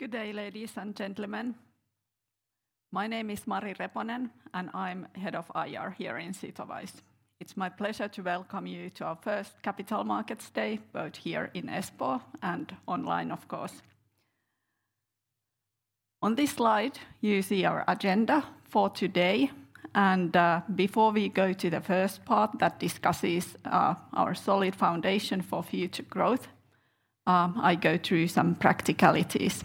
Good day, ladies and gentlemen. My name is Mari Reponen, and I'm Head of IR here in Sitowise. It's my pleasure to welcome you to our First Capital Markets Day, both here in Espoo and online, of course. On this slide, you see our agenda for today. Before we go to the first part that discusses our solid foundation for future growth, I go through some practicalities.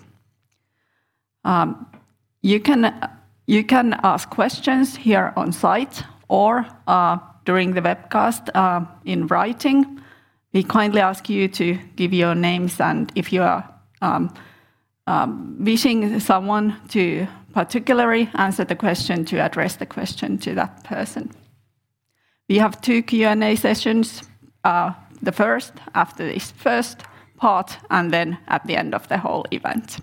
You can ask questions here on site or during the webcast in writing. We kindly ask you to give your names. If you are wishing someone to particularly answer the question, to address the question to that person. We have two Q&A sessions, the 1st after this first part, then at the end of the whole event.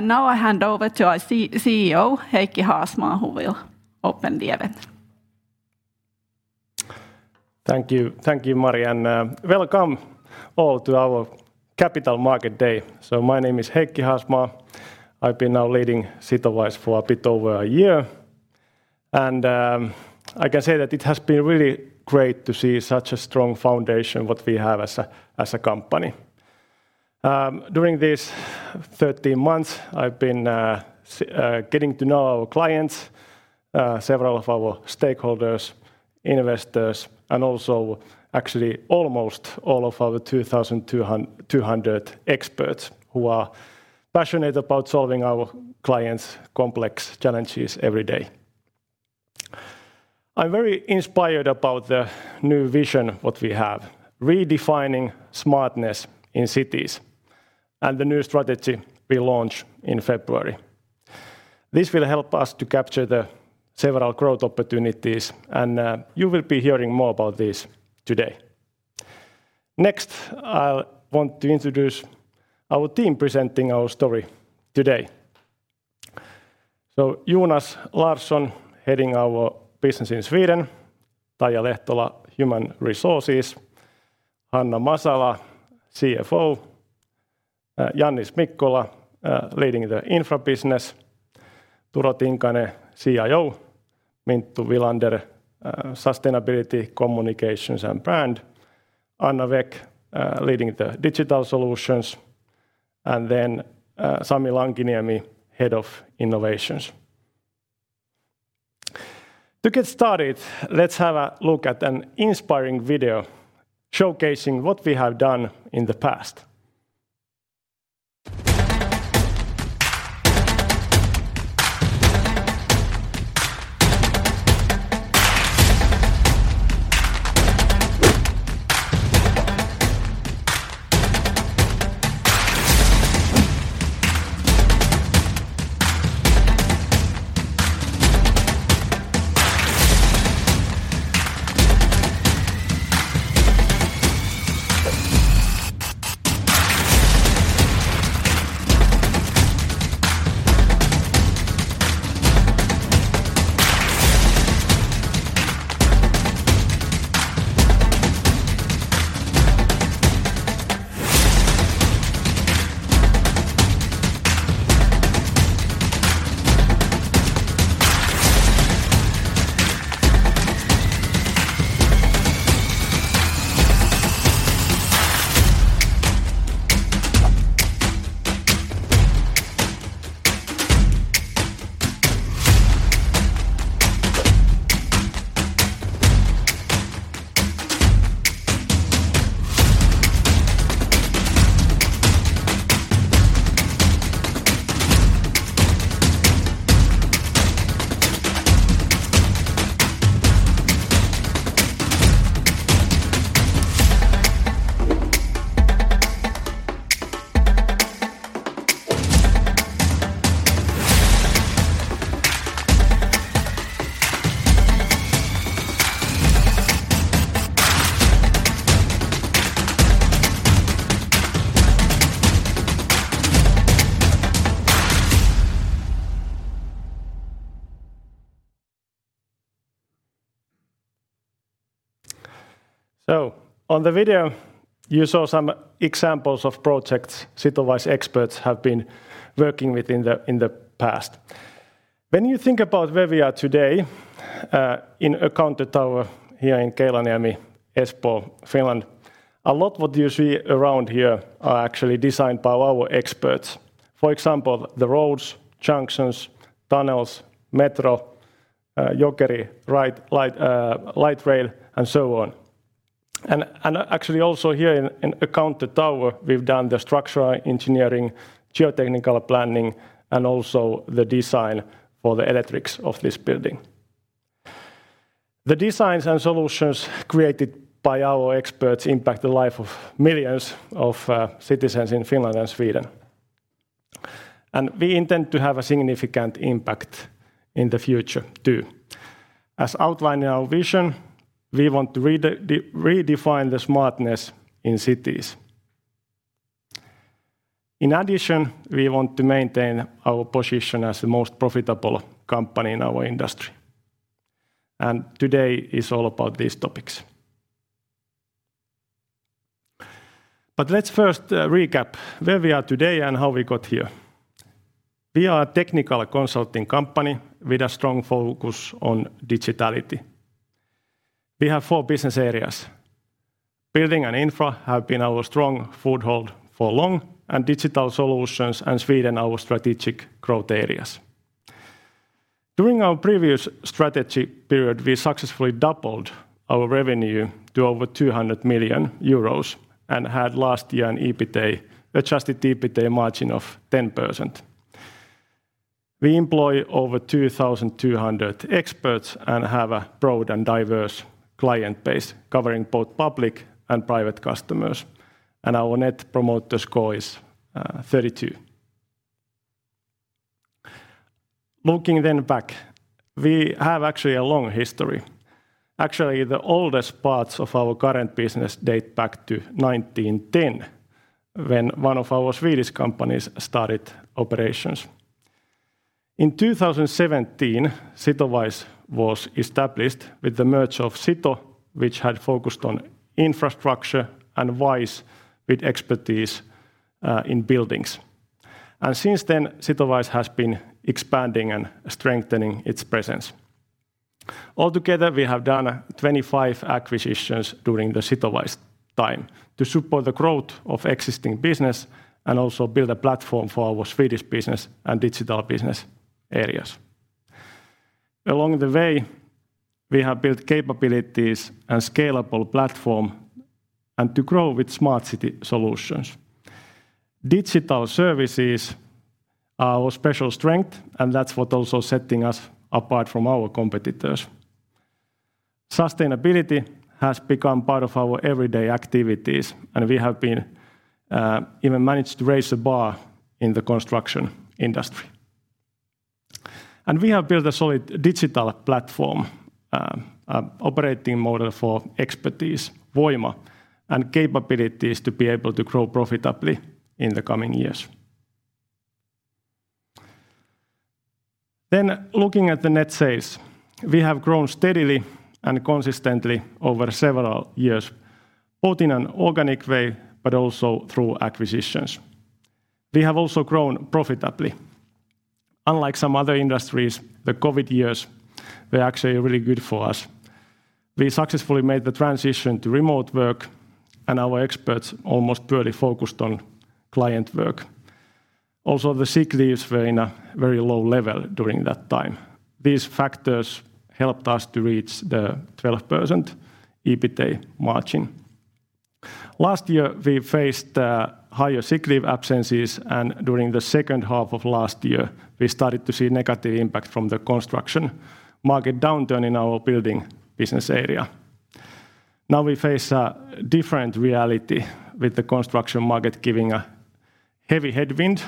Now I hand over to our CEO, Heikki Haasmaa, who will open the event. Thank you. Thank you, Mari, and welcome all to our Capital Market Day. My name is Heikki Haasmaa. I've been now leading Sitowise for a bit over a year, and I can say that it has been really great to see such a strong foundation what we have as a company. During these 13 months, I've been getting to know our clients, several of our stakeholders, investors, and also actually almost all of our 2,200 experts who are passionate about solving our clients' complex challenges every day. I'm very inspired about the new vision what we have, redefining smartness in cities, and the new strategy we launched in February. This will help us to capture the several growth opportunities, and you will be hearing more about this today. Next, I'll want to introduce our team presenting our story today. Jonas Larsson, heading our business in Sweden, Taija Lehtola, Human Resources, Hanna Masala, CFO, Jannis Mikkola, leading the Infra business, Turo Tinkanen, CIO, Minttu Vilander, Sustainability, Communications, and Brand, Anna Wäck, leading the Digital Solutions, Sami Lankiniemi, Head of Innovation. To get started, let's have a look at an inspiring video showcasing what we have done in the past. On the video, you saw some examples of projects Sitowise experts have been working with in the past. When you think about where we are today, in Accountor Tower, here in Keilaniemi, Espoo, Finland, a lot what you see around here are actually designed by our experts. For example, the roads, junctions, tunnels, metro, Jokeri Light Rail, and so on. Actually also here in Accountor Tower, we've done the structural engineering, geotechnical planning, and also the design for the electrics of this building. The designs and solutions created by our experts impact the life of millions of citizens in Finland and Sweden, we intend to have a significant impact in the future, too. As outlined in our vision, we want to redefine the smartness in cities. In addition, we want to maintain our position as the most profitable company in our industry. Today is all about these topics. Let's first recap where we are today and how we got here. We are a technical consulting company with a strong focus on digitality. We have four business areas: building and infra have been our strong foothold for long, and digital solutions and Sweden are our strategic growth areas. During our previous strategy period, we successfully doubled our revenue to over 200 million euros, and had last year an EBITA, adjusted EBITA margin of 10%. We employ over 2,200 experts and have a broad and diverse client base, covering both public and private customers, and our Net Promoter Score is 32. Looking then back, we have actually a long history. Actually, the oldest parts of our current business date back to 1910, when one of our Swedish companies started operations. In 2017, Sitowise was established with the merge of Sito, which had focused on infrastructure, and Wise, with expertise in buildings. Since then, Sitowise has been expanding and strengthening its presence. Altogether, we have done 25 acquisitions during the Sitowise time to support the growth of existing business and also build a platform for our Swedish business and digital business areas. Along the way, we have built capabilities and scalable platform, and to grow with smart city solutions. Digital services are our special strength, that's what also setting us apart from our competitors. Sustainability has become part of our everyday activities, we have been even managed to raise the bar in the construction industry. We have built a solid digital platform, operating model for expertise, Voima, and capabilities to be able to grow profitably in the coming years. Looking at the net sales, we have grown steadily and consistently over several years, both in an organic way, but also through acquisitions. We have also grown profitably. Unlike some other industries, the COVID years were actually really good for us. We successfully made the transition to remote work, and our experts almost purely focused on client work. The sick leaves were in a very low level during that time. These factors helped us to reach the 12% EBITA margin. Last year, we faced higher sick leave absences, and during the second half of last year, we started to see negative impact from the construction market downturn in our building business area. We face a different reality, with the construction market giving a heavy headwind,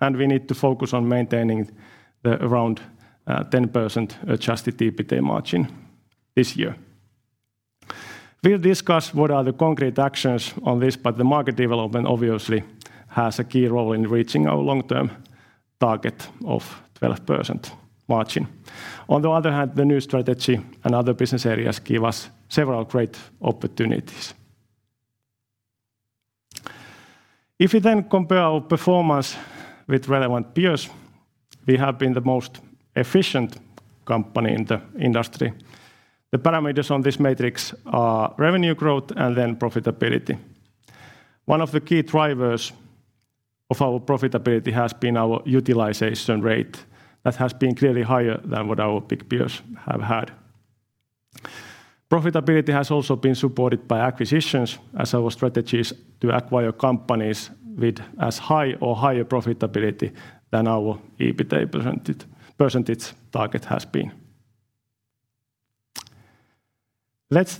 and we need to focus on maintaining the around 10% adjusted EBITA margin this year. We'll discuss what are the concrete actions on this, but the market development obviously has a key role in reaching our long-term target of 12% margin. The new strategy and other business areas give us several great opportunities. If you compare our performance with relevant peers, we have been the most efficient company in the industry. The parameters on this matrix are revenue growth and profitability. One of the key drivers of our profitability has been our utilization rate. That has been clearly higher than what our big peers have had. Profitability has also been supported by acquisitions, as our strategy is to acquire companies with as high or higher profitability than our EBITA percentage target has been. Let's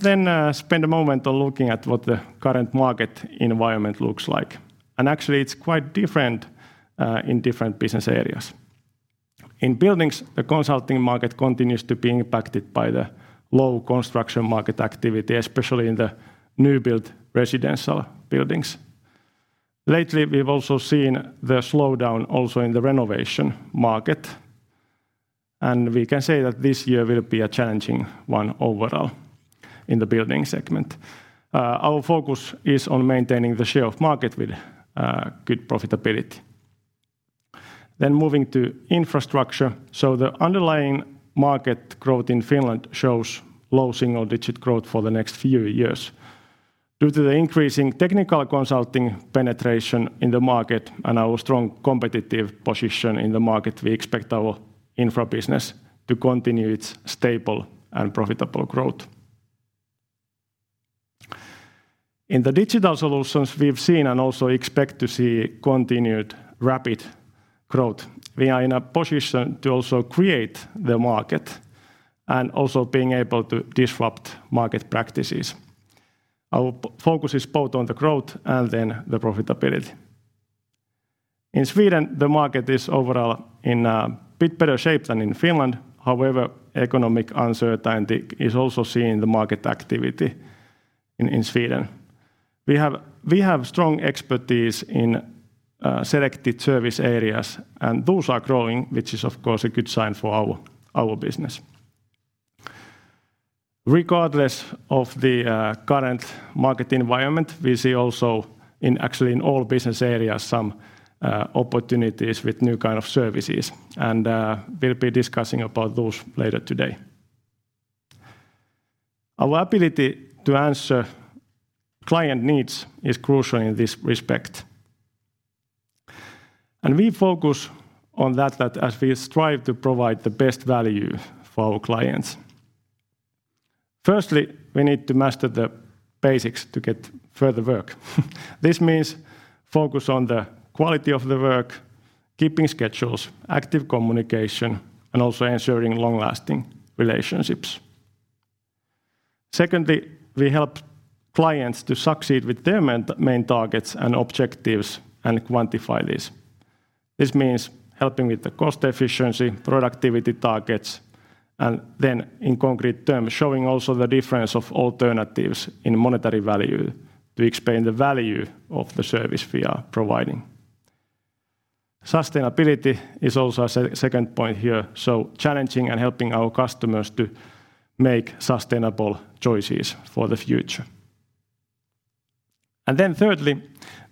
spend a moment on looking at what the current market environment looks like, actually it's quite different in different business areas. In buildings, the consulting market continues to be impacted by the low construction market activity, especially in the new-built residential buildings. Lately, we've also seen the slowdown also in the renovation market, we can say that this year will be a challenging one overall in the building segment. Our focus is on maintaining the share of market with good profitability. Moving to infrastructure, the underlying market growth in Finland shows low single-digit growth for the next few years. Due to the increasing technical consulting penetration in the market and our strong competitive position in the market, we expect our Infra business to continue its stable and profitable growth. In the Digital Solutions, we've seen and also expect to see continued rapid growth. We are in a position to also create the market and also being able to disrupt market practices. Our focus is both on the growth and the profitability. In Sweden, the market is overall in a bit better shape than in Finland. However, economic uncertainty is also seen in the market activity in Sweden. We have strong expertise in selected service areas, and those are growing, which is, of course, a good sign for our business. Regardless of the current market environment, we see also in, actually in all business areas, some opportunities with new kind of services, and we'll be discussing about those later today. Our ability to answer client needs is crucial in this respect, and we focus on that as we strive to provide the best value for our clients. Firstly, we need to master the basics to get further work. This means focus on the quality of the work, keeping schedules, active communication, and also ensuring long-lasting relationships. Secondly, we help clients to succeed with their main targets and objectives and quantify this. This means helping with the cost efficiency, productivity targets, and then in concrete terms, showing also the difference of alternatives in monetary value to explain the value of the service we are providing. Sustainability is also a second point here, challenging and helping our customers to make sustainable choices for the future. Thirdly,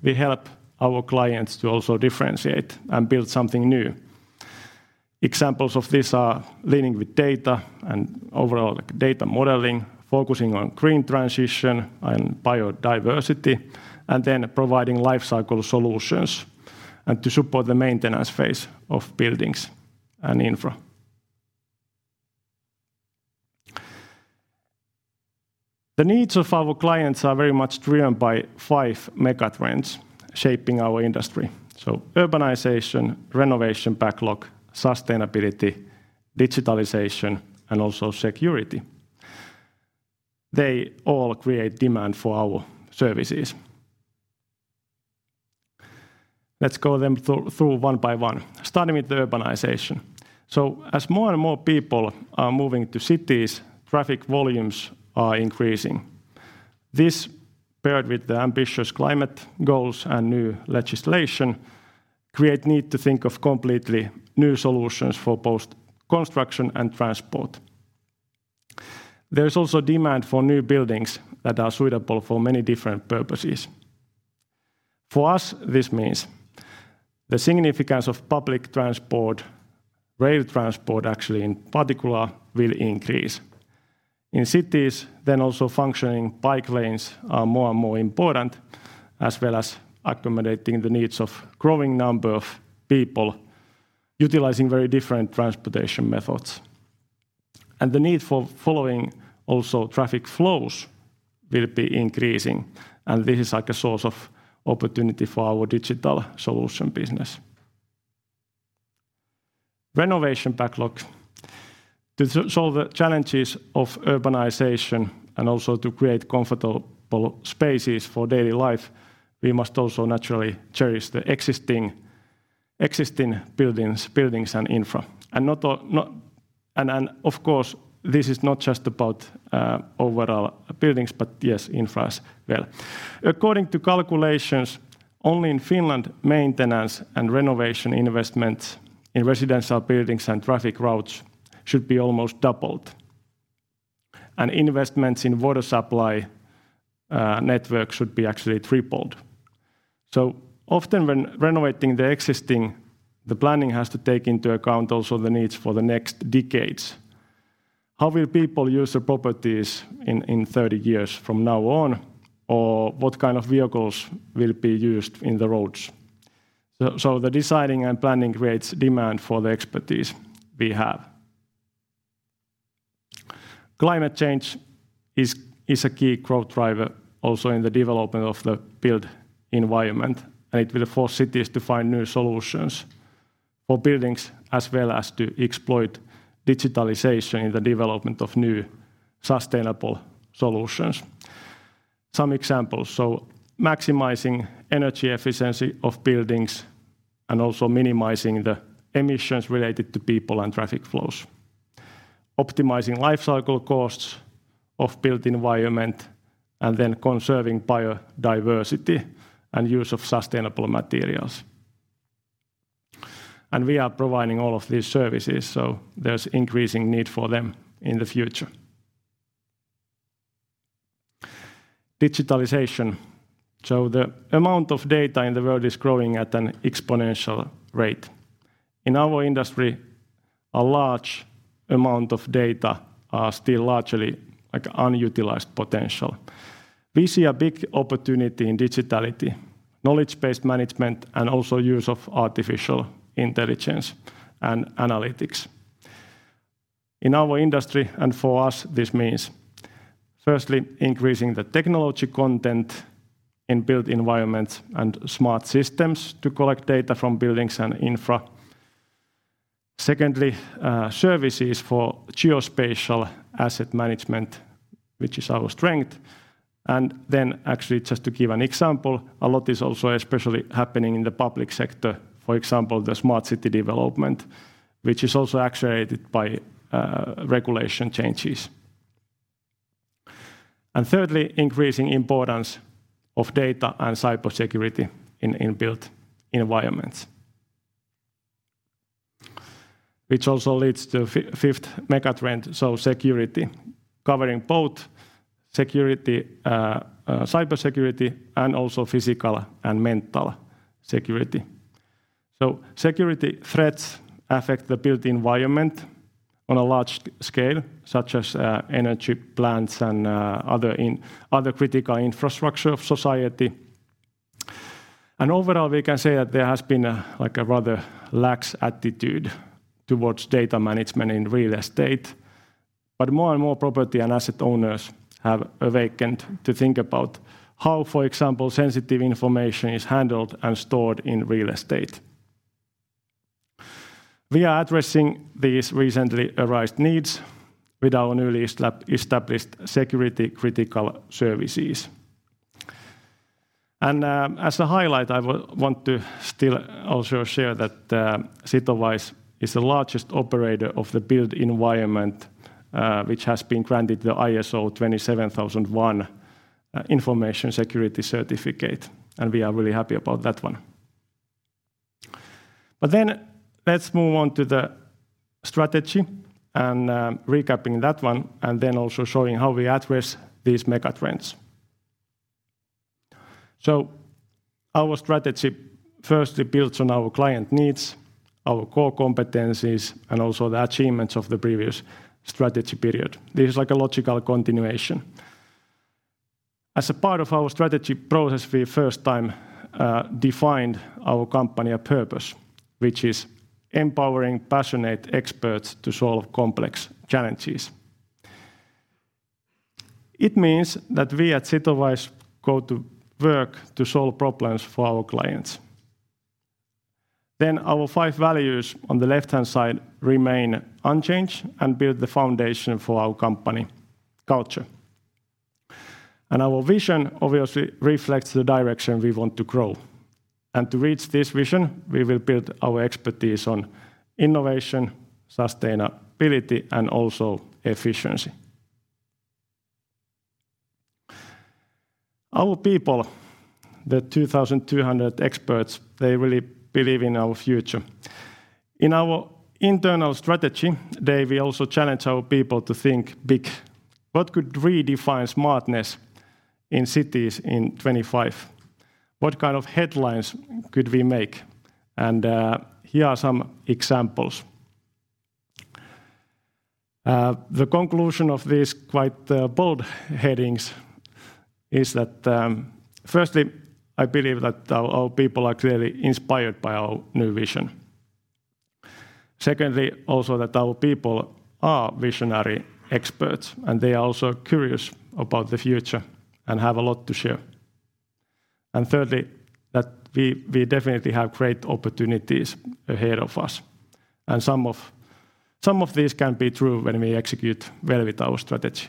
we help our clients to also differentiate and build something new. Examples of this are leading with data and overall data modeling, focusing on green transition and biodiversity, and then providing life cycle solutions, and to support the maintenance phase of buildings and infra. The needs of our clients are very much driven by five mega trends shaping our industry: urbanization, renovation backlog, sustainability, digitalization, and also security. They all create demand for our services. Let's go them through one by one, starting with the urbanization. As more and more people are moving to cities, traffic volumes are increasing. This, paired with the ambitious climate goals and new legislation, create need to think of completely new solutions for both construction and transport. There is also demand for new buildings that are suitable for many different purposes. For us, this means the significance of public transport, rail transport, actually, in particular, will increase. In cities, also functioning bike lanes are more and more important, as well as accommodating the needs of growing number of people utilizing very different transportation methods. The need for following also traffic flows will be increasing, and this is like a source of opportunity for our digital solution business. Renovation backlog. To solve the challenges of urbanization and also to create comfortable spaces for daily life, we must also naturally cherish the existing buildings and infra. Not all. Of course, this is not just about overall buildings, but, yes, infra as well. According to calculations, only in Finland, maintenance and renovation investments in residential buildings and traffic routes should be almost doubled, and investments in water supply network should be actually tripled. Often, when renovating the existing, the planning has to take into account also the needs for the next decades. How will people use the properties in 30 years from now on, or what kind of vehicles will be used in the roads? The deciding and planning creates demand for the expertise we have. Climate change is a key growth driver also in the development of the built environment, and it will force cities to find new solutions for buildings, as well as to exploit digitalization in the development of new sustainable solutions. Some examples: maximizing energy efficiency of buildings and also minimizing the emissions related to people and traffic flows, optimizing life cycle costs of built environment, conserving biodiversity and use of sustainable materials. We are providing all of these services, there's increasing need for them in the future. Digitalization. The amount of data in the world is growing at an exponential rate. In our industry, a large amount of data are still largely like unutilized potential. We see a big opportunity in digitality, knowledge-based management, and also use of artificial intelligence and analytics. In our industry, for us, this means, firstly, increasing the technology content in built environments and smart systems to collect data from buildings and infra. Secondly, services for Geospatial Asset Management, which is our strength. Actually, just to give an example, a lot is also especially happening in the public sector. For example, the smart city development, which is also actuated by regulation changes. Thirdly, increasing importance of data and cybersecurity in built environments. Which also leads to fifth megatrend, so security, covering both security, uh, cybersecurity and also physical and mental security. Security threats affect the built environment on a large scale, such as energy plants and other critical infrastructure of society. Overall, we can say that there has been a like a rather lax attitude towards data management in real estate. More and more property and asset owners have awakened to think about how, for example, sensitive information is handled and stored in real estate. We are addressing these recently arisen needs with our newly established security critical services. As a highlight, I would want to still also share that Sitowise is the largest operator of the built environment, which has been granted the ISO 27001 information security certificate. We are really happy about that one. Let's move on to the strategy, recapping that one, and then also showing how we address these megatrends. Our strategy firstly builds on our client needs, our core competencies, and also the achievements of the previous strategy period. This is like a logical continuation. As a part of our strategy process, we first time defined our company a purpose, which is empowering passionate experts to solve complex challenges. It means that we at Sitowise go to work to solve problems for our clients. Our five values on the left-hand side remain unchanged and build the foundation for our company culture. Our vision obviously reflects the direction we want to grow. To reach this vision, we will build our expertise on innovation, sustainability, and also efficiency. Our people, the 2,200 experts, they really believe in our future. In our internal strategy day, we also challenge our people to think big. What could redefine smartness in cities in 2025? What kind of headlines could we make? Here are some examples. The conclusion of these quite bold headings is that, firstly, I believe that our people are clearly inspired by our new vision. Secondly, also that our people are visionary experts, and they are also curious about the future and have a lot to share. Thirdly, that we definitely have great opportunities ahead of us, and some of these can be true when we execute well with our strategy.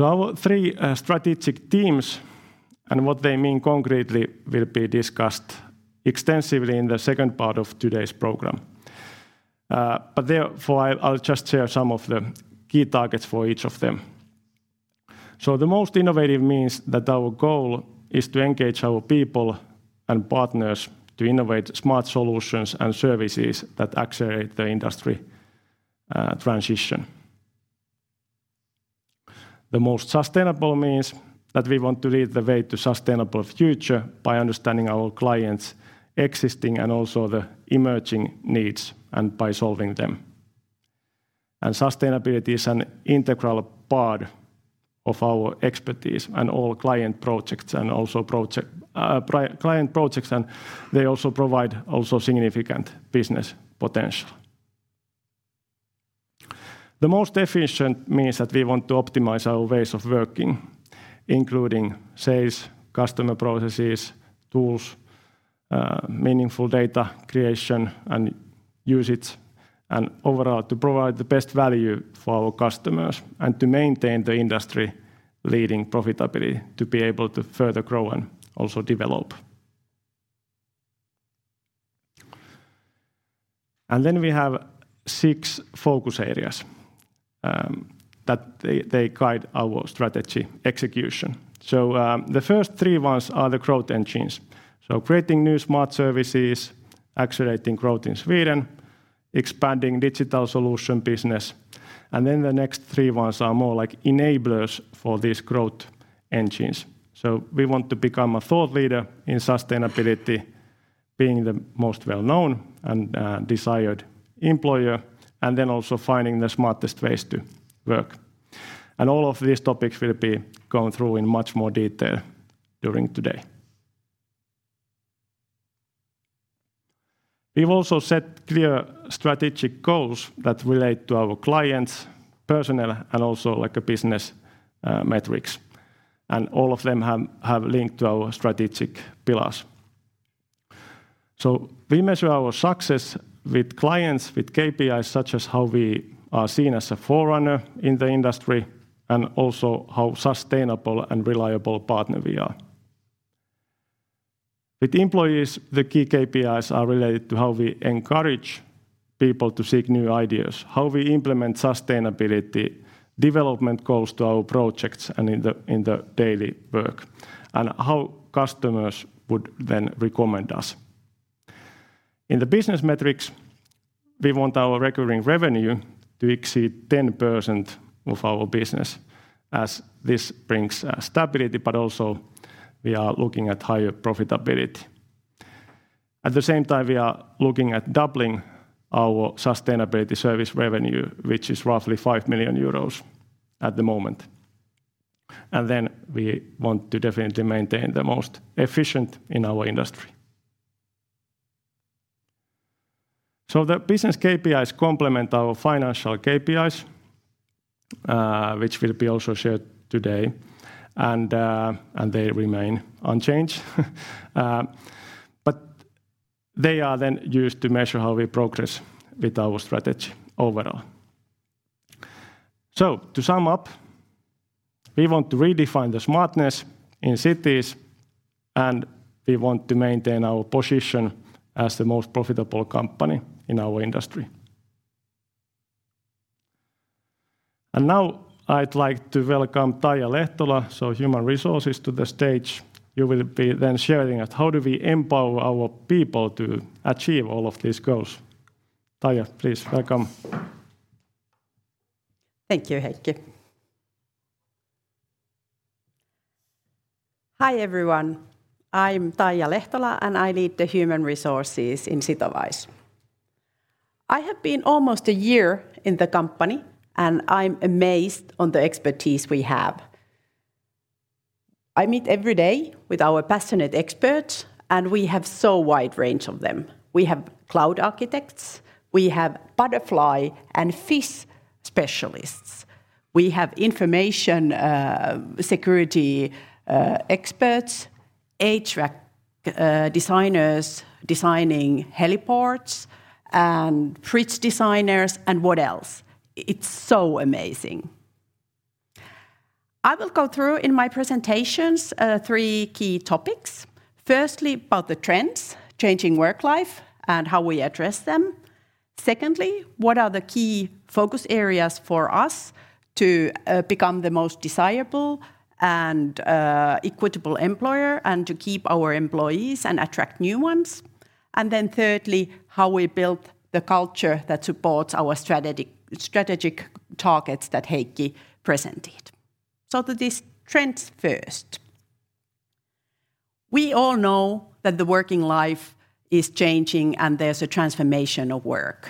Our three strategic teams and what they mean concretely will be discussed extensively in the second part of today's program. Therefore, I'll just share some of the key targets for each of them. The most innovative means that our goal is to engage our people and partners to innovate smart solutions and services that accelerate the industry transition. The most sustainable means that we want to lead the way to sustainable future by understanding our clients' existing and also the emerging needs, and by solving them. Sustainability is an integral part of our expertise and all client projects, and also project, client projects, and they also provide also significant business potential. The most efficient means that we want to optimize our ways of working, including sales, customer processes, tools, meaningful data creation and usage, and overall, to provide the best value for our customers, and to maintain the industry-leading profitability to be able to further grow and also develop. We have six focus areas that they guide our strategy execution. The first three ones are the growth engines: so creating new smart services, accelerating growth in Sweden, expanding digital solution business. The next three ones are more like enablers for these growth engines. We want to become a thought leader in sustainability, being the most well-known and desired employer, and then also finding the smartest ways to work. All of these topics will be gone through in much more detail during today. We've also set clear strategic goals that relate to our clients, personnel, and also, like, a business metrics, and all of them have linked to our strategic pillars. We measure our success with clients, with KPIs, such as how we are seen as a forerunner in the industry, and also how sustainable and reliable partner we are. With employees, the key KPIs are related to how we encourage people to seek new ideas, how we implement Sustainable Development Goals to our projects and in the, in the daily work, and how customers would then recommend us. In the business metrics, we want our recurring revenue to exceed 10% of our business, as this brings stability, but also, we are looking at higher profitability. At the same time, we are looking at doubling our sustainability service revenue, which is roughly 5 million euros at the moment. We want to definitely maintain the most efficient in our industry. The business KPIs complement our financial KPIs, which will be also shared today, and they remain unchanged. They are then used to measure how we progress with our strategy overall. To sum up, we want to redefine the smartness in cities, and we want to maintain our position as the most profitable company in our industry. I'd like to welcome Taija Lehtola, so human resources, to the stage. You will be then sharing at how do we empower our people to achieve all of these goals. Taija, please welcome. Thank you, Heikki. Hi, everyone. I'm Taija Lehtola, and I lead the human resources in Sitowise. I have been almost a year in the company, and I'm amazed on the expertise we have. I meet every day with our passionate experts, and we have so wide range of them. We have cloud architects, we have butterfly and fish specialists, we have information security experts, HVAC designers designing heliports, and bridge designers, and what else? It's so amazing! I will go through in my presentations three key topics: firstly, about the trends changing work life and how we address them, secondly, what are the key focus areas for us to become the most desirable and equitable employer, and to keep our employees and attract new ones, thirdly, how we build the culture that supports our strategic targets that Heikki presented. To these trends first. We all know that the working life is changing and there's a transformation of work.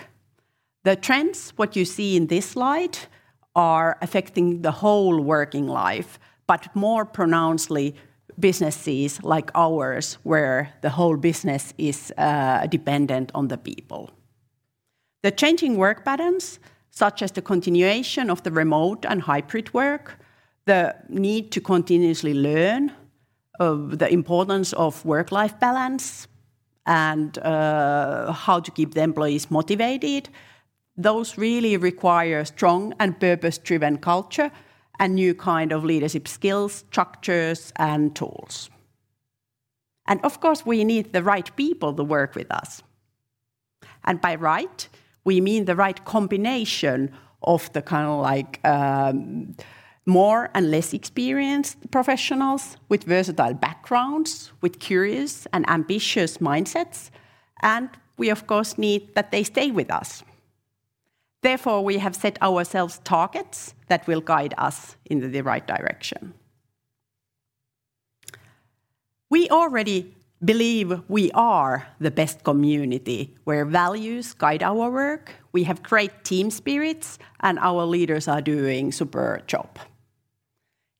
The trends, what you see in this slide, are affecting the whole working life, but more pronouncedly, businesses like ours, where the whole business is dependent on the people. The changing work patterns, such as the continuation of the remote and hybrid work, the need to continuously learn, the importance of work-life balance, and how to keep the employees motivated, those really require strong and purpose-driven culture and new kind of leadership skills, structures, and tools. Of course, we need the right people to work with us, and by right, we mean the right combination of the kind of like, more and less experienced professionals with versatile backgrounds, with curious and ambitious mindsets, and we, of course, need that they stay with us. Therefore, we have set ourselves targets that will guide us in the right direction. We already believe we are the best community, where values guide our work, we have great team spirits, and our leaders are doing super job.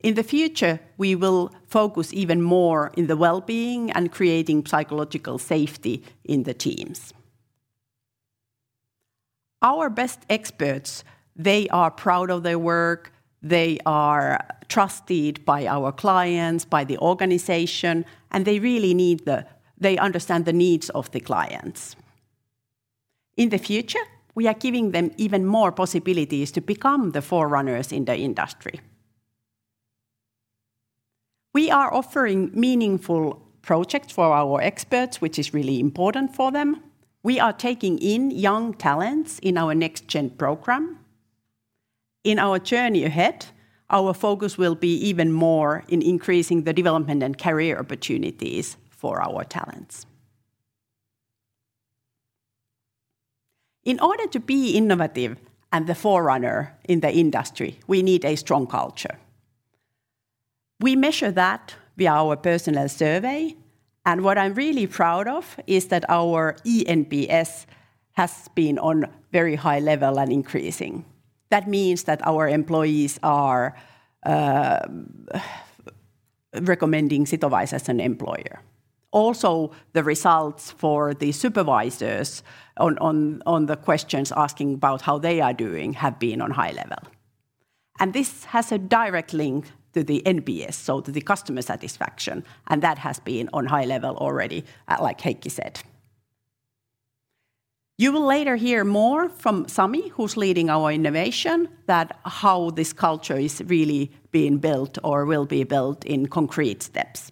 In the future, we will focus even more in the well-being and creating psychological safety in the teams. Our best experts, they are proud of their work, they are trusted by our clients, by the organization, and they really understand the needs of the clients. In the future, we are giving them even more possibilities to become the forerunners in the industry. We are offering meaningful projects for our experts, which is really important for them. We are taking in young talents in our NextGen program. In our journey ahead, our focus will be even more in increasing the development and career opportunities for our talents. In order to be innovative and the forerunner in the industry, we need a strong culture. We measure that via our personal survey, and what I'm really proud of is that our eNPS has been on very high level and increasing. That means that our employees are recommending Sitowise as an employer. Also, the results for the supervisors on the questions asking about how they are doing have been on high level, and this has a direct link to the NPS, so to the customer satisfaction, and that has been on high level already like Heikki said. You will later hear more from Sami, who's leading our innovation, that how this culture is really being built or will be built in concrete steps.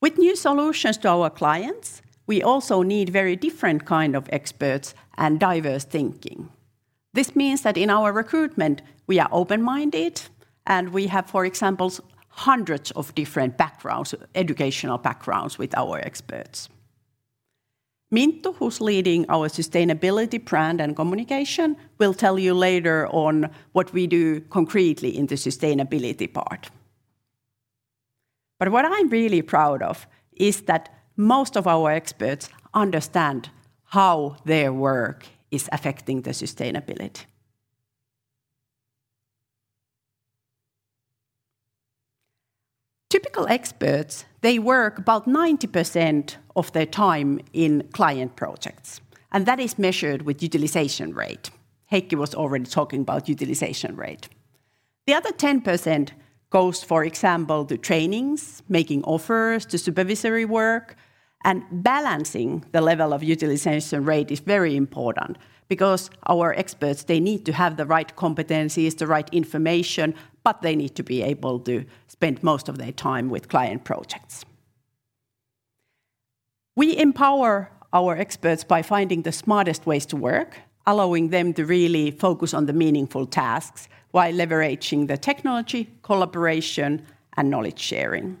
With new solutions to our clients, we also need very different kind of experts and diverse thinking. This means that in our recruitment, we are open-minded, and we have, for example, hundreds of different backgrounds, educational backgrounds, with our experts. Minttu, who's leading our sustainability brand and communication, will tell you later on what we do concretely in the sustainability part. What I'm really proud of is that most of our experts understand how their work is affecting the sustainability. Typical experts, they work about 90% of their time in client projects, and that is measured with utilization rate. Heikki was already talking about utilization rate. The other 10% goes, for example, to trainings, making offers, to supervisory work, and balancing the level of utilization rate is very important because our experts, they need to have the right competencies, the right information, but they need to be able to spend most of their time with client projects. We empower our experts by finding the smartest ways to work, allowing them to really focus on the meaningful tasks while leveraging the technology, collaboration, and knowledge sharing.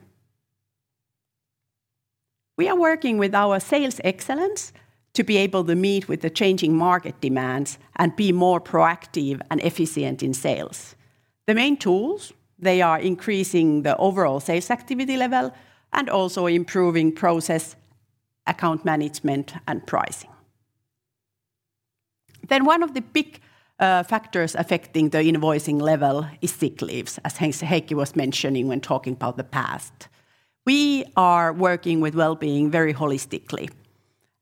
We are working with our sales excellence to be able to meet with the changing market demands and be more proactive and efficient in sales. The main tools, they are increasing the overall sales activity level and also improving process, account management, and pricing. One of the big factors affecting the invoicing level is sick leaves, as Heikki was mentioning when talking about the past. We are working with well-being very holistically,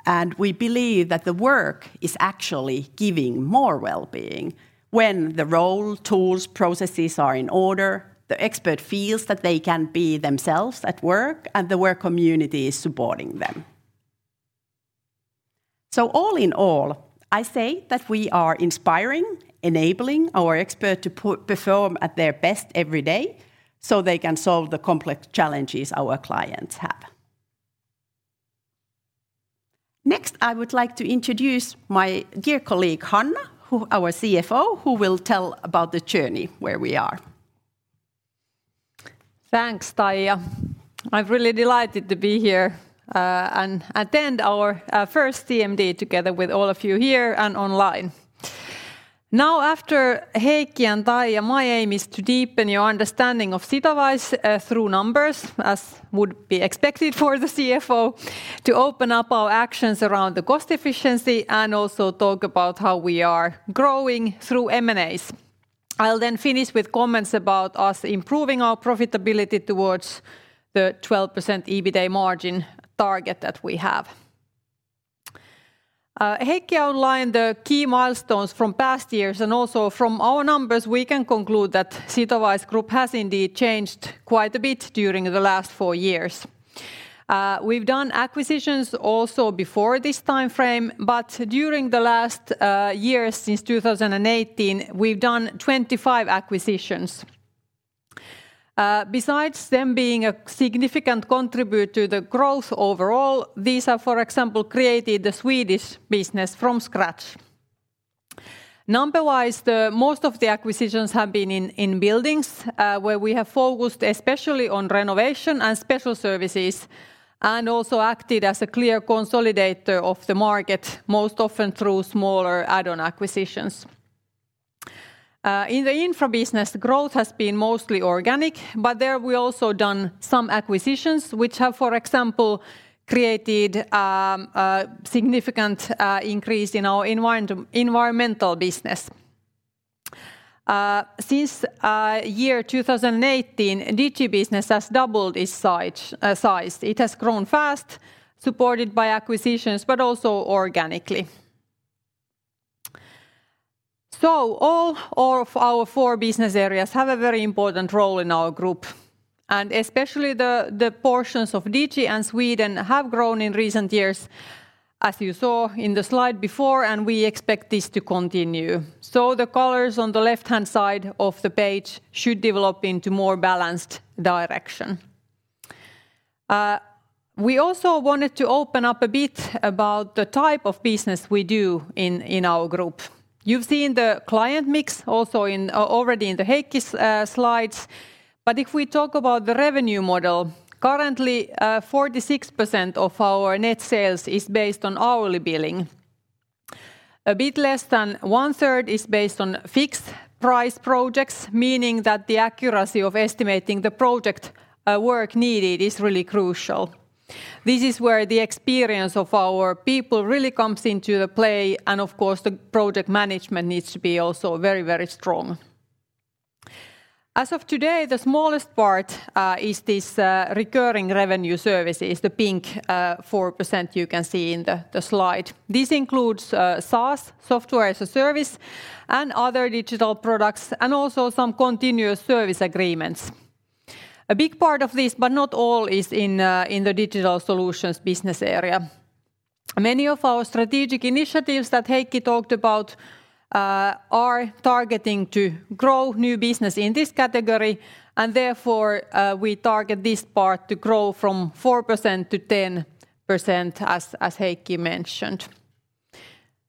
and we believe that the work is actually giving more well-being. When the role, tools, processes are in order, the expert feels that they can be themselves at work, and the work community is supporting them. All in all, I say that we are inspiring, enabling our expert to perform at their best every day, so they can solve the complex challenges our clients have. Next, I would like to introduce my dear colleague, Hanna, our CFO, who will tell about the journey, where we are. Thanks, Taija. I'm really delighted to be here, and attend our, first CMD together with all of you here and online. After Heikki and Taija, my aim is to deepen your understanding of Sitowise, through numbers, as would be expected for the CFO, to open up our actions around the cost efficiency and also talk about how we are growing through M&As. I'll then finish with comments about us improving our profitability towards the 12% EBITA margin target that we have. Heikki outlined the key milestones from past years, from our numbers, we can conclude that Sitowise Group has indeed changed quite a bit during the last four years. We've done acquisitions also before this time frame, but during the last, years, since 2018, we've done 25 acquisitions. Besides them being a significant contributor to the growth overall, these have, for example, created the Swedish business from scratch. Number-wise, the most of the acquisitions have been in buildings, where we have focused especially on renovation and special services, and also acted as a clear consolidator of the market, most often through smaller add-on acquisitions. In the infra business, growth has been mostly organic, but there we also done some acquisitions which have, for example, created a significant increase in our environmental business. Since year 2018, digi-business has doubled its size. It has grown fast, supported by acquisitions, but also organically. All of our four business areas have a very important role in our group, and especially the portions of Digi and Sweden have grown in recent years, as you saw in the slide before, and we expect this to continue. The colors on the left-hand side of the page should develop into more balanced direction. We also wanted to open up a bit about the type of business we do in our group. You've seen the client mix also in already in the Heikki's slides. If we talk about the revenue model, currently, 46% of our net sales is based on hourly billing. A bit less than 1/3 is based on fixed price projects, meaning that the accuracy of estimating the project work needed is really crucial. This is where the experience of our people really comes into play. Of course, the project management needs to be also very, very strong. As of today, the smallest part is this recurring revenue services, the pink 4% you can see in the slide. This includes SaaS, Software as a Service, and other digital products, also some continuous service agreements. A big part of this, but not all, is in the Digital Solutions business area. Many of our strategic initiatives that Heikki talked about are targeting to grow new business in this category. Therefore, we target this part to grow from 4%-10%, as Heikki mentioned.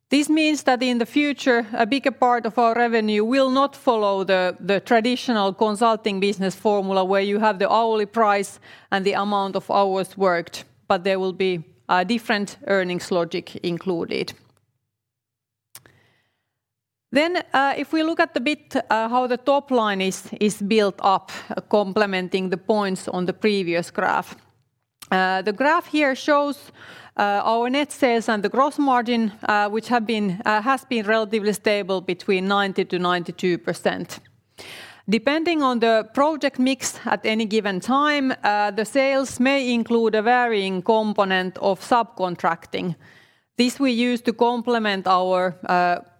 This means that in the future, a bigger part of our revenue will not follow the traditional consulting business formula, where you have the hourly price and the amount of hours worked, but there will be a different earnings logic included. If we look at the bit how the top line is built up, complementing the points on the previous graph. The graph here shows our net sales and the growth margin, which has been relatively stable between 90%-92%. Depending on the project mix at any given time, the sales may include a varying component of subcontracting. This we use to complement our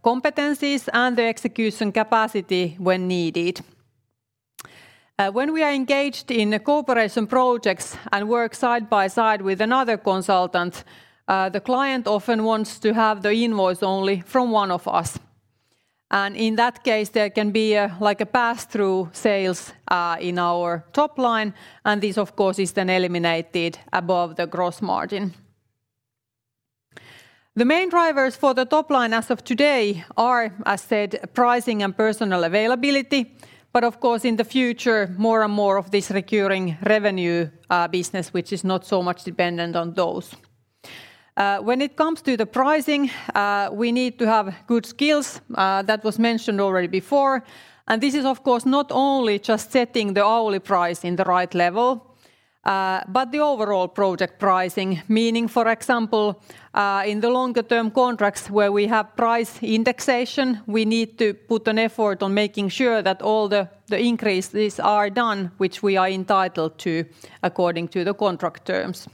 competencies and the execution capacity when needed. When we are engaged in cooperation projects and work side by side with another consultant, the client often wants to have the invoice only from one of us, and in that case, there can be a, like a pass-through sales in our top line, and this, of course, is then eliminated above the gross margin. The main drivers for the top line as of today are, as said, pricing and personal availability, but of course, in the future, more and more of this recurring revenue business, which is not so much dependent on those. When it comes to the pricing, we need to have good skills that was mentioned already before, and this is, of course, not only just setting the hourly price in the right level, but the overall project pricing. Meaning, for example, in the longer-term contracts where we have price indexation, we need to put an effort on making sure that all the increases are done, which we are entitled to according to the contract terms.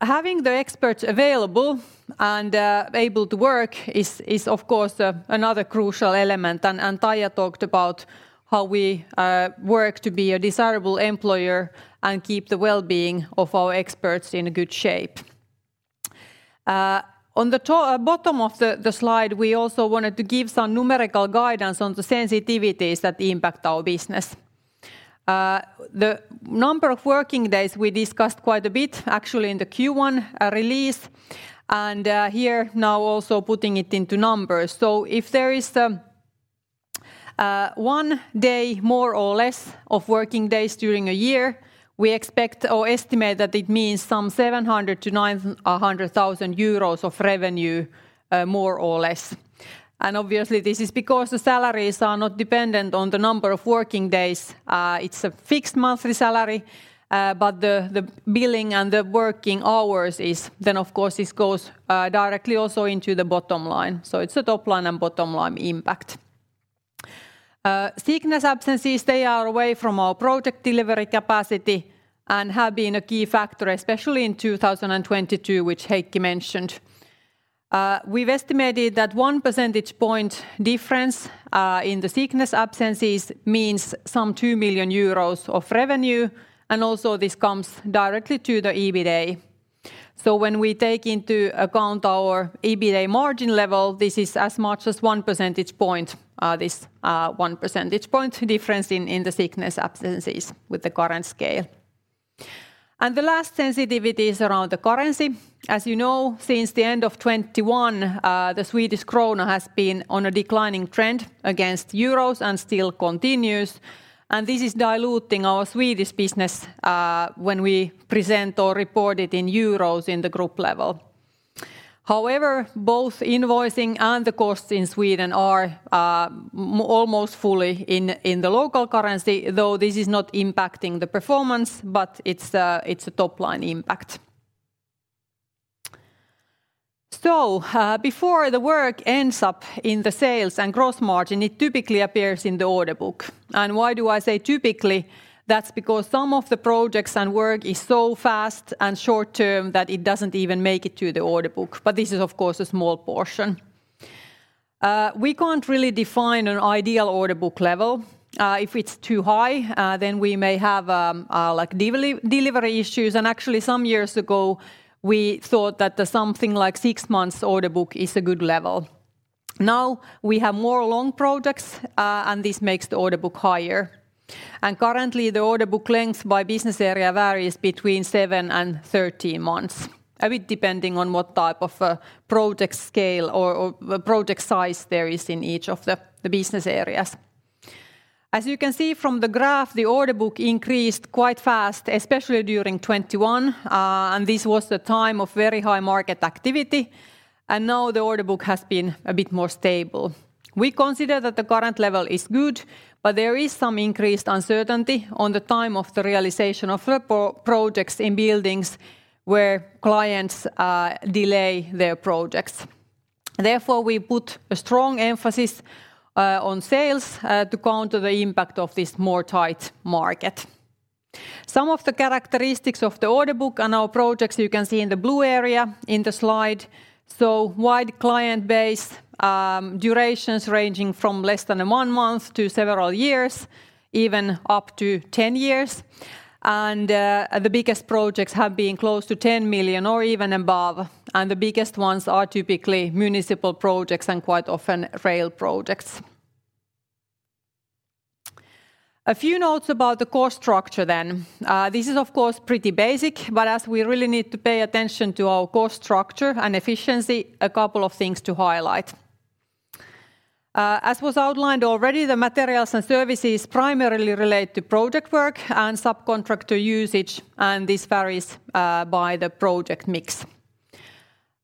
Having the experts available and able to work is, of course, another crucial element, and Taija talked about how we work to be a desirable employer and keep the well-being of our experts in a good shape. On the bottom of the slide, we also wanted to give some numerical guidance on the sensitivities that impact our business. The number of working days, we discussed quite a bit, actually, in the Q1 release, and here now also putting it into numbers. If there is one day, more or less, of working days during a year, we expect or estimate that it means some 700,000-900,000 euros of revenue, more or less. Obviously, this is because the salaries are not dependent on the number of working days. It's a fixed monthly salary, but the billing and the working hours is then, of course, this goes directly also into the bottom line. It's a top-line and bottom-line impact. Sickness absences, they are away from our project delivery capacity and have been a key factor, especially in 2022, which Heikki mentioned. We've estimated that 1 percentage point difference in the sickness absences means some 2 million euros of revenue, and also this comes directly to the EBITA. When we take into account our EBITA margin level, this is as much as 1 percentage point, this 1 percentage point difference in the sickness absences with the current scale. The last sensitivity is around the currency. As you know, since the end of 2021, the Swedish krona has been on a declining trend against Euro and still continues, and this is diluting our Swedish business when we present or report it in Euro in the group level. However, both invoicing and the costs in Sweden are almost fully in the local currency, though this is not impacting the performance, but it's a top-line impact. Before the work ends up in the sales and growth margin, it typically appears in the order book. Why do I say typically? That's because some of the projects and work is so fast and short-term that it doesn't even make it to the order book, but this is, of course, a small portion. We can't really define an ideal order book level. If it's too high, then we may have delivery issues, and actually, some years ago, we thought that something like six months order book is a good level. Now, we have more long projects, and this makes the order book higher. Currently, the order book length by business area varies between seven and 13 months, a bit depending on what type of project scale or project size there is in each of the business areas. As you can see from the graph, the order book increased quite fast, especially during 2021. This was the time of very high market activity. Now the order book has been a bit more stable. We consider that the current level is good, but there is some increased uncertainty on the time of the realization of projects in buildings where clients delay their projects. Therefore, we put a strong emphasis on sales to counter the impact of this more tight market. Some of the characteristics of the order book and our projects you can see in the blue area in the slide. Wide client base, durations ranging from less than one month to several years, even up to 10 years. The biggest projects have been close to 10 million or even above, and the biggest ones are typically municipal projects and quite often rail projects. A few notes about the cost structure. This is of course pretty basic. As we really need to pay attention to our cost structure and efficiency, a couple of things to highlight. As was outlined already, the materials and services primarily relate to project work and subcontractor usage. This varies by the project mix.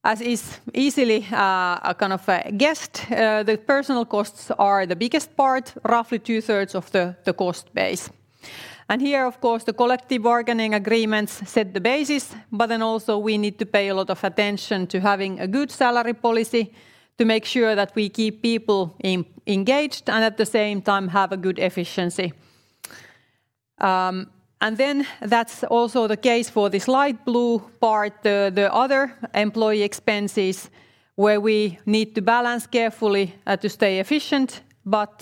As is easily, kind of, guessed, the personal costs are the biggest part, roughly 2/3 of the cost base. Here, of course, the collective bargaining agreements set the basis. We need to pay a lot of attention to having a good salary policy to make sure that we keep people engaged, and at the same time, have a good efficiency. That's also the case for this light blue part, the other employee expenses, where we need to balance carefully to stay efficient, but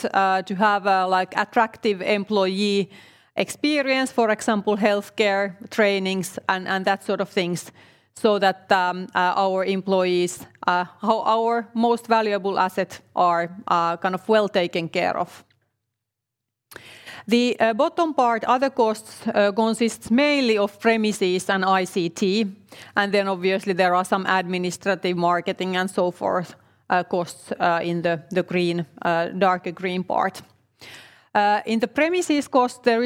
to have a, like, attractive employee experience. For example, healthcare, trainings, and that sort of things, so that our employees, our most valuable asset, are kind of well taken care of. The bottom part, other costs, consists mainly of premises and ICT. Obviously, there are some administrative, marketing, and so forth, costs in the green, darker green part. In the premises cost, there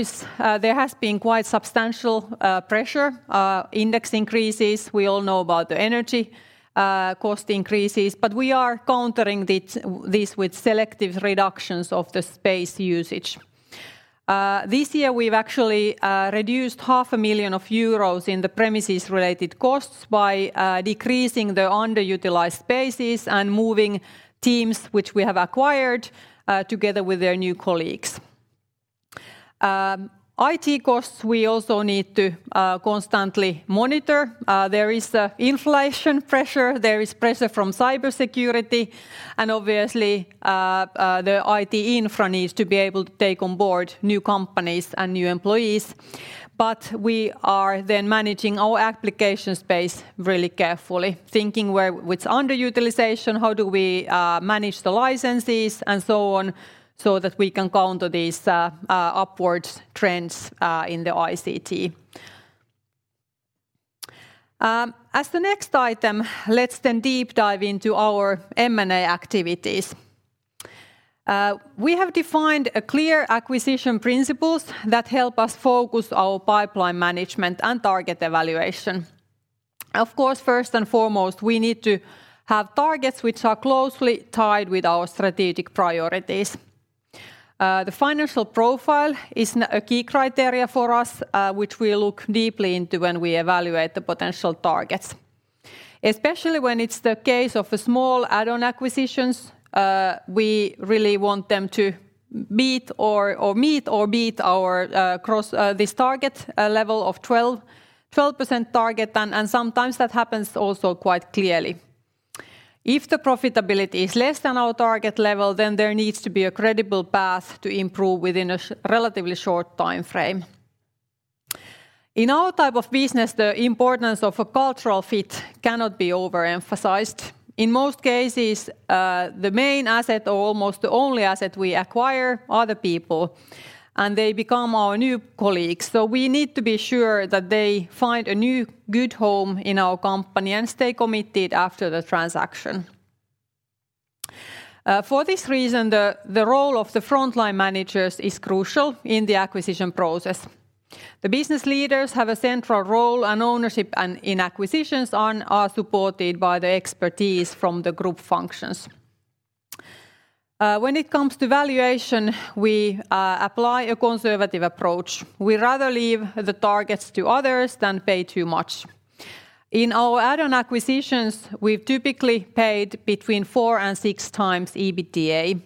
has been quite substantial pressure, index increases. We all know about the energy cost increases, but we are countering this with selective reductions of the space usage. This year, we've actually reduced half a million of euros in the premises-related costs by decreasing the underutilized spaces and moving teams, which we have acquired together with their new colleagues. IT costs, we also need to constantly monitor. There is the inflation pressure, there is pressure from cybersecurity, and obviously, the IT infra needs to be able to take on board new companies and new employees. We are then managing our application space really carefully, thinking where, which underutilization, how do we manage the licenses, and so on, so that we can counter these upward trends in the ICT. As the next item, let's then deep dive into our M&A activities. We have defined a clear acquisition principles that help us focus our pipeline management and target evaluation. First and foremost, we need to have targets which are closely tied with our strategic priorities. The financial profile is a key criteria for us, which we look deeply into when we evaluate the potential targets. Especially when it's the case of a small add-on acquisitions, we really want them to meet or beat our cross this target level of 12% target, and sometimes that happens also quite clearly. If the profitability is less than our target level, there needs to be a credible path to improve within a relatively short timeframe. In our type of business, the importance of a cultural fit cannot be overemphasized. In most cases, the main asset, or almost the only asset we acquire, are the people, and they become our new colleagues, so we need to be sure that they find a new good home in our company and stay committed after the transaction. For this reason, the role of the frontline managers is crucial in the acquisition process. The business leaders have a central role and ownership, and in acquisitions and are supported by the expertise from the group functions. When it comes to valuation, we apply a conservative approach. We rather leave the targets to others than pay too much. In our add-on acquisitions, we've typically paid between 4x and 6x EBITDA.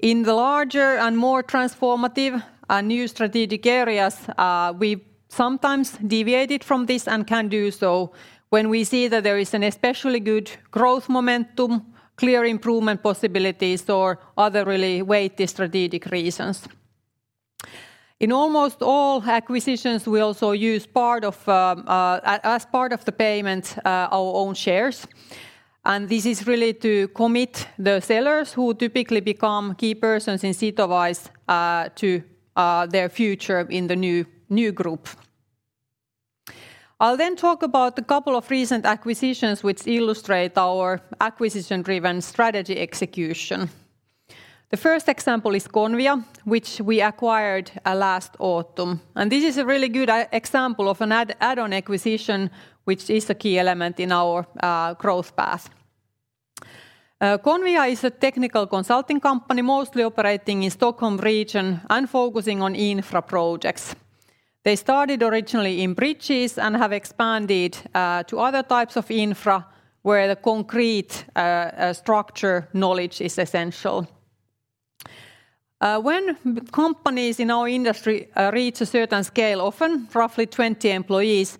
In the larger and more transformative and new strategic areas, we've sometimes deviated from this and can do so when we see that there is an especially good growth momentum, clear improvement possibilities, or other really weighty strategic reasons. In almost all acquisitions, we also use part of, as part of the payment, our own shares, and this is really to commit the sellers, who typically become key persons in Sitowise, to their future in the new group. I'll talk about a couple of recent acquisitions which illustrate our acquisition-driven strategy execution. The first example is Convia, which we acquired last autumn, this is a really good example of an add-on acquisition, which is a key element in our growth path. Convia is a technical consulting company, mostly operating in Stockholm region and focusing on infra projects. They started originally in bridges and have expanded to other types of infra, where the concrete structure knowledge is essential. When companies in our industry reach a certain scale, often roughly 20 employees,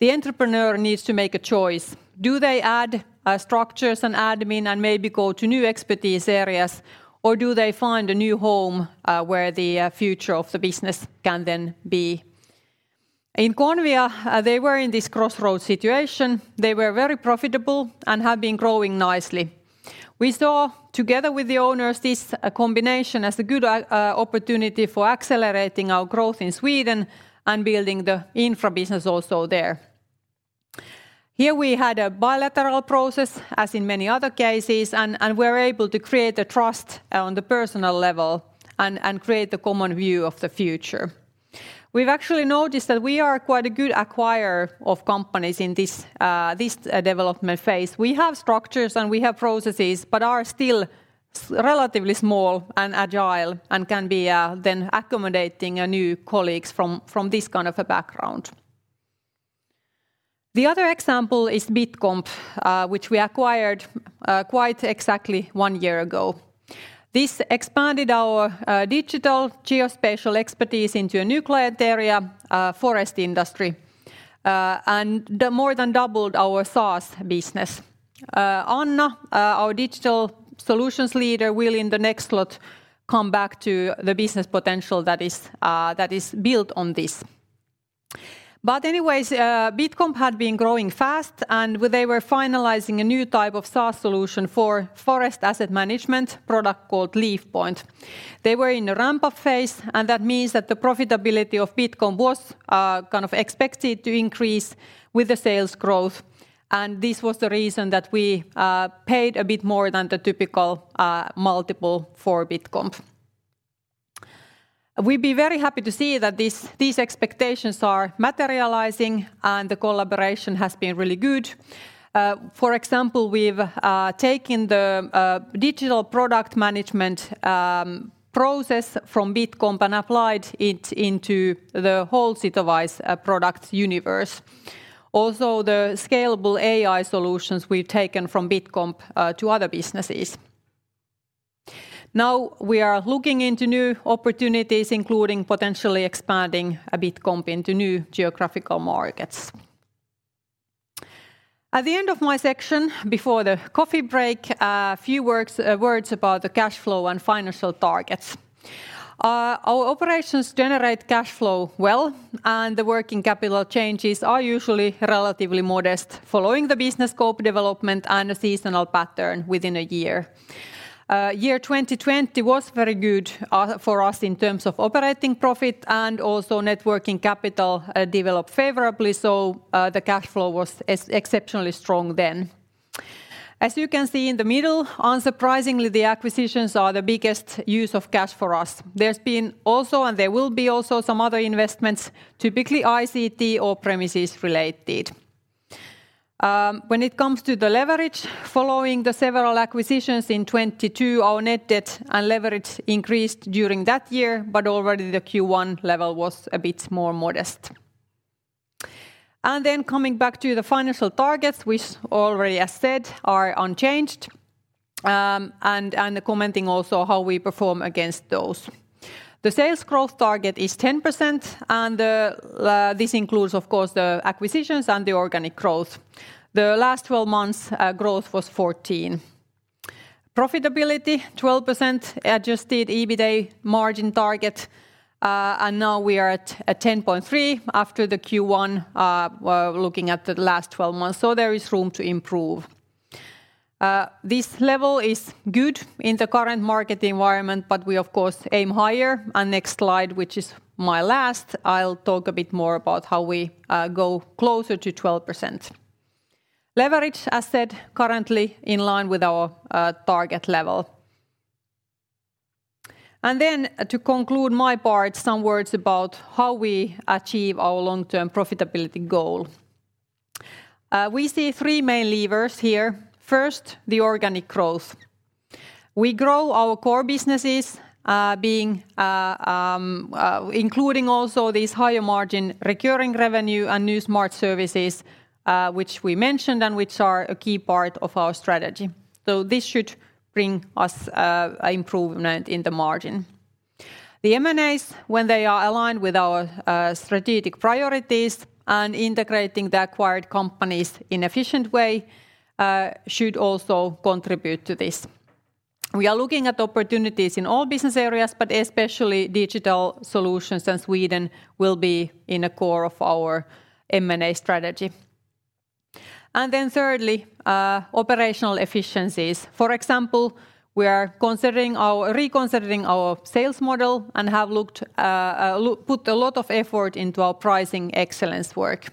the entrepreneur needs to make a choice: Do they add structures and admin and maybe go to new expertise areas, or do they find a new home, where the future of the business can then be? In Convia, they were in this crossroad situation. They were very profitable and had been growing nicely. We saw, together with the owners, this combination as a good opportunity for accelerating our growth in Sweden and building the infra business also there. Here we had a bilateral process, as in many other cases, and we're able to create a trust on the personal level and create the common view of the future. We've actually noticed that we are quite a good acquirer of companies in this, uh, development phase. We have structures, and we have processes but are still relatively small and agile and can be then accommodating new colleagues from this kind of a background. The other example is Bitcomp, which we acquired quite exactly one year ago. This expanded our digital geospatial expertise into a new client area, forest industry, and more than doubled our SaaS business. Anna, our digital solutions leader, will in the next lot come back to the business potential that is built on this. Anyways, Bitcomp had been growing fast, and they were finalizing a new type of SaaS solution for forest asset management product called LeafPoint. They were in a ramp-up phase, and that means that the profitability of Bitcomp was kind of expected to increase with the sales growth. This was the reason that we paid a bit more than the typical multiple for Bitcomp. We'd be very happy to see that these expectations are materializing. The collaboration has been really good. For example, we've taken the digital product management process from Bitcomp and applied it into the whole Sitowise product universe. Also, the scalable AI solutions we've taken from Bitcomp to other businesses. Now, we are looking into new opportunities, including potentially expanding Bitcomp into new geographical markets. At the end of my section, before the coffee break, a few words about the cash flow and financial targets. Our operations generate cash flow well, and the working capital changes are usually relatively modest, following the business scope development and a seasonal pattern within a year. year 2020 was very good for us in terms of operating profit, and also net working capital developed favorably, so the cash flow was exceptionally strong then. As you can see in the middle, unsurprisingly, the acquisitions are the biggest use of cash for us. There's been also, there will be also some other investments, typically ICT or premises related. When it comes to the leverage, following the several acquisitions in 2022, our net debt and leverage increased during that year, but already the Q1 level was a bit more modest. Coming back to the financial targets, which already I said, are unchanged, and commenting also how we perform against those. The sales growth target is 10%, this includes, of course, the acquisitions and the organic growth. The last 12 months growth was 14%. Profitability, 12% adjusted EBITA margin target, now we are at a 10.3% after the Q1, looking at the last 12 months, so there is room to improve. This level is good in the current market environment, but we, of course, aim higher. Next slide, which is my last, I'll talk a bit more about how we go closer to 12%. Leverage, as said, currently in line with our target level. To conclude my part, some words about how we achieve our long-term profitability goal. We see three main levers here. First, the organic growth. We grow our core businesses, being, including also these higher-margin recurring revenue and new smart services, which we mentioned and which are a key part of our strategy, so this should bring us improvement in the margin. The M&As, when they are aligned with our strategic priorities and integrating the acquired companies in efficient way, should also contribute to this. We are looking at opportunities in all business areas, but especially Digital Solutions and Sweden will be in the core of our M&A strategy. Thirdly, operational efficiencies. For example, we are reconsidering our sales model and have put a lot of effort into our pricing excellence work.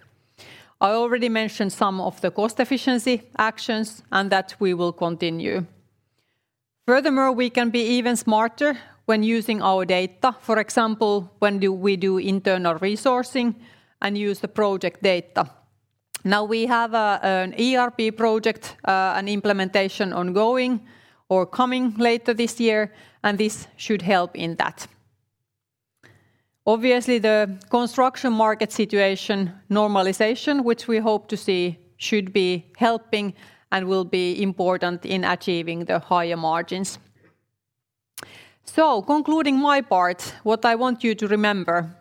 I already mentioned some of the cost efficiency actions and that we will continue. Furthermore, we can be even smarter when using our data. For example, when do we do internal resourcing and use the project data. Now, we have an ERP project, an implementation ongoing or coming later this year, and this should help in that. Obviously, the construction market situation normalization, which we hope to see, should be helping and will be important in achieving the higher margins. Concluding my part, what I want you to remember: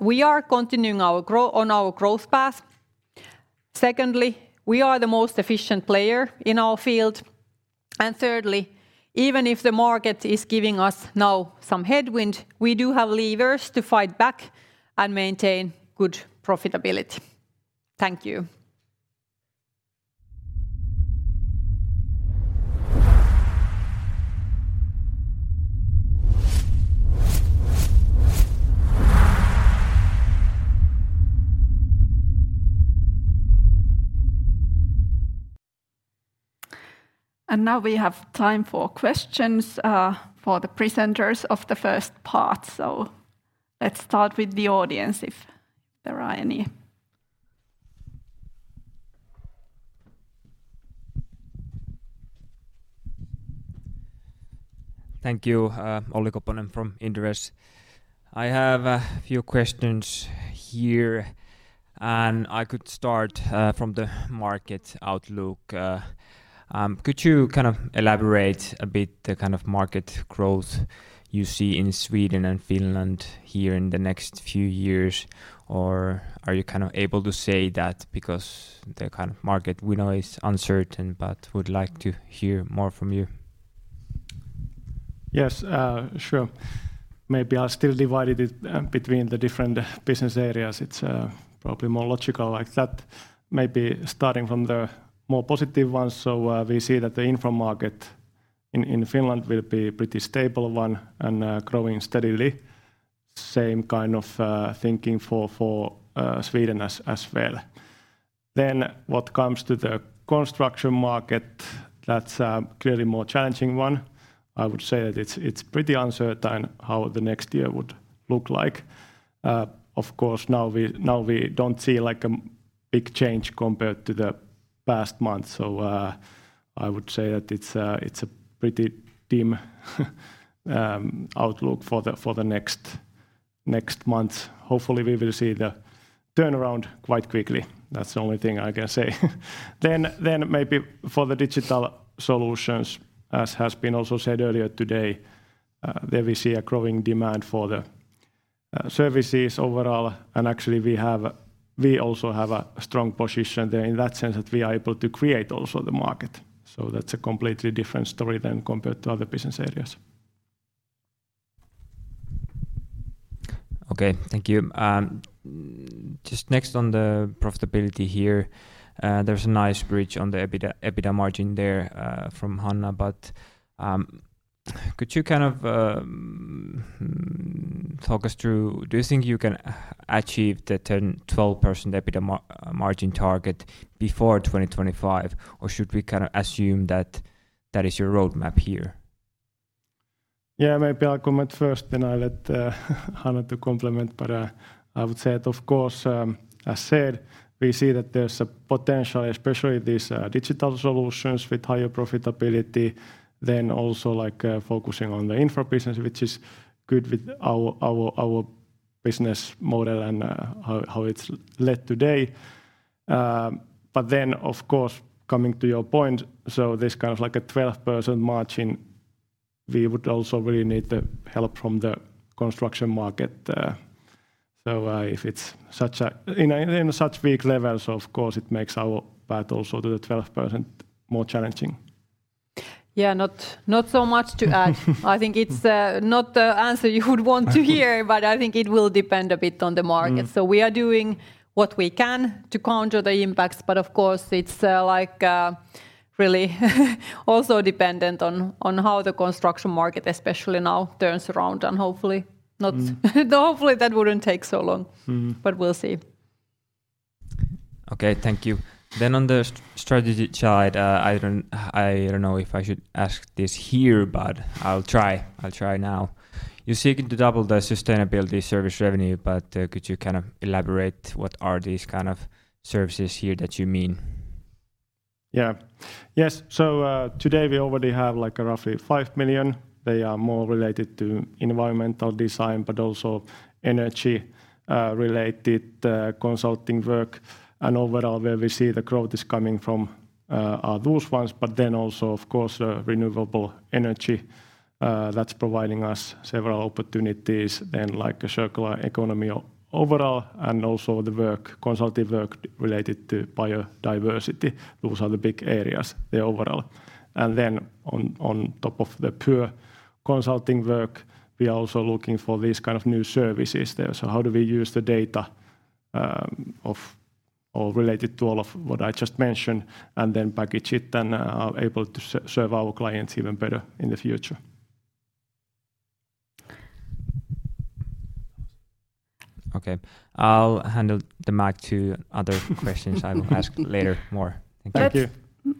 we are continuing on our growth path. Secondly, we are the most efficient player in our field. Thirdly, even if the market is giving us now some headwind, we do have levers to fight back and maintain good profitability. Thank you. Now we have time for questions for the presenters of the first part. Let's start with the audience, if there are any. Thank you. Olli Koponen from Inderes. I have a few questions here; I could start from the market outlook. Could you kind of elaborate a bit the kind of market growth you see in Sweden and Finland here in the next few years? Are you kind of able to say that because the kind of market we know is uncertain, but would like to hear more from you? Yes, sure. Maybe I'll still divide it between the different business areas. It's probably more logical like that. Maybe starting from the more positive ones. We see that the Infra market in Finland will be a pretty stable one and growing steadily. Same kind of thinking for Sweden as well. What comes to the construction market, that's a clearly more challenging one. I would say that it's pretty uncertain how the next year would look like. Of course, now we don't see, like, a big change compared to the past months, so I would say that it's a pretty dim outlook for the next months. Hopefully, we will see the turnaround quite quickly. That's the only thing I can say. Maybe for the Digital Solutions, as has been also said earlier today, there we see a growing demand for the services overall. Actually we also have a strong position there in that sense, that we are able to create also the market. That's a completely different story than compared to other business areas. Okay, thank you. just next on the profitability here, there's a nice bridge on the EBITDA margin there, from Hanna. Could you kind of, talk us through. Do you think you can achieve the 10-12% EBITDA margin target before 2025, or should we kind of assume that that is your roadmap here? Maybe I'll comment first, then I'll let Hanna to complement. I would say that, of course, as said, we see that there's a potential, especially these digital solutions with higher profitability, then also, like, focusing on the Infra business, which is good with our business model and how it's led today. Then, of course, coming to your point, so this kind of like a 12% margin, we would also really need the help from the construction market. If it's in such weak levels, of course, it makes our path also to the 12% more challenging. Yeah, not so much to add. I think it's not the answer you would want to hear. I think it will depend a bit on the market. Mm. we are doing what we can to counter the impacts, but of course, it's, like, really also dependent on how the construction market, especially now, turns around. Mm. Hopefully, that wouldn't take so long. Mm. We'll see. Okay, thank you. On the strategy chart, I don't know if I should ask this here, but I'll try now. You're seeking to double the sustainability service revenue, could you kind of elaborate what are these kind of services here that you mean? Yes, today we already have, like, roughly 5 million. They are more related to environmental design, but also energy related consulting work. Overall, where we see the growth is coming from, are those ones, but then also, of course, renewable energy. That's providing us several opportunities, and, like, a circular economy overall, and also the work, consulting work related to biodiversity. Those are the big areas, the overall. Then on top of the pure consulting work, we are also looking for these kind of new services there. How do we use the data, of or related to all of what I just mentioned, package it, able to serve our clients even better in the future? Okay, I'll hand the mic to other questions. I will ask later, more. Thank you. Thank you.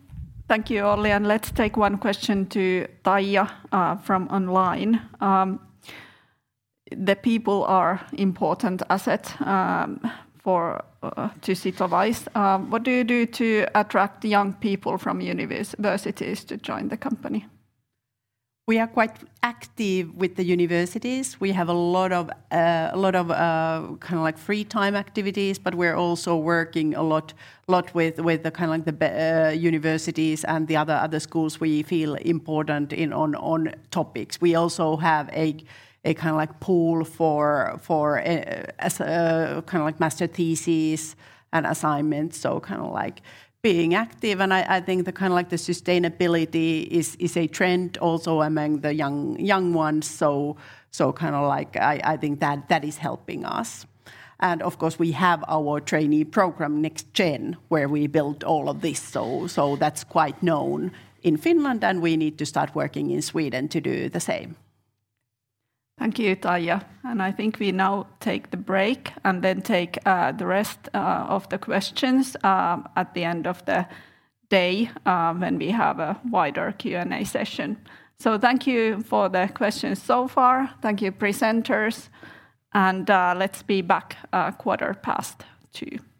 Thank you, Olli. Let's take one question to Taija Lehtola from online. The people are important asset for Sitowise. What do you do to attract young people from universities to join the company? We are quite active with the universities. We have a lot of a lot of, kinda like free time activities, but we're also working a lot with the kinda like the universities and the other schools we feel important in on topics. We also have a kinda like pool for, as a kinda like master thesis and assignments, so kinda like being active. I think the kinda like the sustainability is a trend also among the young ones. I think that is helping us. Of course, we have our trainee program, NextGen, where we build all of this. That's quite known in Finland, and we need to start working in Sweden to do the same. Thank you, Taija. I think we now take the break, then take the rest of the questions at the end of the day, when we have a wider Q&A session. Thank you for the questions so far. Thank you, presenters, and let's be back at 2:15 P.M.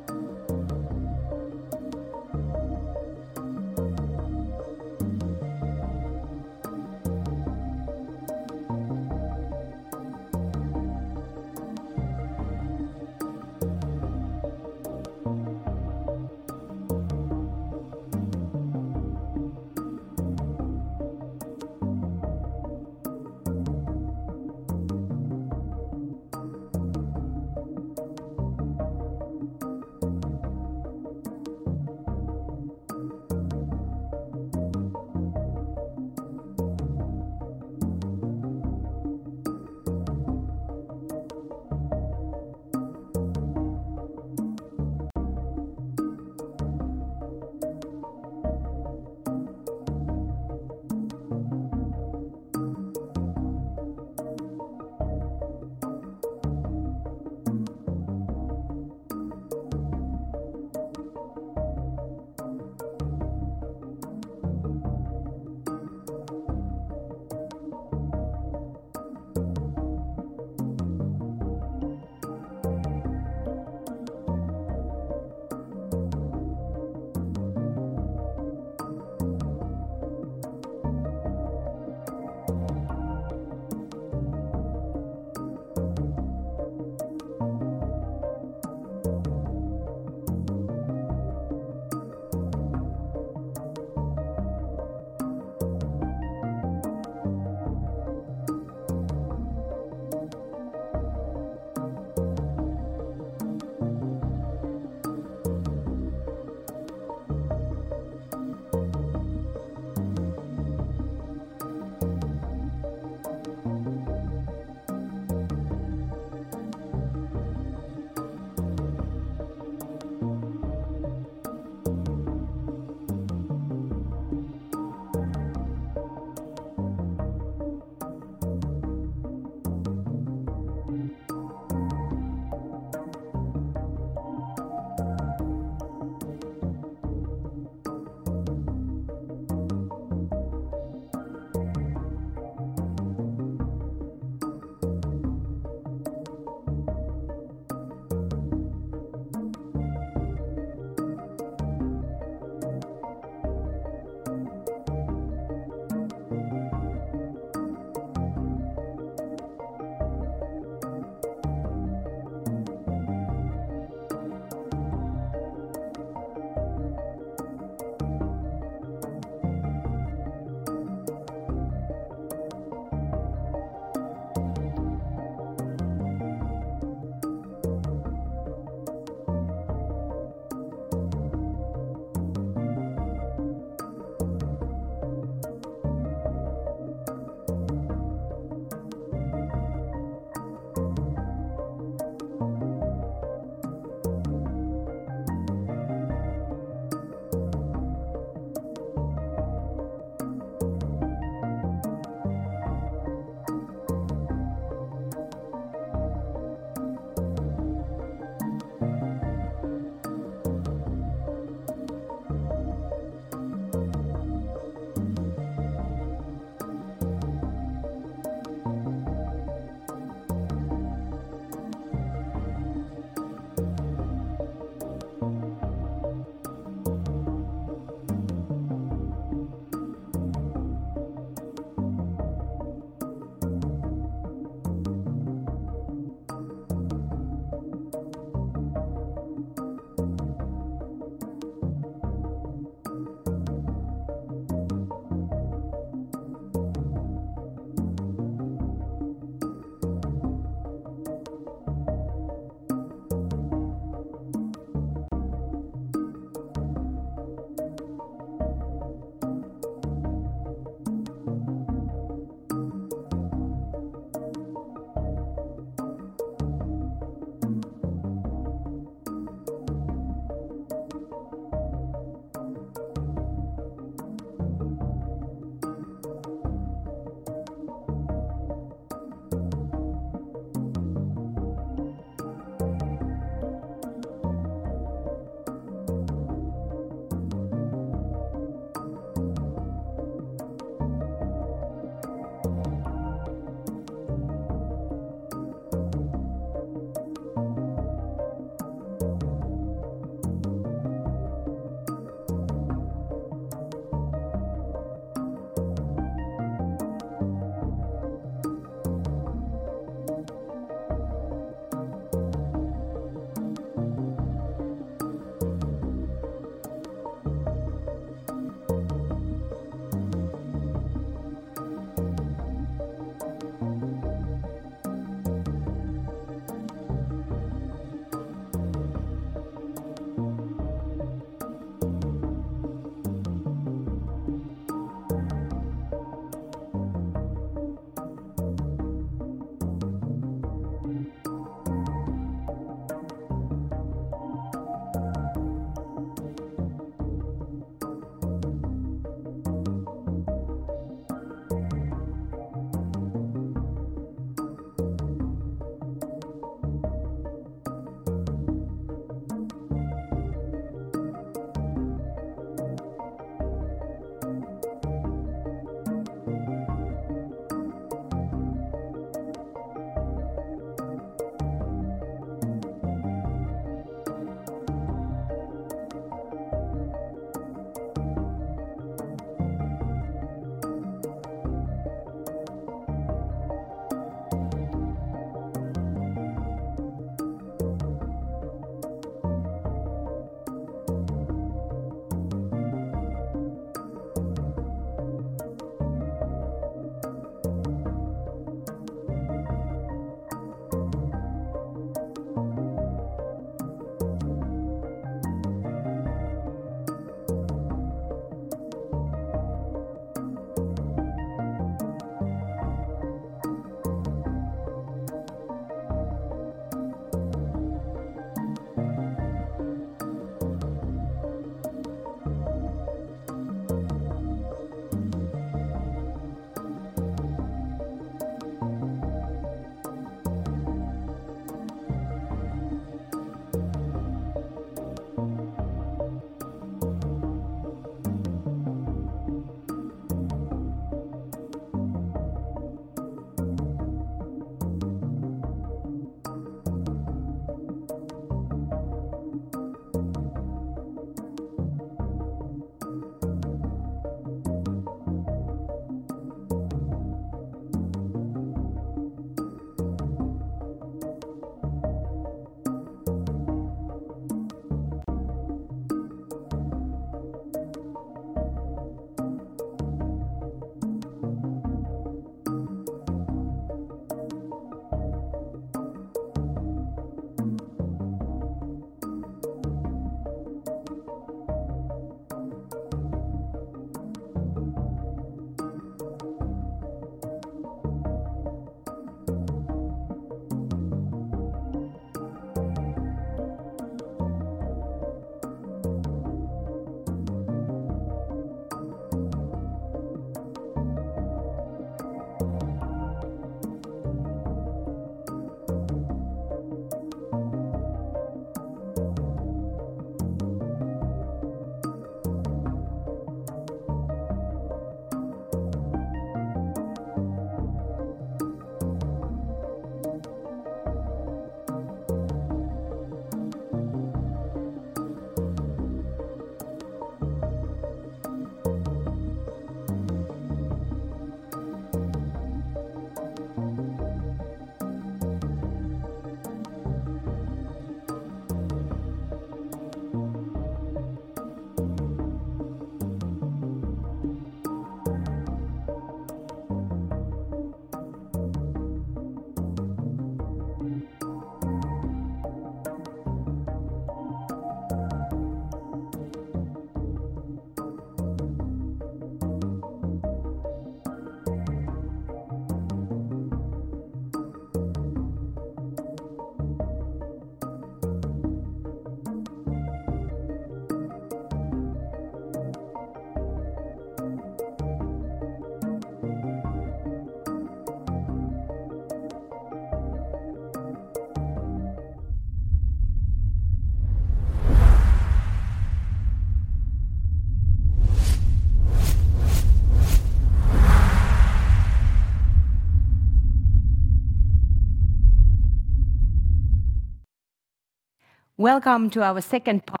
Welcome to our second part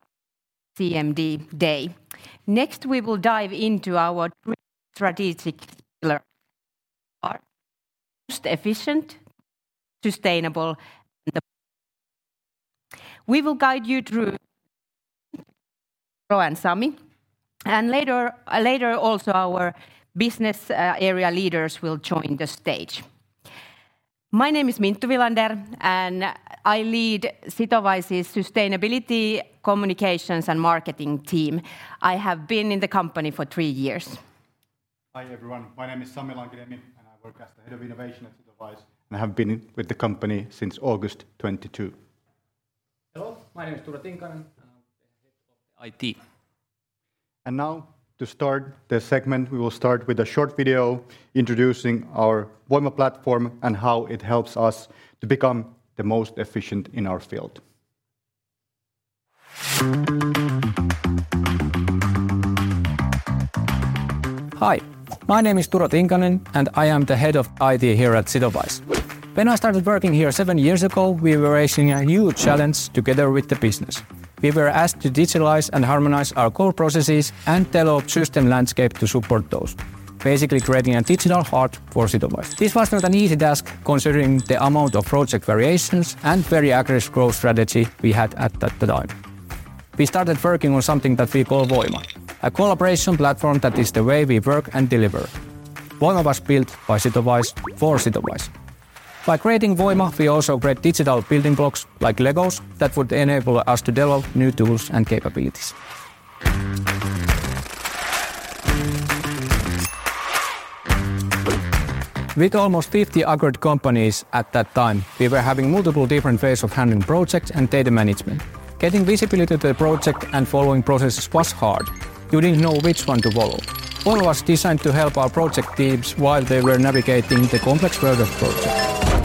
CMD day. Next, we will dive into our strategic pillar, our most efficient, sustainable. We will guide you through Turo and Sami, and later also our business area leaders will join the stage. My name is Minttu Vilander, and I lead Sitowise's sustainability, communications, and marketing team. I have been in the company for three years. Hi, everyone. My name is Sami Lankiniemi, and I work as the head of innovation at Sitowise, and I have been with the company since August 2022. Hello, my name is Turo Tinkanen, and I'm the head of IT. Now, to start the segment, we will start with a short video introducing our Voima platform and how it helps us to become the most efficient in our field. Hi, my name is Turo Tinkanen. I am the head of IT here at Sitowise. When I started working here seven years ago, we were facing a huge challenge together with the business. We were asked to digitalize and harmonize our core processes and develop system landscape to support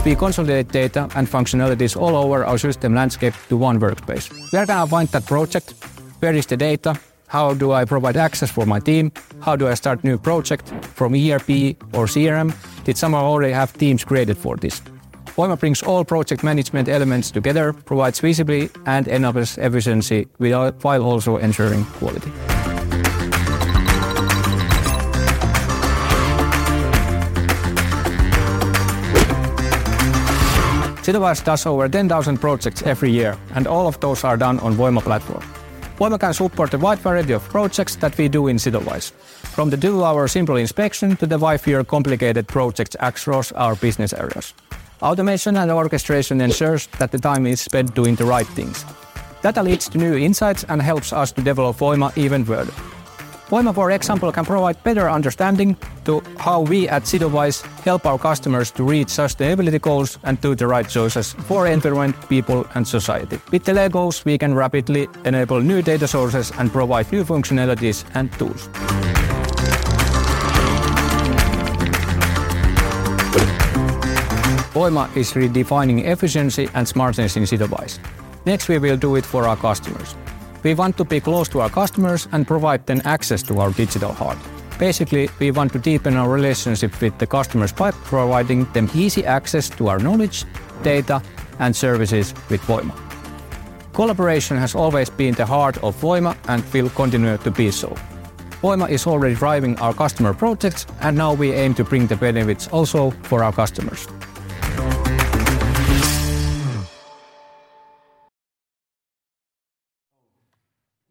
those, basically creating a digital heart for Sitowise. This was not an easy task, considering the amount of project variations and very aggressive growth strategy we had at that time. We started working on something that we call Voima, a collaboration platform that is the way we work and deliver. Voima was built by Sitowise for Sitowise. By creating Voima, we also create digital building blocks, like LEGO, that would enable us to develop new tools and capabilities. With almost 50 acquired companies at that time, we were having multiple different ways of handling projects and data management. Getting visibility to the project and following processes was hard. You didn't know which one to follow. Voima was designed to help our project teams while they were navigating the complex world of projects. We consolidate data and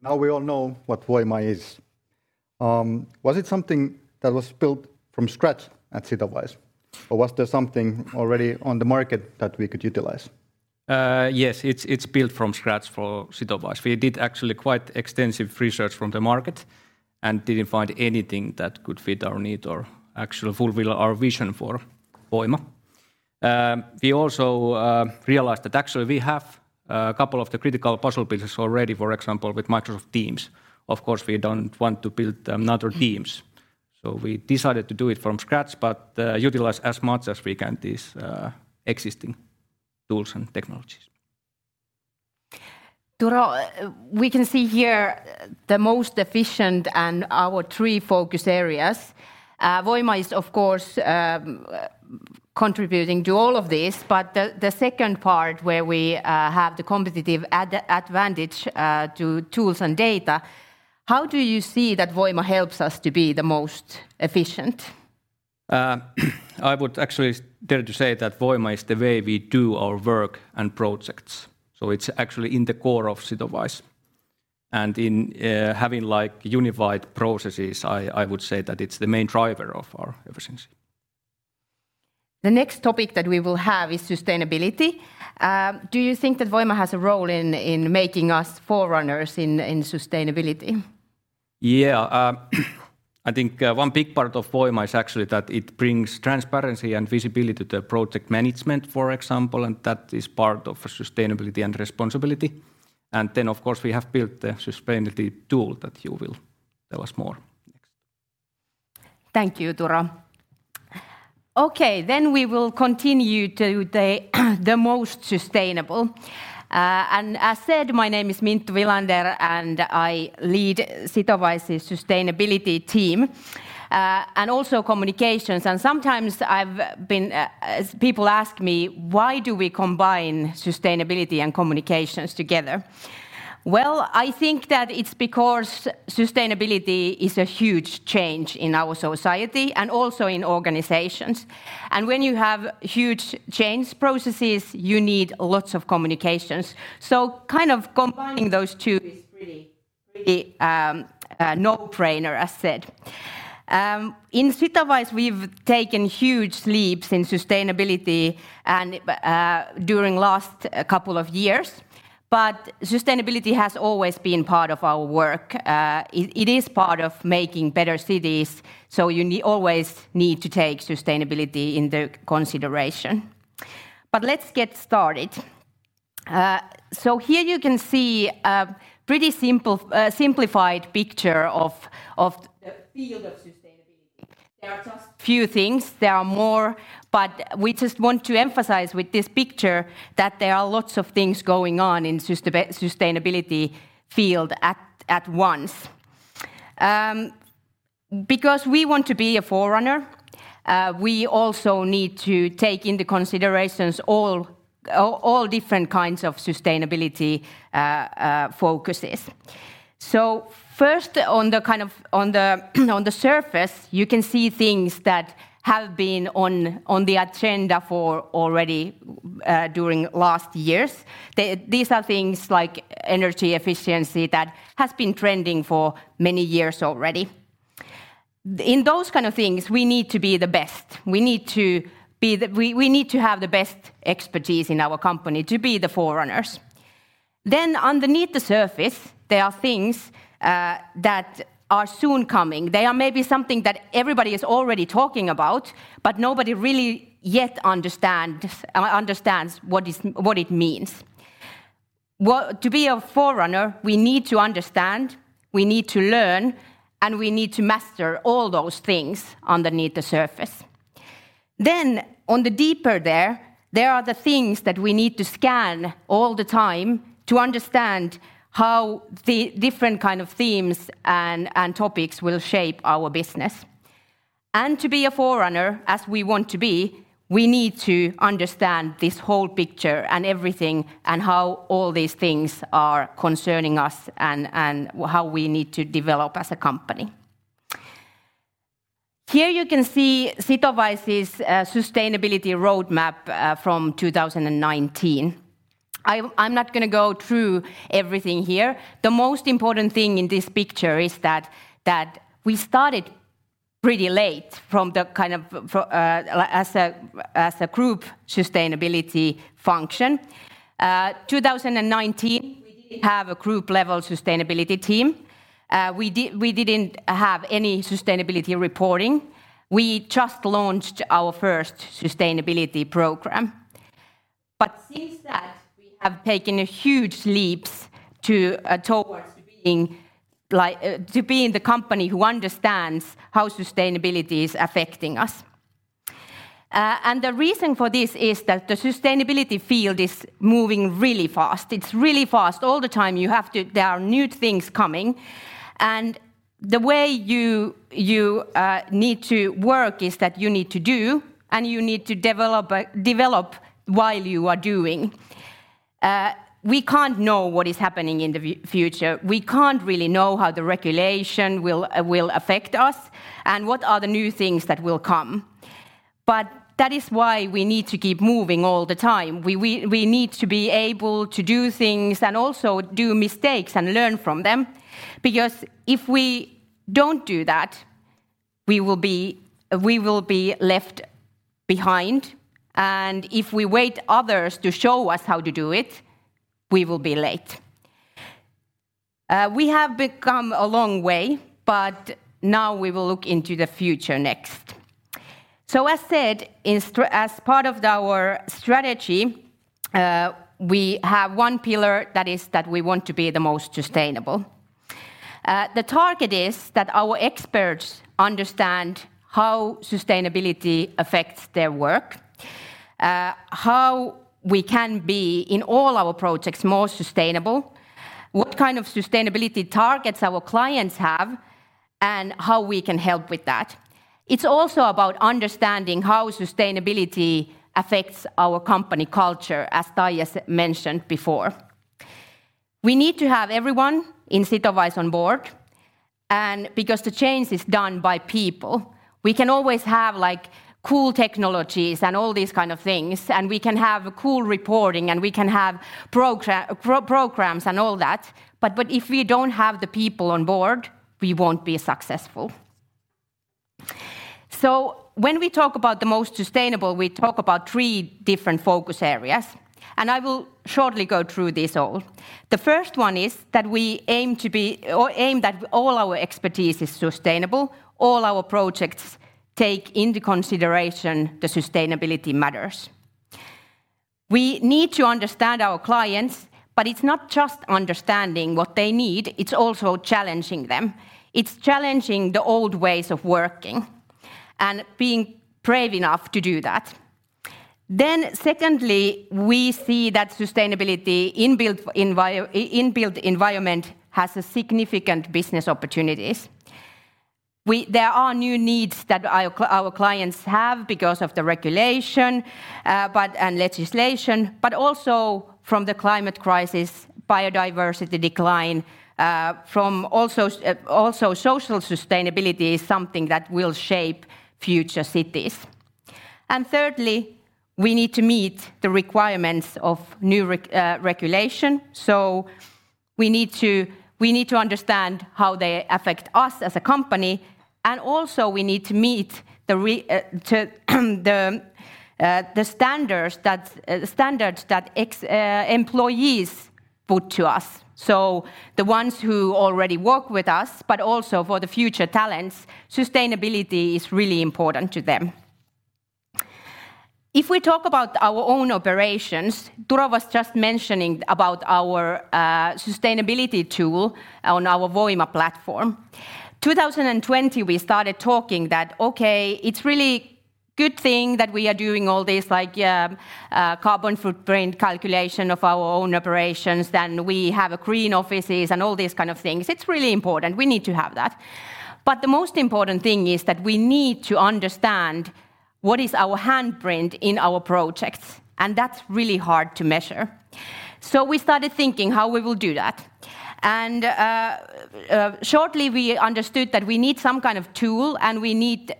now we aim to bring the benefits also for our customers. We all know what Voima is. Was it something that was built from scratch at Sitowise, or was there something already on the market that we could utilize? yes, it's built from scratch for Sitowise. We did actually quite extensive research from the market and didn't find anything that could fit our need or actually fulfill our vision for Voima. We also realized that actually we have a couple of the critical puzzle pieces already, for example, with Microsoft Teams. Of course, we don't want to build another Teams, so we decided to do it from scratch, but utilize as much as we can these existing tools and technologies. Turo, we can see here the most efficient and our three focus areas. Voima is, of course, contributing to all of this, but the second part where we have the competitive advantage to tools and data, how do you see that Voima helps us to be the most efficient? I would actually dare to say that Voima is the way we do our work and projects, so it's actually in the core of Sitowise. In having, like, unified processes, I would say that it's the main driver of our efficiency. The next topic that we will have is sustainability. Do you think that Voima has a role in making us forerunners in sustainability? I think, one big part of Voima is actually that it brings transparency and visibility to project management, for example, and that is part of sustainability and responsibility. Of course, we have built the sustainability tool that you will tell us more next. Thank you, Turo. We will continue to the most sustainable. As said, my name is Minttu Vilander, and I lead Sitowise's sustainability team, and also communications. Sometimes people ask me, "Why do we combine sustainability and communications together?" Well, I think that it's because sustainability is a huge change in our society and also in organizations, when you have huge change processes, you need lots of communications. Kind of combining those two is really, really a no-brainer, as said. In Sitowise, we've taken huge leaps in sustainability, and during last couple of years, but sustainability has always been part of our work. It is part of making better cities, so you always need to take sustainability into consideration. Let's get started. Here you can see a pretty simple, simplified picture of the field of sustainability. There are just few things. There are more, but we just want to emphasize with this picture that there are lots of things going on in sustainability field at once. Because we want to be a forerunner, we also need to take into considerations all different kinds of sustainability focuses. First, on the kind of, on the surface, you can see things that have been on the agenda for already during last years. These are things like energy efficiency that has been trending for many years already. In those kind of things, we need to be the best. We need to be the. We need to have the best expertise in our company to be the forerunners. Underneath the surface, there are things that are soon coming. They are maybe something that everybody is already talking about, but nobody really yet understands what it means. Well, to be a forerunner, we need to understand, we need to learn, and we need to master all those things underneath the surface. On the deeper there are the things that we need to scan all the time to understand how the different kind of themes and topics will shape our business. To be a forerunner, as we want to be, we need to understand this whole picture and everything, and how all these things are concerning us, and how we need to develop as a company. Here you can see Sitowise's sustainability roadmap from 2019. I'm not gonna go through everything here. The most important thing in this picture is that we started pretty late from the kind of like as a group sustainability function. 2019, we didn't have a group-level sustainability team. We didn't have any sustainability reporting. We just launched our first sustainability program. Since that, we have taken huge leaps to towards being like to being the company who understands how sustainability is affecting us. The reason for this is that the sustainability field is moving really fast. It's really fast. All the time, you have to. There are new things coming. The way you need to work is that you need to do, and you need to develop while you are doing. We can't know what is happening in the future. We can't really know how the regulation will affect us and what are the new things that will come. That is why we need to keep moving all the time. We need to be able to do things and also do mistakes and learn from them, because if we don't do that, we will be left behind. If we wait others to show us how to do it, we will be late. We have become a long way, but now we will look into the future next. As said, as part of our strategy, we have one pillar that is that we want to be the most sustainable. The target is that our experts understand how sustainability affects their work, how we can be, in all our projects, more sustainable, what kind of sustainability targets our clients have, and how we can help with that. It's also about understanding how sustainability affects our company culture, as Taija mentioned before. We need to have everyone in Sitowise on board, and because the change is done by people, we can always have, like, cool technologies and all these kind of things, and we can have cool reporting, and we can have programs and all that, but if we don't have the people on board, we won't be successful. When we talk about the most sustainable, we talk about three different focus areas, and I will shortly go through this all. The first one is that we aim to be, or aim that all our expertise is sustainable. All our projects take into consideration the sustainability matters. We need to understand our clients, but it's not just understanding what they need, it's also challenging them. It's challenging the old ways of working and being brave enough to do that. Secondly, we see that sustainability in built environment has significant business opportunities. There are new needs that our clients have because of the regulation, but, and legislation, also from the climate crisis, biodiversity decline, from also social sustainability is something that will shape future cities. Thirdly, we need to meet the requirements of new regulation, so we need to understand how they affect us as a company, and also, we need to meet the standards that employees put to us. The ones who already work with us, but also for the future talents, sustainability is really important to them. If we talk about our own operations, Turo was just mentioning about our sustainability tool on our Voima platform. 2020, we started talking that, okay, it's really good thing that we are doing all this, like carbon footprint calculation of our own operations, then we have green offices and all these kinds of things. It's really important. We need to have that. The most important thing is that we need to understand what is our handprint in our projects, and that's really hard to measure. We started thinking how we will do that, and shortly, we understood that we need some kind of tool, and we need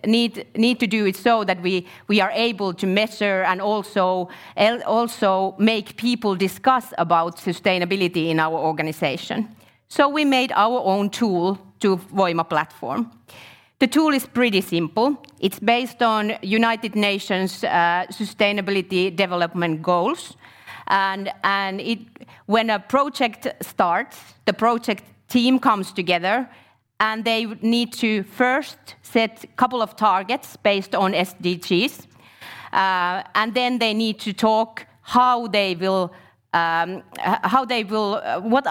to do it so that we are able to measure and also make people discuss about sustainability in our organization. We made our own tool to Voima platform. The tool is pretty simple. It's based on United Nations Sustainable Development Goals, and when a project starts, the project team comes together, and they need to first set couple of targets based on SDGs. And then they need to talk how they will, what are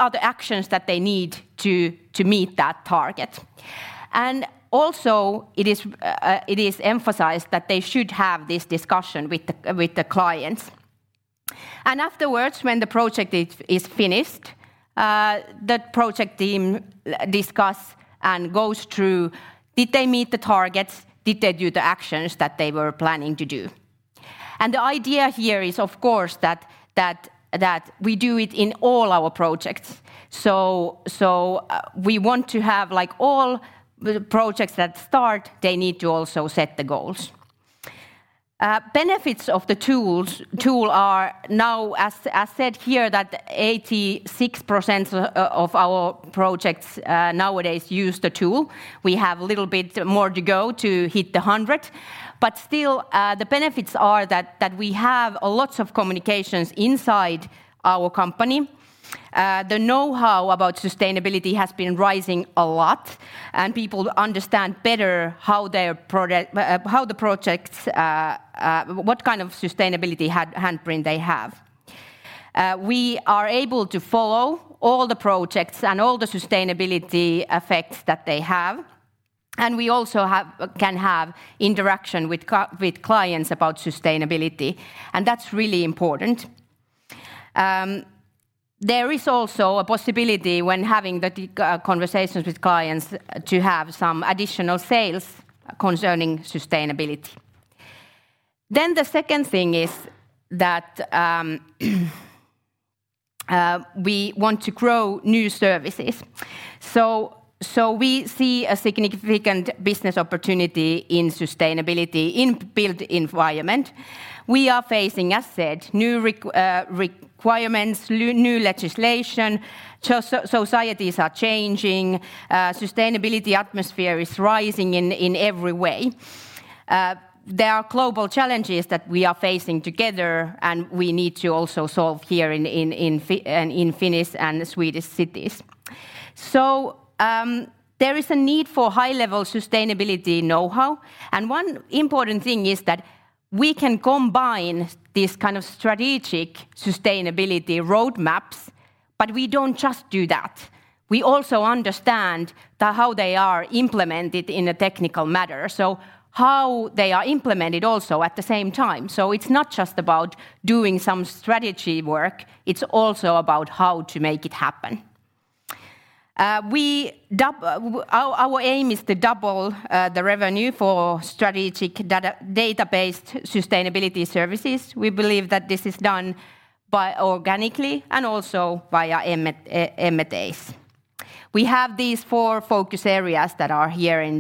the actions that they need to meet that target? Also, it is emphasized that they should have this discussion with the clients. Afterwards, when the project is finished, the project team discuss and goes through: Did they meet the targets? Did they do the actions that they were planning to do? The idea here is, of course, that we do it in all our projects. We want to have, like, all the projects that start, they need to also set the goals. Benefits of the tools, tool are now, as said here, that 86% of our projects nowadays use the tool. We have a little bit more to go to hit the 100, but still, the benefits are that we have lots of communications inside our company. The know-how about sustainability has been rising a lot, and people understand better how their project, how the projects, what kind of sustainability handprint they have. We are able to follow all the projects and all the sustainability effects that they have, and we also have, can have interaction with clients about sustainability, and that's really important. There is also a possibility, when having the conversations with clients, to have some additional sales concerning sustainability. The second thing is that we want to grow new services. We see a significant business opportunity in sustainability, in built environment. We are facing, as said, new requirements, new legislation. Societies are changing. Sustainability atmosphere is rising in every way. There are global challenges that we are facing together, and we need to also solve here in Finnish and the Swedish cities. There is a need for high-level sustainability know-how, and one important thing is that we can combine this kind of strategic sustainability roadmaps, but we don't just do that. We also understand that how they are implemented in a technical matter, so how they are implemented also at the same time. It's not just about doing some strategy work, it's also about how to make it happen. Our aim is to double the revenue for strategic data-based sustainability services. We believe that this is done by organically and also via M&As. We have these four focus areas that are here in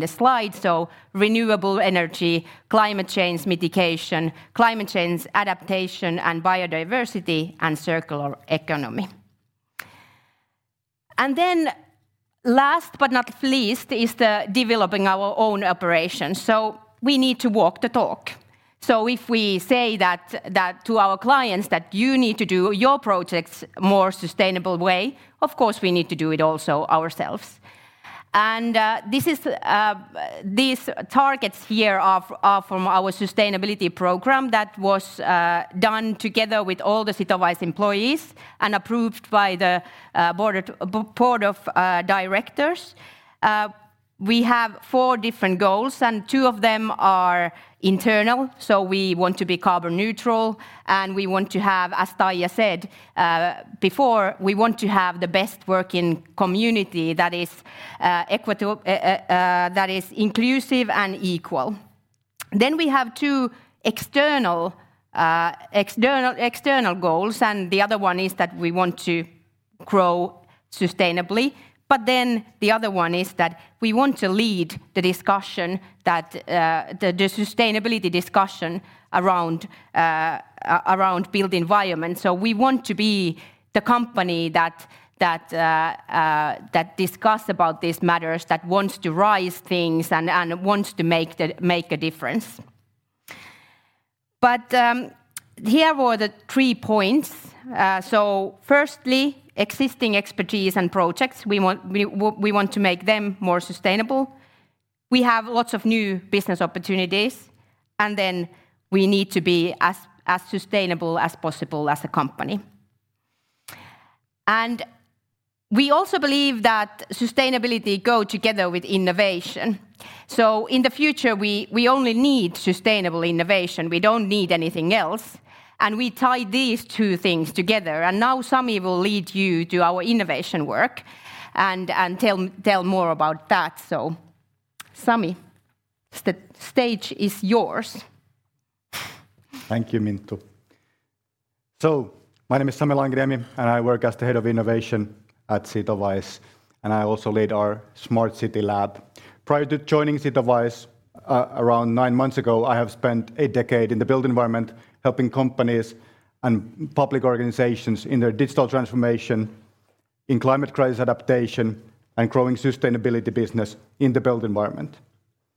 the slide, so renewable energy, climate change mitigation, climate change adaptation, and biodiversity and circular economy. Last but not least, is the developing our own operations, so we need to walk the talk. If we say that to our clients, that you need to do your projects more sustainable way, of course, we need to do it also ourselves. This is these targets here are from our sustainability program that was done together with all the Sitowise employees and approved by the board of directors. We have four different goals, two of them are internal, we want to be carbon neutral, we want to have, as Taija said before, the best working community that is inclusive and equal. We have two external goals, the other one is that we want to grow sustainably. The other one is that we want to lead the discussion, the sustainability discussion around built environment. We want to be the company that discuss about these matters, that wants to raise things and wants to make a difference. Here were the three points. Firstly, existing expertise and projects, we want to make them more sustainable. We have lots of new business opportunities. Then we need to be as sustainable as possible as a company. We also believe that sustainability go together with innovation, so in the future, we only need sustainable innovation. We don't need anything else. We tie these two things together. Now Sami will lead you to our innovation work and tell more about that. Sami, the stage is yours. Thank you, Minttu. My name is Sami Lankiniemi, and I work as the Head of Innovation at Sitowise, and I also lead our The Smart City Lab. Prior to joining Sitowise, around nine months ago, I have spent a decade in the built environment, helping companies and public organizations in their digital transformation, in climate crisis adaptation, and growing sustainability business in the built environment.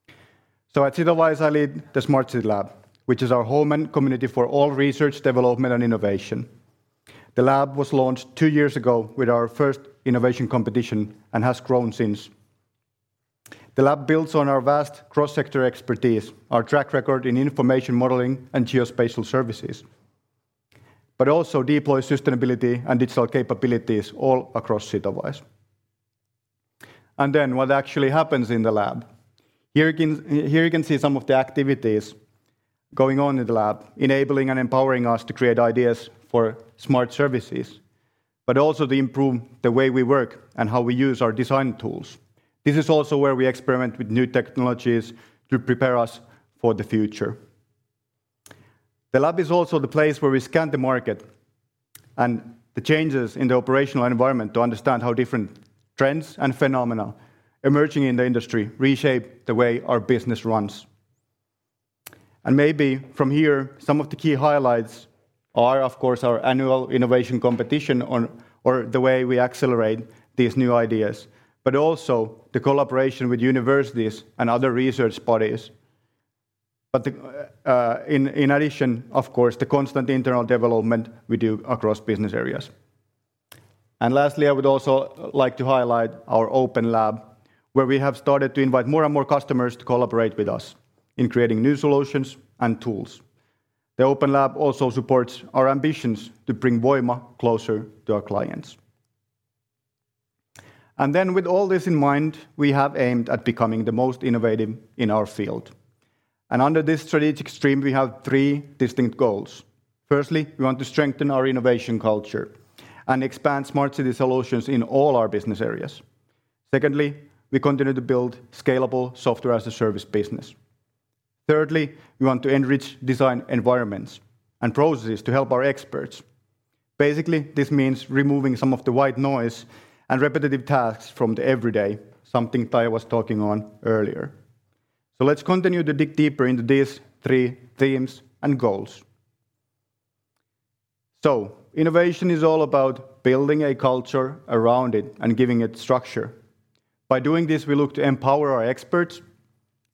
At Sitowise, I lead The Smart City Lab, which is our home and community for all research, development, and innovation. The lab was launched two years ago with our first innovation competition and has grown since. The lab builds on our vast cross-sector expertise, our track record in information modeling and geospatial services, but also deploy sustainability and digital capabilities all across Sitowise. What actually happens in the lab? Here you can see some of the activities going on in the lab, enabling and empowering us to create ideas for smart services, but also to improve the way we work and how we use our design tools. This is also where we experiment with new technologies to prepare us for the future. The lab is also the place where we scan the market and the changes in the operational environment to understand how different trends and phenomena emerging in the industry reshape the way our business runs. Maybe from here, some of the key highlights are, of course, our annual innovation competition or the way we accelerate these new ideas, but also the collaboration with universities and other research bodies. In addition, of course, the constant internal development we do across business areas. Lastly, I would also like to highlight our open lab, where we have started to invite more and more customers to collaborate with us in creating new solutions and tools. The open lab also supports our ambitions to bring Voima closer to our clients. With all this in mind, we have aimed at becoming the most innovative in our field, and under this strategic stream, we have three distinct goals. Firstly, we want to strengthen our innovation culture and expand smart city solutions in all our business areas. Secondly, we continue to build scalable software-as-a-service business. Thirdly, we want to enrich design environments and processes to help our experts. Basically, this means removing some of the white noise and repetitive tasks from the every day, something Taija was talking on earlier. Let's continue to dig deeper into these three themes and goals. Innovation is all about building a culture around it and giving it structure. By doing this, we look to empower our experts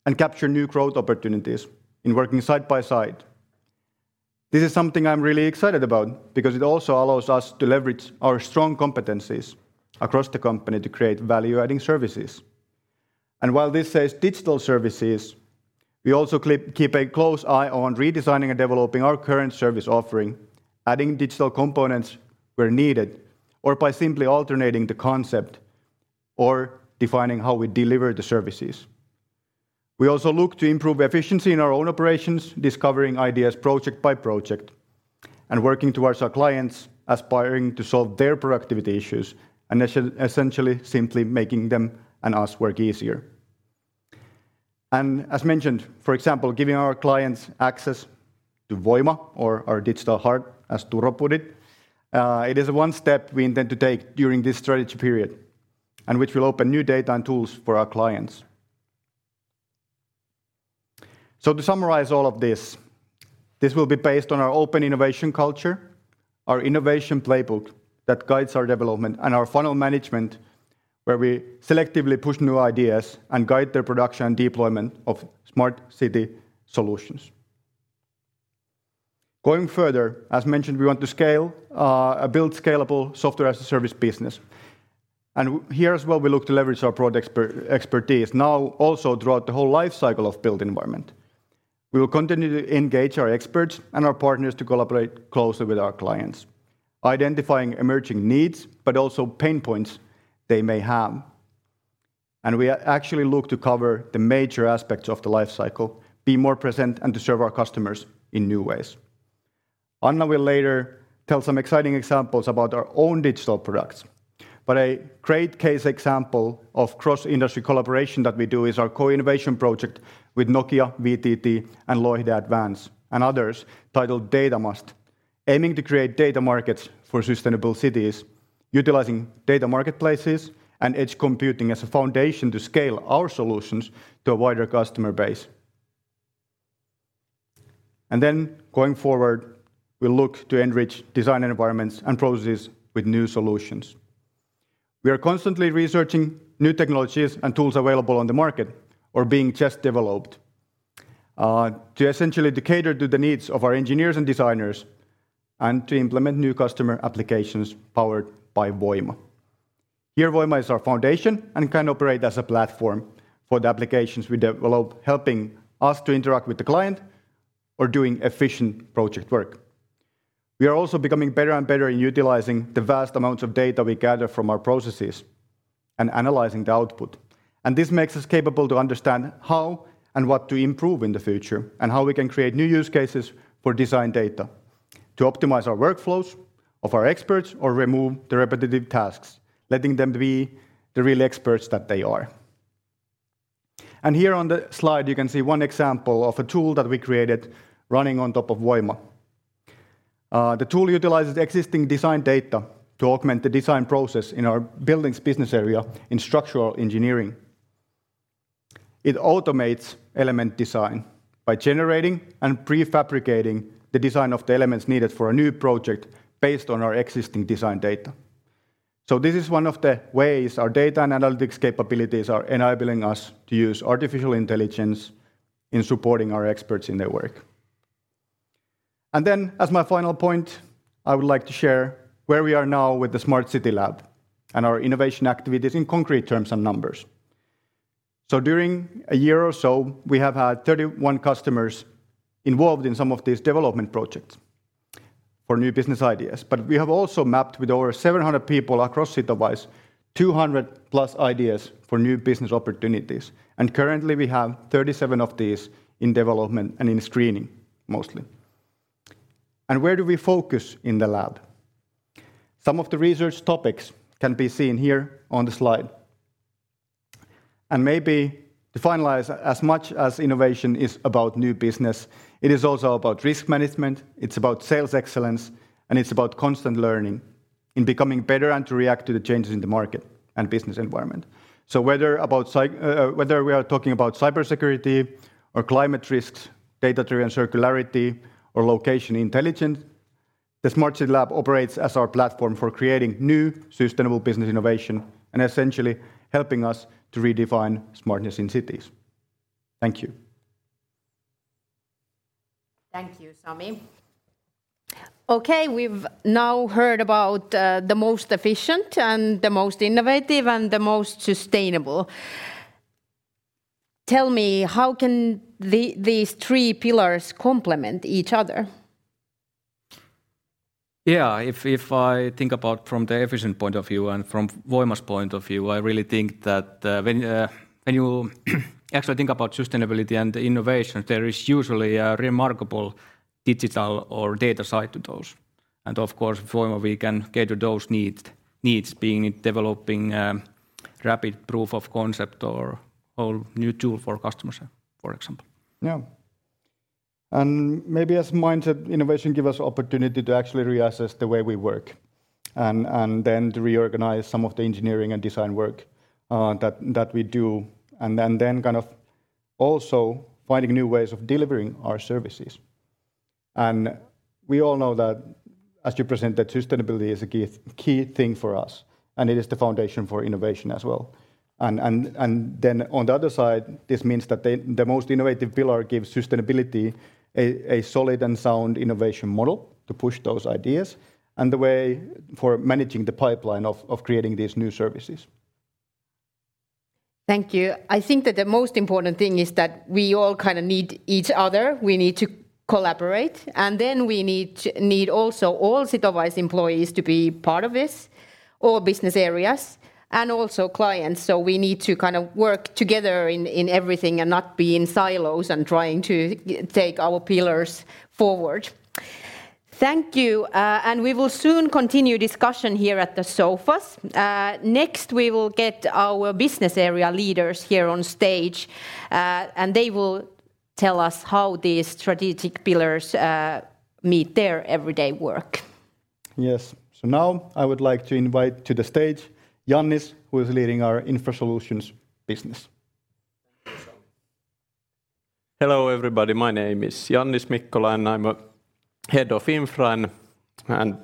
and capture new growth opportunities in working side by side. This is something I'm really excited about, because it also allows us to leverage our strong competencies across the company to create value-adding services. While this says digital services, we also keep a close eye on redesigning and developing our current service offering, adding digital components where needed, or by simply alternating the concept or defining how we deliver the services. We also look to improve efficiency in our own operations, discovering ideas project by project, and working towards our clients aspiring to solve their productivity issues, and essentially simply making them and us work easier. As mentioned, for example, giving our clients access to Voima or our digital heart, as Turo put it is one step we intend to take during this strategy period, and which will open new data and tools for our clients. To summarize all of this will be based on our open innovation culture, our innovation playbook that guides our development, and our funnel management, where we selectively push new ideas and guide their production and deployment of smart city solutions. Going further, as mentioned, we want to scale, build scalable software as a service business, and here as well, we look to leverage our product expertise, now also throughout the whole life cycle of built environment. We will continue to engage our experts and our partners to collaborate closely with our clients, identifying emerging needs, but also pain points they may have. We actually look to cover the major aspects of the life cycle, be more present, and to serve our customers in new ways. Anna will later tell some exciting examples about our own digital products, but a great case example of cross-industry collaboration that we do is our co-innovation project with Nokia, VTT, and Loihde Analytics, and others, titled DataMust, aiming to create data markets for sustainable cities, utilizing data marketplaces and edge computing as a foundation to scale our solutions to a wider customer base. Going forward, we look to enrich design environments and processes with new solutions. We are constantly researching new technologies and tools available on the market or being just developed, to essentially to cater to the needs of our engineers and designers, and to implement new customer applications powered by Voima. Here, Voima is our foundation and can operate as a platform for the applications we develop, helping us to interact with the client or doing efficient project work. We are also becoming better and better in utilizing the vast amounts of data we gather from our processes and analyzing the output, and this makes us capable to understand how and what to improve in the future, and how we can create new use cases for design data to optimize our workflows of our experts or remove the repetitive tasks, letting them be the real experts that they are. Here on the slide, you can see one example of a tool that we created running on top of Voima. The tool utilizes existing design data to augment the design process in our buildings business area in structural engineering. It automates element design by generating and prefabricating the design of the elements needed for a new project based on our existing design data. This is one of the ways our data and analytics capabilities are enabling us to use artificial intelligence in supporting our experts in their work. As my final point, I would like to share where we are now with The Smart City Lab, and our innovation activities in concrete terms and numbers. During a year or so, we have had 31 customers involved in some of these development projects for new business ideas. We have also mapped with over 700 people across Sitowise, 200+ ideas for new business opportunities, and currently we have 37 of these in development and in screening mostly. Where do we focus in the lab? Some of the research topics can be seen here on the slide. Maybe to finalize, as much as innovation is about new business, it is also about risk management, it's about sales excellence, and it's about constant learning, in becoming better and to react to the changes in the market and business environment. Whether we are talking about cybersecurity or climate risks, data-driven circularity, or location intelligence, The Smart City Lab operates as our platform for creating new sustainable business innovation and essentially helping us to redefine smartness in cities. Thank you. Thank you, Sami. Okay, we've now heard about the most efficient, and the most innovative, and the most sustainable. Tell me, how can these three pillars complement each other? If I think about from the efficient point of view and from Voima's point of view, I really think that when you actually think about sustainability and innovation, there is usually a remarkable digital or data side to those. Of course, Voima, we can cater those needs being in developing rapid proof of concept or whole new tool for customers, for example. Yeah. Maybe as mindset innovation give us opportunity to actually reassess the way we work, and then to reorganize some of the engineering and design work that we do, and then also, finding new ways of delivering our services. We all know that as you present, that sustainability is a key thing for us, and it is the foundation for innovation as well. Then on the other side, this means that the most innovative pillar gives sustainability a solid and sound innovation model to push those ideas, and the way for managing the pipeline of creating these new services. Thank you. I think that the most important thing is that we all kind of need each other. We need to collaborate, we need also all Sitowise employees to be part of this, all business areas, and also clients. We need to kind of work together in everything and not be in silos and trying to take our pillars forward. Thank you. We will soon continue discussion here at the sofas. Next, we will get our business area leaders here on stage, they will tell us how these strategic pillars meet their everyday work. Now I would like to invite to the stage Jannis, who is leading our Infra solutions business. Hello, everybody. My name is Jannis Mikkola, and I'm head of Infra, and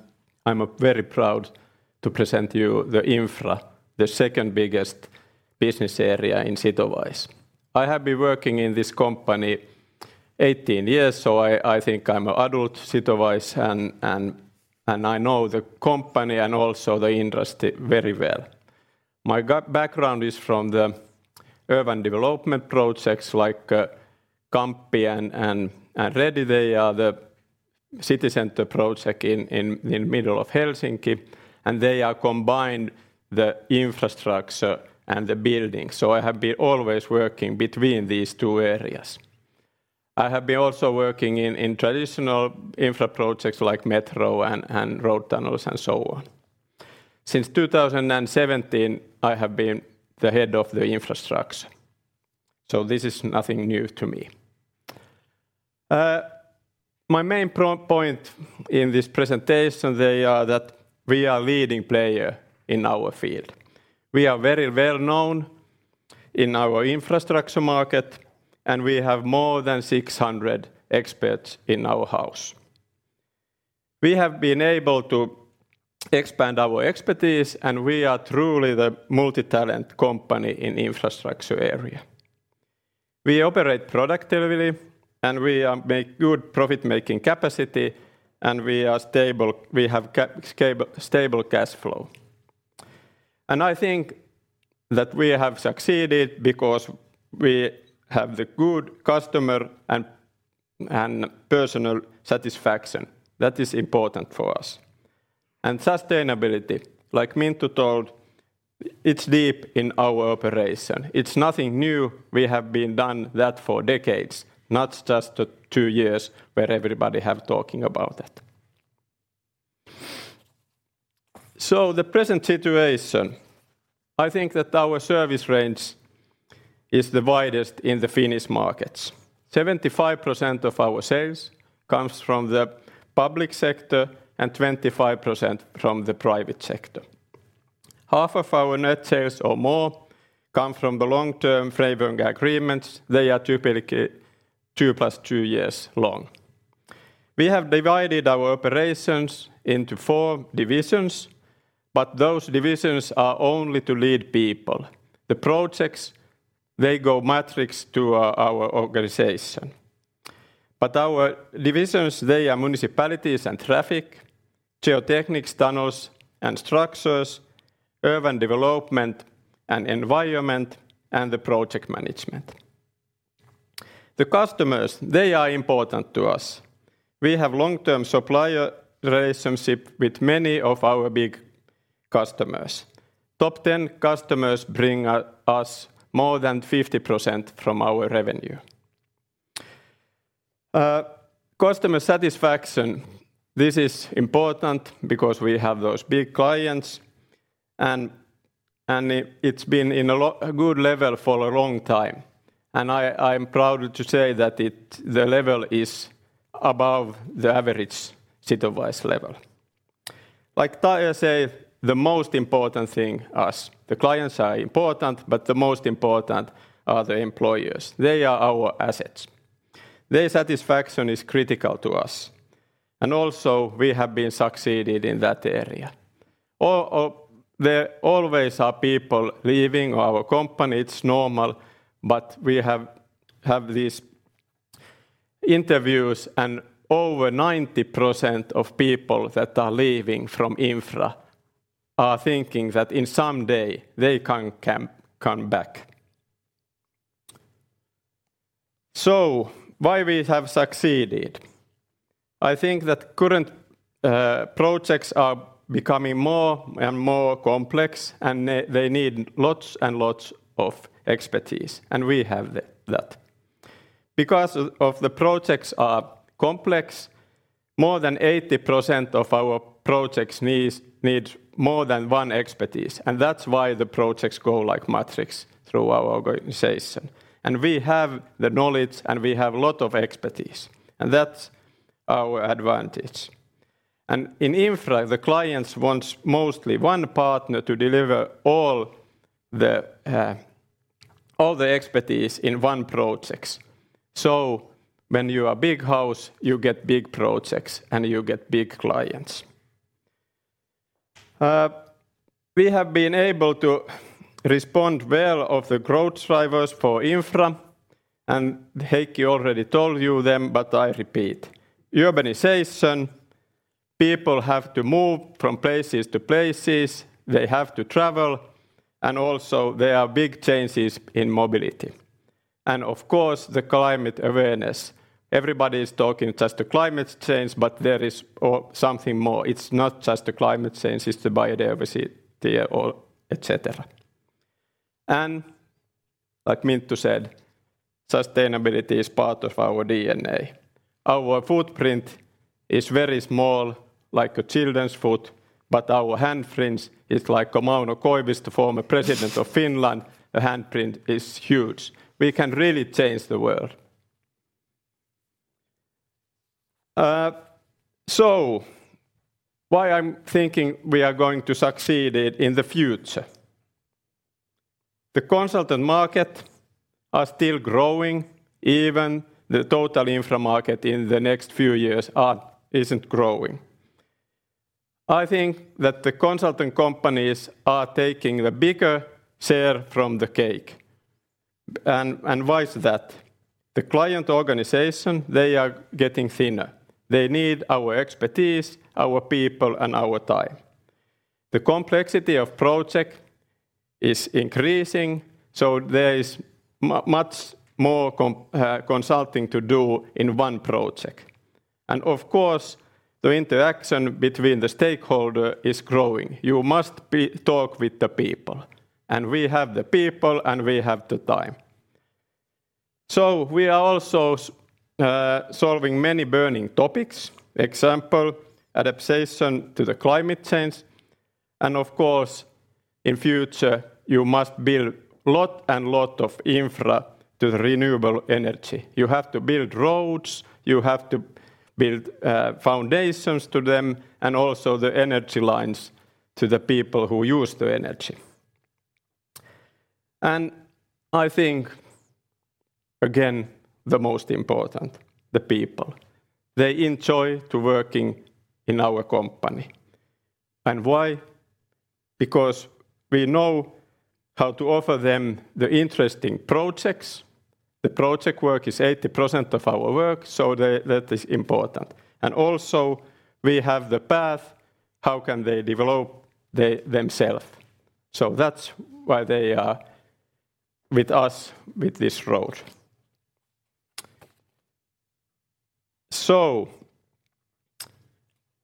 I'm very proud to present to you the Infra, the second biggest business area in Sitowise. I have been working in this company 18 years, so I think I'm an adult Sitowise, and I know the company and also the industry very well. My background is from the urban development projects like Kamppi and Redi. They are the city center project in middle of Helsinki, and they are combined the infrastructure and the building. I have been always working between these two areas. I have been also working in traditional infra projects like metro and road tunnels and so on. Since 2017, I have been the head of the infrastructure, so this is nothing new to me. My main point in this presentation, they are that we are leading player in our field. We are very well known in our infrastructure market, and we have more than 600 experts in our house. We have been able to expand our expertise, and we are truly the multi-talent company in infrastructure area. We operate productively, and we make good profit-making capacity, and we have stable cash flow. I think that we have succeeded because we have the good customer and personal satisfaction. That is important for us. Sustainability, like Minttu told, it's deep in our operation. It's nothing new. We have been done that for decades, not just the two years where everybody have talking about it. The present situation, I think that our service range is the widest in the Finnish markets. 75% of our sales comes from the public sector and 25% from the private sector. Half of our net sales or more come from the long-term framework agreements. They are typically 2+ two years long. We have divided our operations into four divisions, but those divisions are only to lead people. The projects, they go matrix to our organization. Our divisions, they are Municipalities and Traffic, Geotechnics, Tunnels, and Structures, Urban Development and Environment, and Project Management. The customers, they are important to us. We have long-term supplier relationship with many of our big customers. Top 10 customers bring us more than 50% from our revenue. Customer satisfaction, this is important because we have those big clients, and it's been in a good level for a long time, and I'm proud to say that it. the level is above the average Sitowise level. Like Taija say, the most important thing us, the clients are important, but the most important are the employers. They are our assets. Their satisfaction is critical to us, and also we have been succeeded in that area. There always are people leaving our company, it's normal, but we have these interviews, and over 90% of people that are leaving from Infra are thinking that in some day they can come back. Why we have succeeded? I think that current projects are becoming more and more complex, and they need lots and lots of expertise, and we have that. Because of the projects are complex, more than 80% of our projects need more than one expertise, and that's why the projects go like matrix through our organization. We have the knowledge, and we have a lot of expertise, and that's our advantage. In infra, the clients wants mostly one partner to deliver all the expertise in one projects. When you are big house, you get big projects, and you get big clients. We have been able to respond well of the growth drivers for infra, and Heikki already told you them, but I repeat: urbanization, people have to move from places to places, they have to travel, and also there are big changes in mobility. Of course, the climate awareness. Everybody is talking just the climate change, but there is something more. It's not just the climate change, it's the biodiversity or et cetera. Like Minttu said, sustainability is part of our DNA. Our footprint is very small, like a children's foot, but our handprints is like Mauno Koivisto, Former President of Finland, the handprint is huge. Why I'm thinking we are going to succeed in the future? The consultant market are still growing, even the total infra market in the next few years isn't growing. I think that the consulting companies are taking the bigger share from the cake, and why is that? The client organization, they are getting thinner. They need our expertise, our people, and our time. The complexity of project is increasing, so there is much more consulting to do in one project. Of course, the interaction between the stakeholder is growing. You talk with the people, and we have the people, and we have the time. We are also solving many burning topics. Example, adaptation to the climate change, and of course, in future, you must build lot and lot of infra to the renewable energy. You have to build roads, you have to build foundations to them, and also the energy lines to the people who use the energy. I think, again, the most important, the people, they enjoy to working in our company. Why? Because we know how to offer them the interesting projects. The project work is 80% of our work, so that is important. Also, we have the path, how can they develop themselves? That's why they are with us with this road.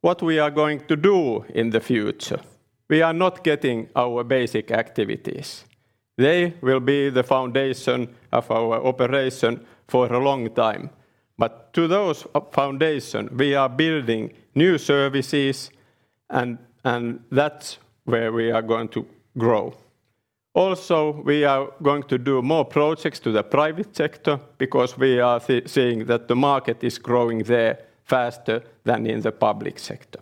What we are going to do in the future? We are not getting our basic activities. They will be the foundation of our operation for a long time. To those foundation, we are building new services, and that's where we are going to grow. Also, we are going to do more projects to the private sector because we are seeing that the market is growing there faster than in the public sector.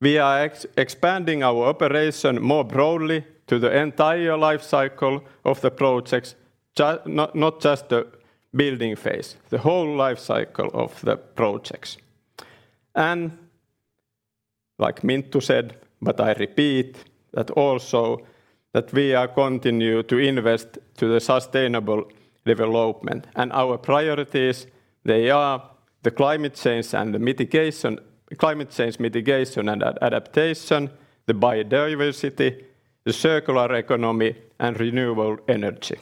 We are expanding our operation more broadly to the entire life cycle of the projects, not just the building phase, the whole life cycle of the projects. Like Minttu said, but I repeat, that also, that we are continue to invest to the sustainable development. Our priorities, they are the climate change and the climate change mitigation and adaptation, the biodiversity, the circular economy, and renewable energy.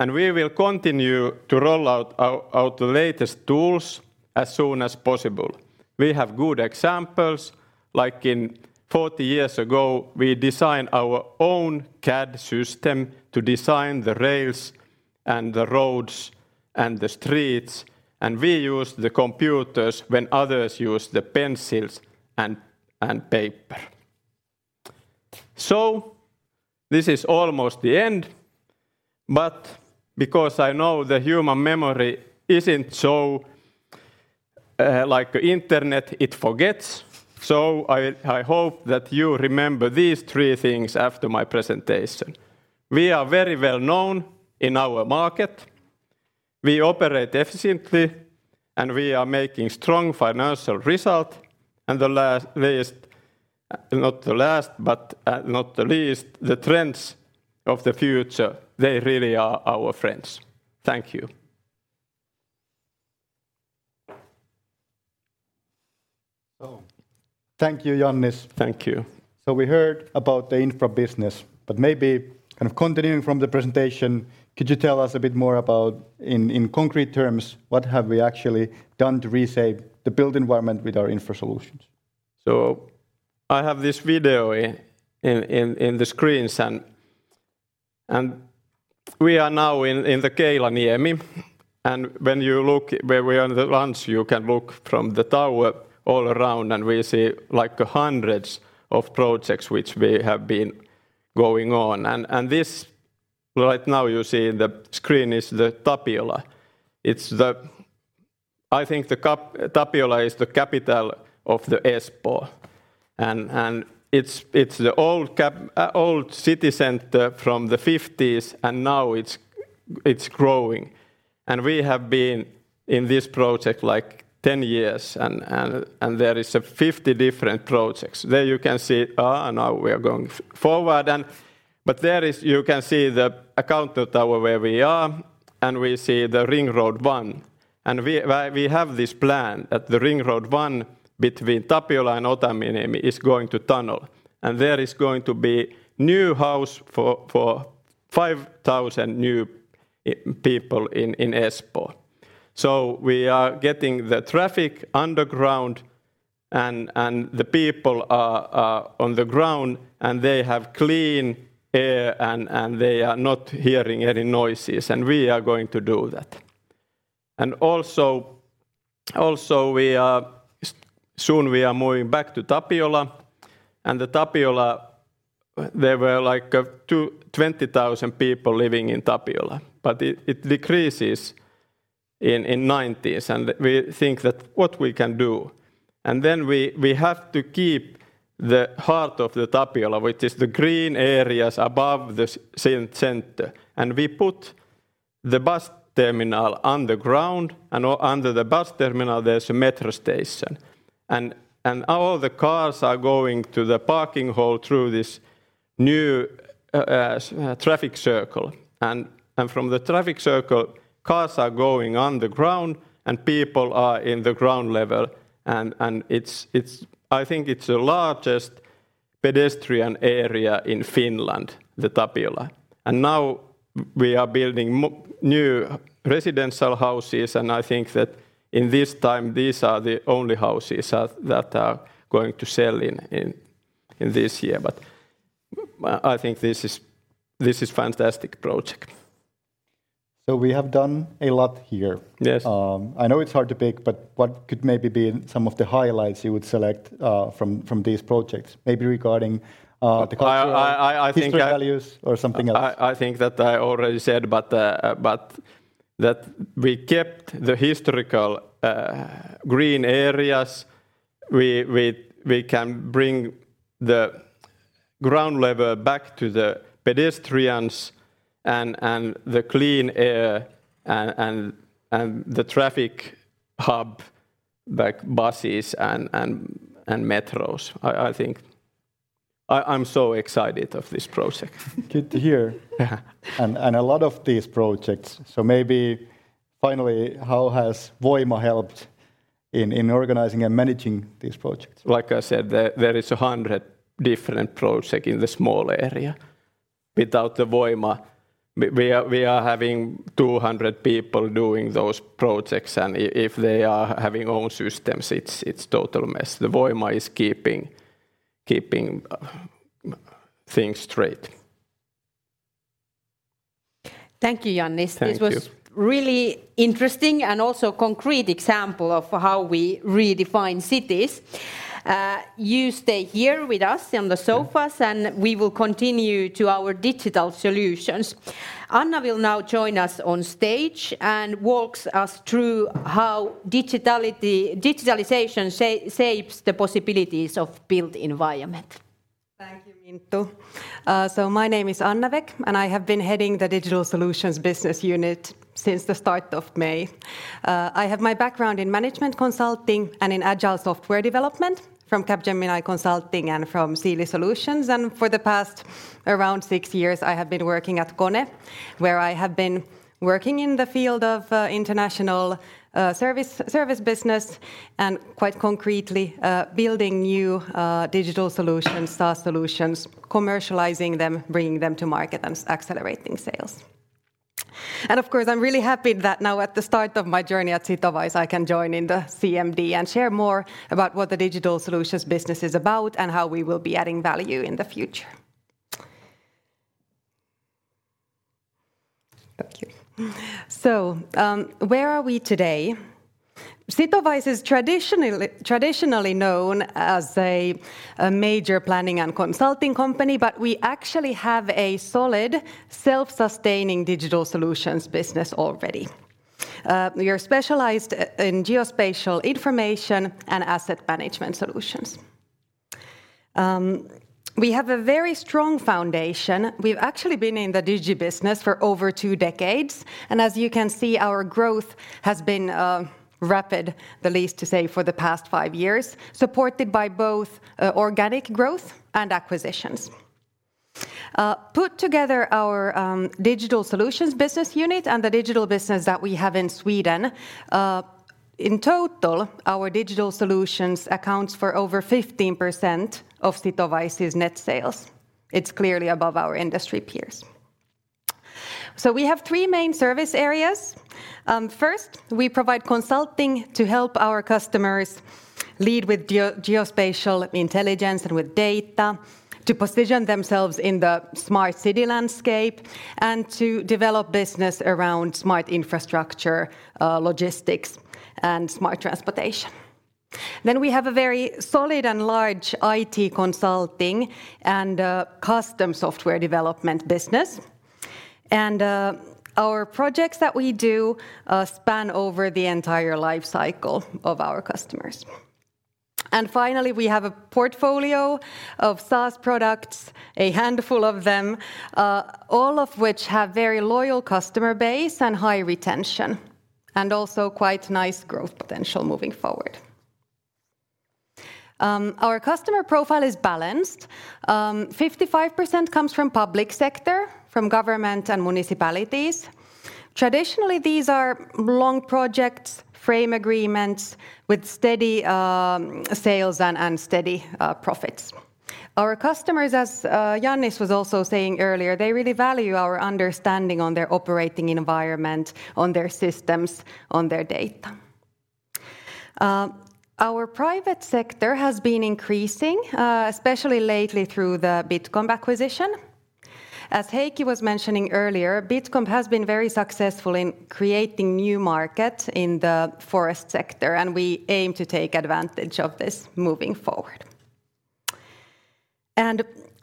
We will continue to roll out our latest tools as soon as possible. We have good examples, like in 40 years ago, we designed our own CAD system to design the rails, and the roads, and the streets, and we used the computers when others used the pencils and paper. This is almost the end, but because I know the human memory isn't so like internet, it forgets, so I hope that you remember these three things after my presentation. We are very well known in our market, we operate efficiently, and we are making strong financial result. The last least, not the last, but not the least, the trends of the future, they really are our friends. Thank you. Thank you, Jannis. Thank you. We heard about the infra business, maybe kind of continuing from the presentation, could you tell us a bit more about, in concrete terms, what have we actually done to resave the built environment with our infra solutions? I have this video in the screens, and we are now in Keilaniemi, and when you look where we are in the launch, you can look from the tower all around, and we see, like, hundreds of projects which we have been going on. Right now, you see the screen is the Tapiola. It's the, I think Tapiola is the capital of Espoo, and it's the old city center from the 1950s, and now it's growing. We have been in this project, like, 10 years, and there is 50 different projects. There you can see, now we are going forward, but there is, you can see the Accountor Tower where we are and we see the Ring Road 1. We have this plan that the Ring Road 1 between Tapiola and Otaniemi is going to tunnel, and there is going to be new house for 5,000 new people in Espoo. We are getting the traffic underground, and the people are on the ground, and they have clean air, and they are not hearing any noises, and we are going to do that. Also, we are soon we are moving back to Tapiola, and the Tapiola, there were 20,000 people living in Tapiola, but it decreases in 1990s, and we think that what we can do? We have to keep the heart of Tapiola, which is the green areas above the center, and we put the bus terminal on the ground, and under the bus terminal, there's a metro station. All the cars are going to the parking hall through this new traffic circle, and from the traffic circle, cars are going underground, and people are in the ground level. I think it's the largest pedestrian area in Finland, Tapiola. Now we are building new residential houses, and I think that in this time, these are the only houses that are going to sell this year. I think this is fantastic project. We have done a lot here. Yes. I know it's hard to pick, but what could maybe be some of the highlights you would select, from these projects? Maybe regarding, the cultural. I think. Historical values or something else. I think that I already said, but that we kept the historical green areas. We can bring the ground level back to the pedestrians and the clean air and the traffic hub, like buses and metros. I think. I'm so excited of this project. Good to hear. Yeah. A lot of these projects, so maybe finally, how has Voima helped in organizing and managing these projects? Like I said, there is 100 different project in the small area. Without the Voima, we are having 200 people doing those projects, and if they are having own systems, it's total mess. The Voima is keeping things straight. Thank you, Jannis. Thank you. This was really interesting and also concrete example of how we redefine cities. You stay here with us on the sofas. Yeah And we will continue to our digital solutions. Anna will now join us on stage and walks us through how digitality, digitalization shapes the possibilities of built environment. Thank you, Minttu. My name is Anna Wäck, and I have been heading the digital solutions business unit since the start of May. I have my background in management consulting and in agile software development from Capgemini Consulting and from Siili Solutions, and for the past around six years, I have been working at KONE, where I have been working in the field of international service business, and quite concretely, building new digital solutions, SaaS solutions, commercializing them, bringing them to market, and accelerating sales. Of course, I'm really happy that now at the start of my journey at Sitowise, I can join in the CMD and share more about what the digital solutions business is about and how we will be adding value in the future. Thank you. Where are we today? Sitowise is traditionally known as a major planning and consulting company, we actually have a solid, self-sustaining digital solutions business already. We are specialized in geospatial information and asset management solutions. We have a very strong foundation. We've actually been in the digi-business for over two decades, as you can see, our growth has been rapid, the least to say, for the past five years, supported by both organic growth and acquisitions. Put together our digital solutions business unit and the digital business that we have in Sweden, in total, our digital solutions accounts for over 15% of Sitowise's net sales. It's clearly above our industry peers. We have three main service areas. First, we provide consulting to help our customers lead with geospatial intelligence and with data, to position themselves in the smart city landscape, and to develop business around smart infrastructure, logistics, and smart transportation. We have a very solid and large IT consulting and custom software development business. Our projects that we do span over the entire life cycle of our customers. Finally, we have a portfolio of SaaS products, a handful of them, all of which have very loyal customer base and high retention, and also quite nice growth potential moving forward. Our customer profile is balanced. 55% comes from public sector, from government and municipalities. Traditionally, these are long projects, frame agreements with steady sales and steady profits. Our customers, as Jannis was also saying earlier, they really value our understanding on their operating environment, on their systems, on their data. Our private sector has been increasing especially lately through the Bitcomp acquisition. As Heikki was mentioning earlier, Bitcomp has been very successful in creating new market in the forest sector, we aim to take advantage of this moving forward.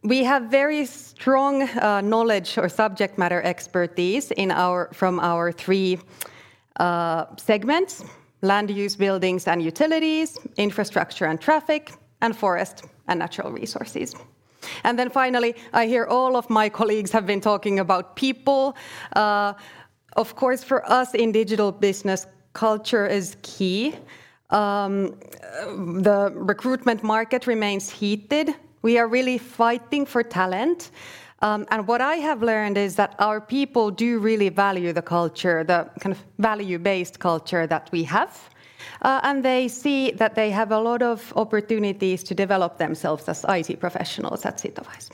We have very strong knowledge or subject matter expertise from our three segments: land use, buildings and utilities, infrastructure and traffic, and forest and natural resources. Finally, I hear all of my colleagues have been talking about people. Of course, for us in digital business, culture is key. The recruitment market remains heated. We are really fighting for talent. What I have learned is that our people do really value the culture, the kind of value-based culture that we have. They see that they have a lot of opportunities to develop themselves as IT professionals at Sitowise.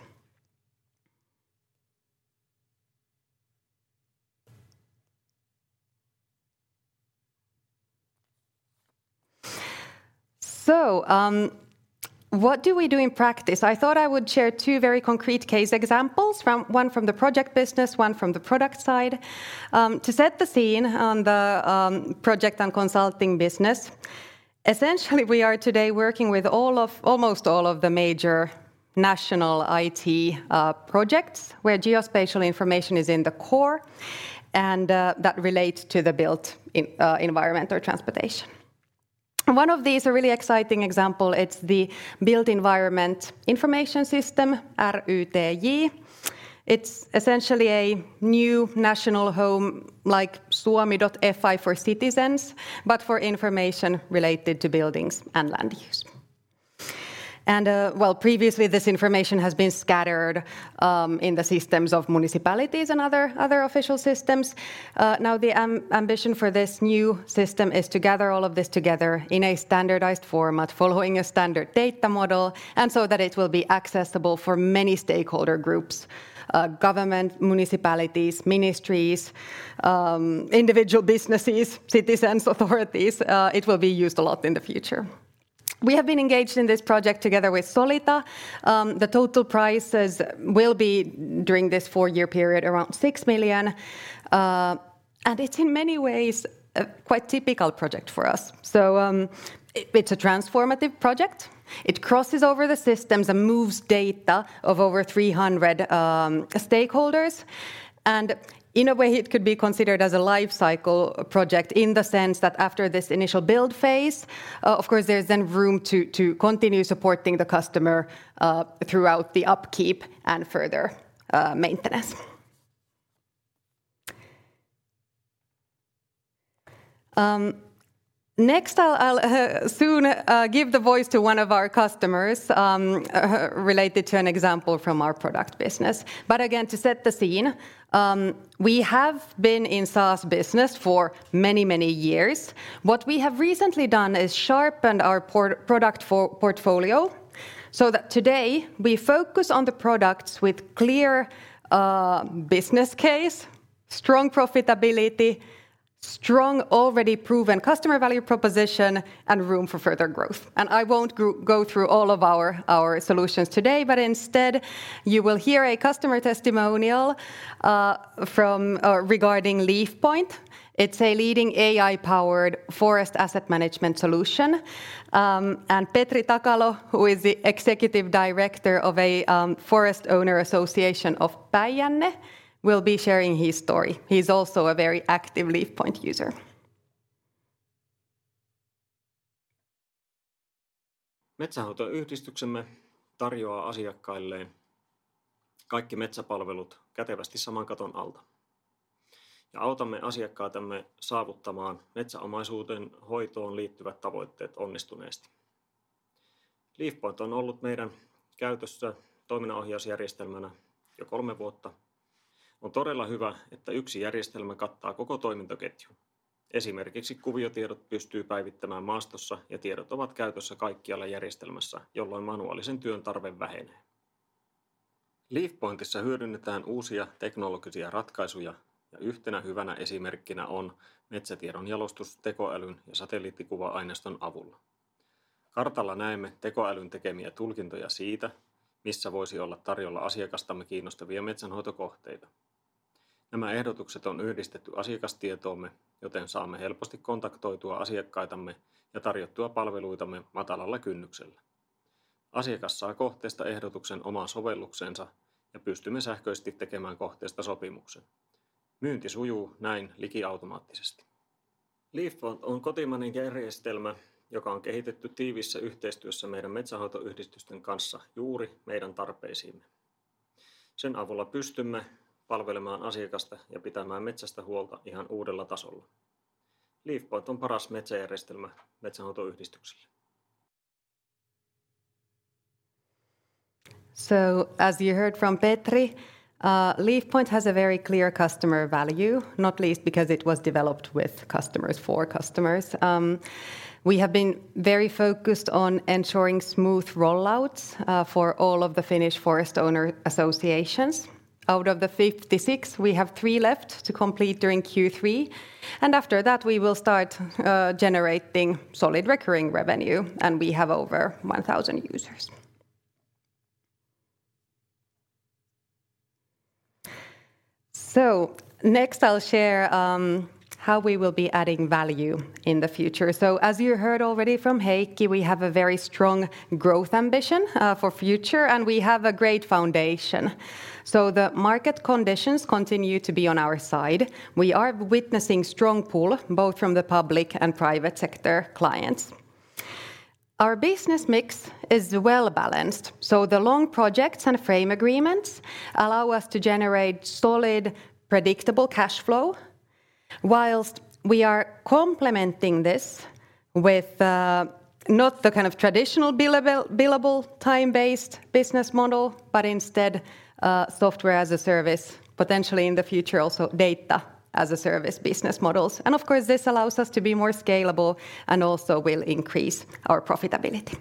What do we do in practice? I thought I would share two very concrete case examples, one from the project business, one from the product side. To set the scene on the project and consulting business, essentially, we are today working with almost all of the major national IT projects, where geospatial information is in the core and that relate to the built environment or transportation. One of these, a really exciting example, it's the built environment information system, RYTJ. It's essentially a new national home, like Suomi.fi for citizens, but for information related to buildings and land use. Well, previously, this information has been scattered in the systems of municipalities and other official systems. Now, the ambition for this new system is to gather all of this together in a standardized format, following a standard data model, and so that it will be accessible for many stakeholder groups: government, municipalities, ministries, individual businesses, citizens, authorities. It will be used a lot in the future. We have been engaged in this project together with Solita. The total prices will be, during this four-year period, around 6 million. It's in many ways a quite typical project for us. It's a transformative project. It crosses over the systems and moves data of over 300 stakeholders. In a way, it could be considered as a life cycle project, in the sense that after this initial build phase, of course, there's then room to continue supporting the customer throughout the upkeep and further maintenance. Next, I'll soon give the voice to one of our customers related to an example from our product business. Again, to set the scene, we have been in SaaS business for many, many years. What we have recently done is sharpened our product portfolio, so that today we focus on the products with clear business case, strong profitability, strong, already proven customer value proposition, and room for further growth. I won't go through all of our solutions today, but instead, you will hear a customer testimonial regarding LeafPoint. It's a leading AI-powered forest asset management solution. Petri Takalo, who is the executive director of a, forest owner association of Päijänne, will be sharing his story. He's also a very active LeafPoint user. Metsänhoitoyhdistyksemme tarjoaa asiakkailleen kaikki metsäpalvelut kätevästi saman katon alta. Autamme asiakkaitamme saavuttamaan metsäomaisuuden hoitoon liittyvät tavoitteet onnistuneesti. LeafPoint on ollut meidän käytössä toiminnanohjausjärjestelmänä jo three vuotta. On todella hyvä, että one järjestelmä kattaa koko toimintaketjun. Esimerkiksi kuviotiedot pystyy päivittämään maastossa, tiedot ovat käytössä kaikkialla järjestelmässä, jolloin manuaalisen työn tarve vähenee. LeafPointissa hyödynnetään uusia teknologisia ratkaisuja, yhtenä hyvänä esimerkkinä on metsätiedon jalostus AI:n ja satelliittikuva-aineiston avulla. Kartalla näemme AI:n tekemiä tulkintoja siitä, missä voisi olla tarjolla asiakastamme kiinnostavia metsänhoitokohteita. Nämä ehdotukset on yhdistetty asiakastietoomme, saamme helposti kontaktoitua asiakkaitamme ja tarjottua palveluitamme matalalla kynnyksellä. Asiakas saa kohteesta ehdotuksen omaan sovellukseensa, pystymme sähköisesti tekemään kohteesta sopimuksen. Myynti sujuu näin liki automaattisesti. LeafPoint on kotimainen järjestelmä, joka on kehitetty tiiviissä yhteistyössä meidän metsänhoitoyhdistysten kanssa juuri meidän tarpeisiimme. Sen avulla pystymme palvelemaan asiakasta ja pitämään metsästä huolta ihan uudella tasolla. LeafPoint on paras metsäjärjestelmä metsänhoitoyhdistyksille. As you heard from Petri, LeafPoint has a very clear customer value, not least because it was developed with customers for customers. We have been very focused on ensuring smooth rollouts for all of the Finnish forest owner associations. Out of the 56, we have three left to complete during Q3, and after that, we will start generating solid recurring revenue. We have over 1,000 users. Next, I'll share how we will be adding value in the future. As you heard already from Heikki, we have a very strong growth ambition for future, and we have a great foundation. The market conditions continue to be on our side. We are witnessing strong pull, both from the public and private sector clients. Our business mix is well-balanced, so the long projects and frame agreements allow us to generate solid, predictable cash flow. Whilst we are complementing this with not the kind of traditional billable, time-based business model, but instead, software-as-a-service, potentially in the future also data-as-a-service business models. Of course, this allows us to be more scalable and also will increase our profitability.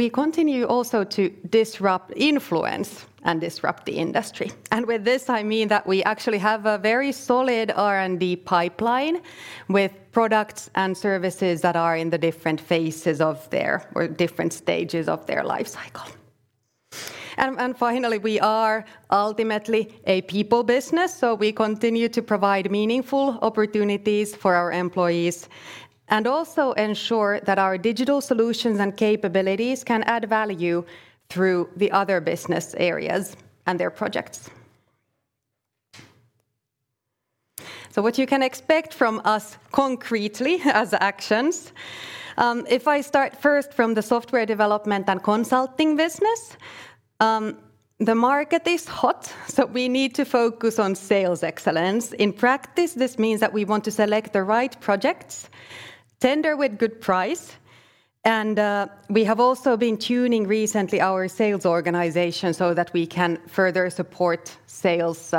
We continue also to disrupt, influence, and disrupt the industry. With this, I mean that we actually have a very solid R&D pipeline with products and services that are in the different stages of their life cycle. Finally, we are ultimately a people business, so we continue to provide meaningful opportunities for our employees and also ensure that our digital solutions and capabilities can add value through the other business areas and their projects. What you can expect from us concretely as actions, if I start first from the software development and consulting business, the market is hot, so we need to focus on sales excellence. In practice, this means that we want to select the right projects, tender with good price, and we have also been tuning recently our sales organization so that we can further support sales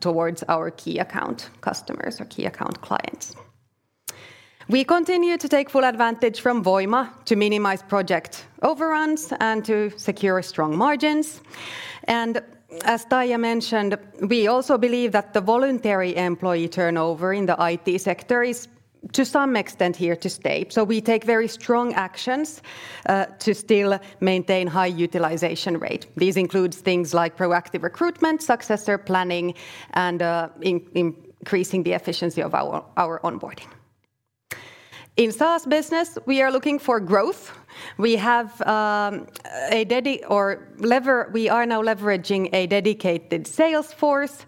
towards our key account customers or key account clients. We continue to take full advantage from Voima to minimize project overruns and to secure strong margins. As Taija mentioned, we also believe that the voluntary employee turnover in the IT sector is, to some extent, here to stay. We take very strong actions to still maintain high utilization rate. These includes things like proactive recruitment, successor planning, and increasing the efficiency of our onboarding. In SaaS business, we are looking for growth. We are now leveraging a dedicated sales force.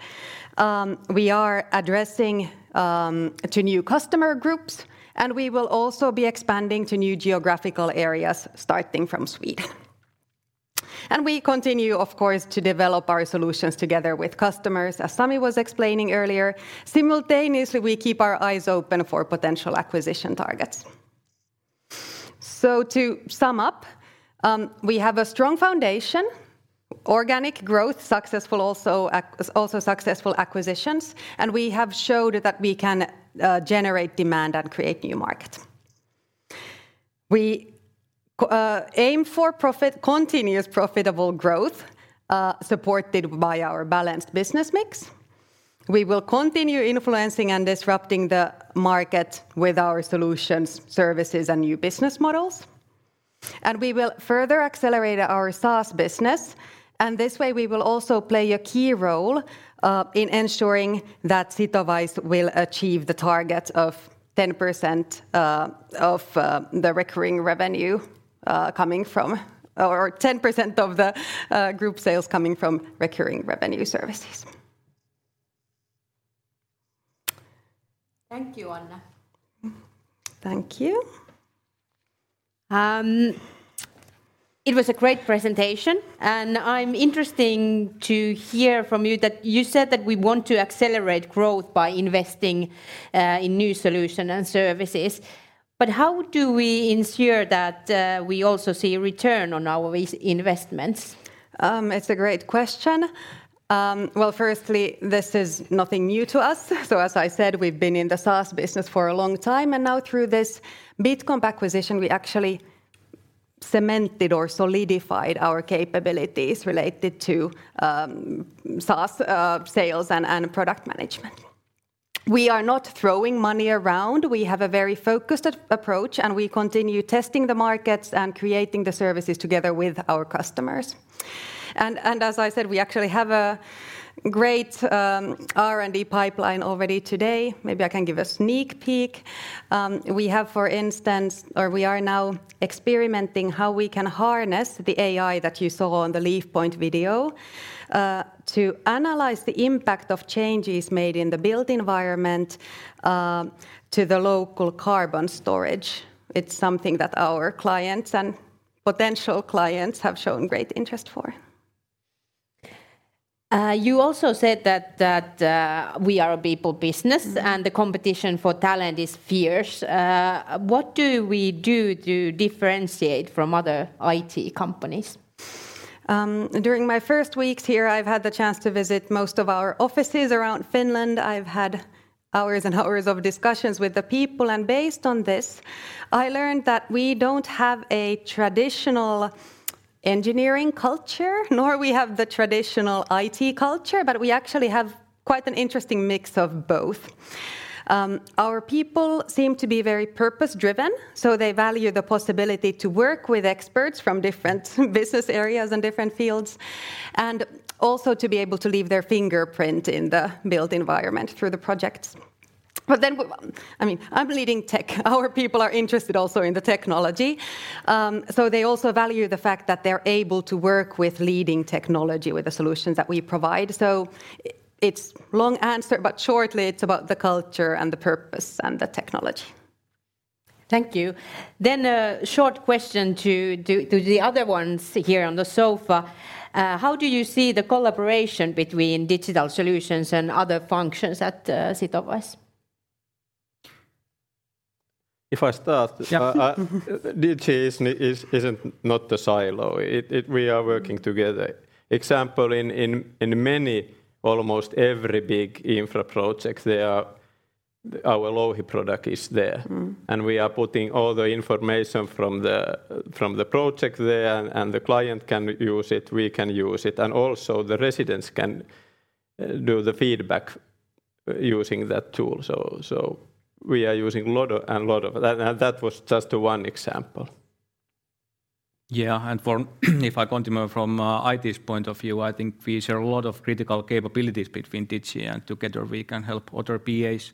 We are addressing to new customer groups, and we will also be expanding to new geographical areas, starting from Sweden. We continue, of course, to develop our solutions together with customers, as Sami was explaining earlier. Simultaneously, we keep our eyes open for potential acquisition targets. To sum up, we have a strong foundation, organic growth, successful also successful acquisitions, and we have showed that we can generate demand and create new markets. We aim for profit, continuous profitable growth, supported by our balanced business mix. We will continue influencing and disrupting the market with our solutions, services, and new business models, and we will further accelerate our SaaS business. This way, we will also play a key role, in ensuring that Sitowise will achieve the target of 10% of the group sales coming from recurring revenue services. Thank you, Anna. Thank you. It was a great presentation, and I'm interesting to hear from you that you said that we want to accelerate growth by investing in new solution and services. How do we ensure that we also see a return on our investments? It's a great question. Well, firstly, this is nothing new to us. As I said, we've been in the SaaS business for a long time, and now through this Bitcomp acquisition, we actually cemented or solidified our capabilities related to SaaS sales and product management. We are not throwing money around. We have a very focused approach, and we continue testing the markets and creating the services together with our customers. As I said, we actually have a great R&D pipeline already today. Maybe I can give a sneak peek. We have, for instance, or we are now experimenting how we can harness the AI that you saw on the LeafPoint video to analyze the impact of changes made in the built environment to the local carbon storage. It's something that our clients and potential clients have shown great interest for. You also said that we are a people business. Mm. The competition for talent is fierce. What do we do to differentiate from other IT companies? During my first weeks here, I've had the chance to visit most of our offices around Finland. I've had hours and hours of discussions with the people. Based on this, I learned that we don't have a traditional engineering culture, nor we have the traditional IT culture, but we actually have quite an interesting mix of both. Our people seem to be very purpose-driven, so they value the possibility to work with experts from different business areas and different fields, and also to be able to leave their fingerprint in the built environment through the projects. I mean, I'm leading tech. Our people are interested also in the technology. They also value the fact that they're able to work with leading technology, with the solutions that we provide. It's long answer, but shortly, it's about the culture, and the purpose, and the technology. Thank you. A short question to the other ones here on the sofa. How do you see the collaboration between digital solutions and other functions at Sitowise? If I start. Yeah. Digi isn't not the Silo. It, we are working together. Example, in many, almost every big infra project, there are. Our Louhi product is there. Mm. We are putting all the information from the project there, and the client can use it, we can use it, and also the residents can do the feedback using that tool. We are using lot and lot of that. That was just the one example. Yeah, for if I continue from IT's point of view, I think we share a lot of critical capabilities between Digi, and together we can help other PAs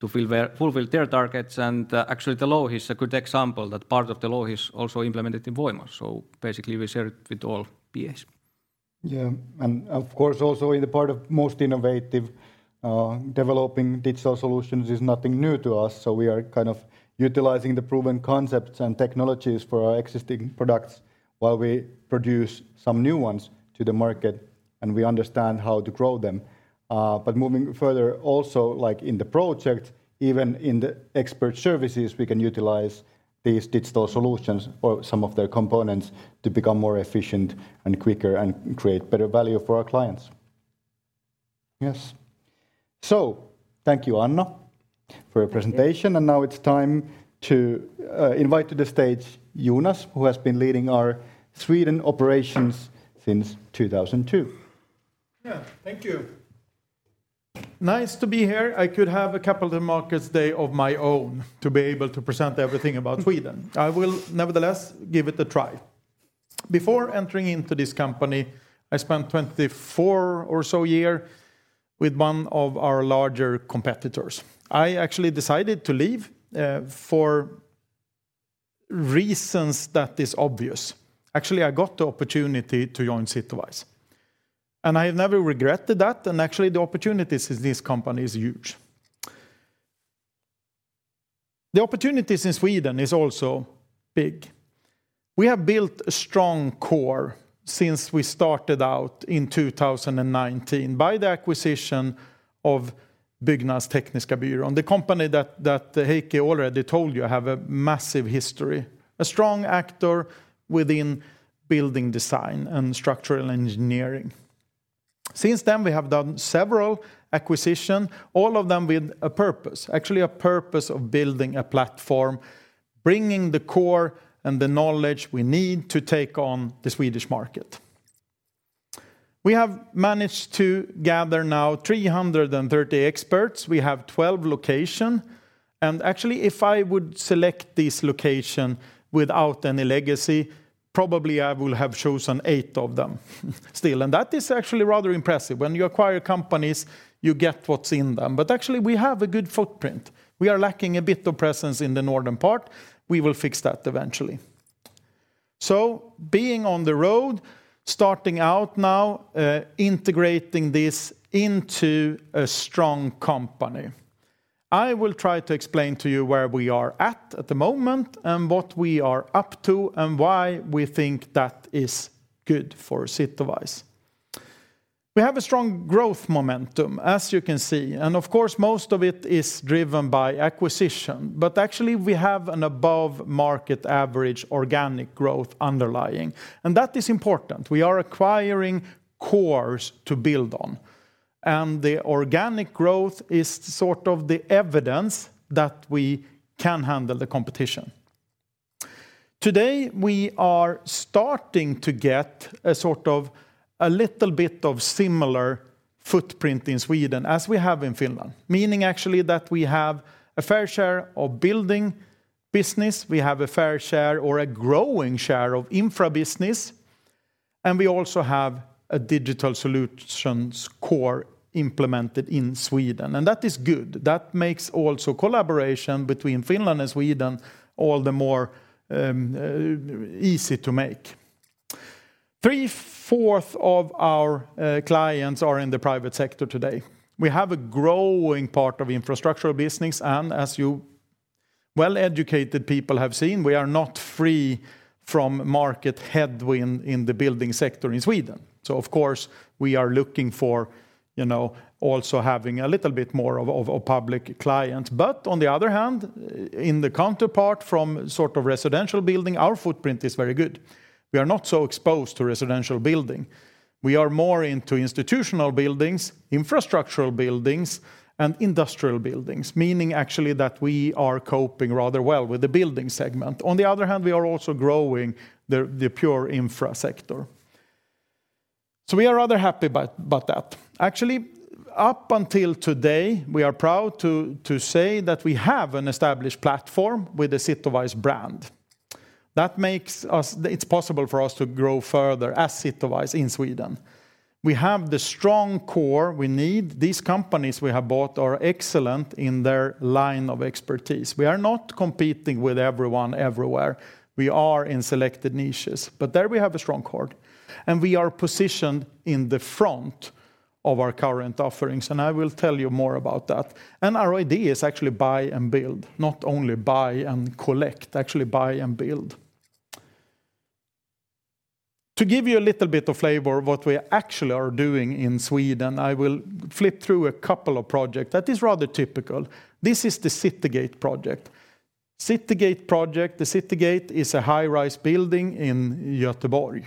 to fulfill their targets. Actually, the Louhi is a good example. That part of the Louhi is also implemented in Voima, so basically, we share it with all PAs. Of course, also in the part of most innovative, developing digital solutions is nothing new to us, so we are kind of utilizing the proven concepts and technologies for our existing products while we produce some new ones to the market, and we understand how to grow them. Moving further, also, like in the project, even in the expert services, we can utilize these digital solutions or some of their components to become more efficient and quicker and create better value for our clients. Yes. Thank you, Anna, for your presentation. Thank you. Now it's time to invite to the stage Jonas, who has been leading our Sweden operations since 2002. Yeah, thank you. Nice to be here. I could have a Capital Markets Day of my own to be able to present everything about Sweden. I will, nevertheless, give it a try. Before entering into this company, I spent 24 or so year with one of our larger competitors. I actually decided to leave, for reasons that is obvious. Actually, I got the opportunity to join Sitowise. I have never regretted that. Actually, the opportunities in this company is huge. The opportunities in Sweden is also big. We have built a strong core since we started out in 2019 by the acquisition of Byggnadstekniska Byrån, the company that Heikki already told you, have a massive history, a strong actor within building design and structural engineering. Since then, we have done several acquisitions, all of them with a purpose, actually, a purpose of building a platform, bringing the core and the knowledge we need to take on the Swedish market. We have managed to gather now 330 experts. We have 12 locations. Actually, if I would select this location without any legacy, probably I will have chosen eight of them still. That is actually rather impressive. When you acquire companies, you get what's in them. Actually, we have a good footprint. We are lacking a bit of presence in the northern part. We will fix that eventually. Being on the road, starting out now, integrating this into a strong company. I will try to explain to you where we are at the moment, what we are up to, and why we think that is good for Sitowise. We have a strong growth momentum, as you can see. Of course, most of it is driven by acquisition, actually we have an above-market average organic growth underlying. That is important. We are acquiring cores to build on. The organic growth is sort of the evidence that we can handle the competition. Today, we are starting to get a sort of, a little bit of similar footprint in Sweden as we have in Finland, meaning actually that we have a fair share of building business, we have a fair share or a growing share of infra business. We also have a digital solutions core implemented in Sweden. That is good. That makes also collaboration between Finland and Sweden all the more easy to make. Three-fourths of our clients are in the private sector today. We have a growing part of infrastructural business, and as you well-educated people have seen, we are not free from market headwind in the building sector in Sweden. Of course, we are looking for, you know, also having a little bit more of public clients. On the other hand, in the counterpart from sort of residential building, our footprint is very good. We are not so exposed to residential building. We are more into institutional buildings, infrastructural buildings, and industrial buildings, meaning actually that we are coping rather well with the building segment. On the other hand, we are also growing the pure infra sector. We are rather happy about that. Actually, up until today, we are proud to say that we have an established platform with the Sitowise brand. It's possible for us to grow further as Sitowise in Sweden. We have the strong core we need. These companies we have bought are excellent in their line of expertise. We are not competing with everyone everywhere. We are in selected niches, but there we have a strong core, and we are positioned in the front of our current offerings, and I will tell you more about that. Our idea is actually buy and build, not only buy and collect, actually buy and build. To give you a little bit of flavor of what we actually are doing in Sweden, I will flip through a couple of project that is rather typical. This is the City Gate project. City Gate project, the City Gate is a high-rise building in Göteborg.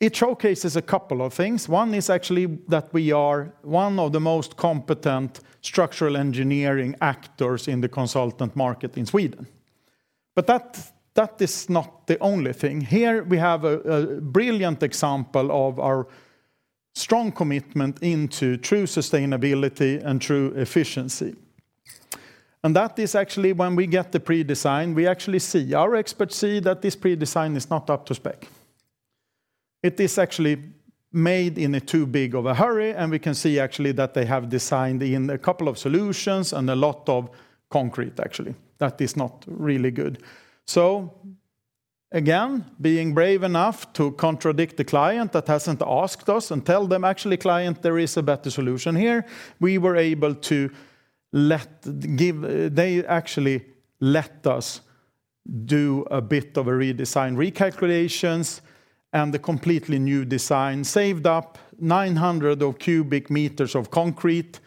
It showcases a couple of things. One is actually that we are one of the most competent structural engineering actors in the consultant market in Sweden. That is not the only thing. Here, we have a brilliant example of our strong commitment into true sustainability and true efficiency. That is actually when we get the pre-design, our experts see that this pre-design is not up to spec. It is actually made in a too big of a hurry, and we can see actually that they have designed in a couple of solutions and a lot of concrete, actually. That is not really good. Again, being brave enough to contradict the client that hasn't asked us and tell them, "Actually, client, there is a better solution here," we were able to they actually let us do a bit of a redesign recalculations, and the completely new design saved up 900 cubic meter of concrete,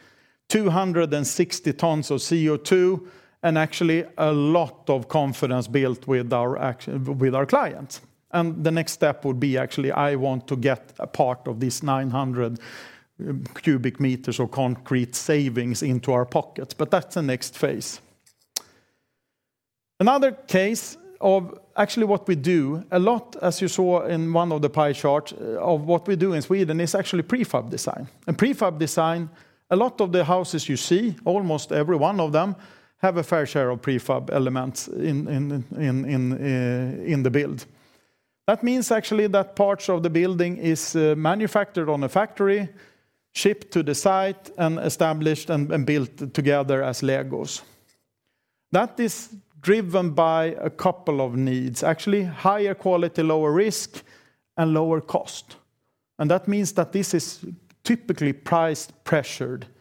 260 tons of CO2, and actually a lot of confidence built with our with our clients. The next step would be, actually, I want to get a part of this 900 cubic meter of concrete savings into our pockets, but that's the next phase. Another case of actually what we do, a lot, as you saw in one of the pie charts, of what we do in Sweden is actually prefab design. Prefab design, a lot of the houses you see, almost every one of them, have a fair share of prefab elements in the build. That means actually that parts of the building is manufactured on a factory, shipped to the site, and established and built together as Legos. That is driven by a couple of needs, actually, higher quality, lower risk, and lower cost. That means that this is typically price-pressured market,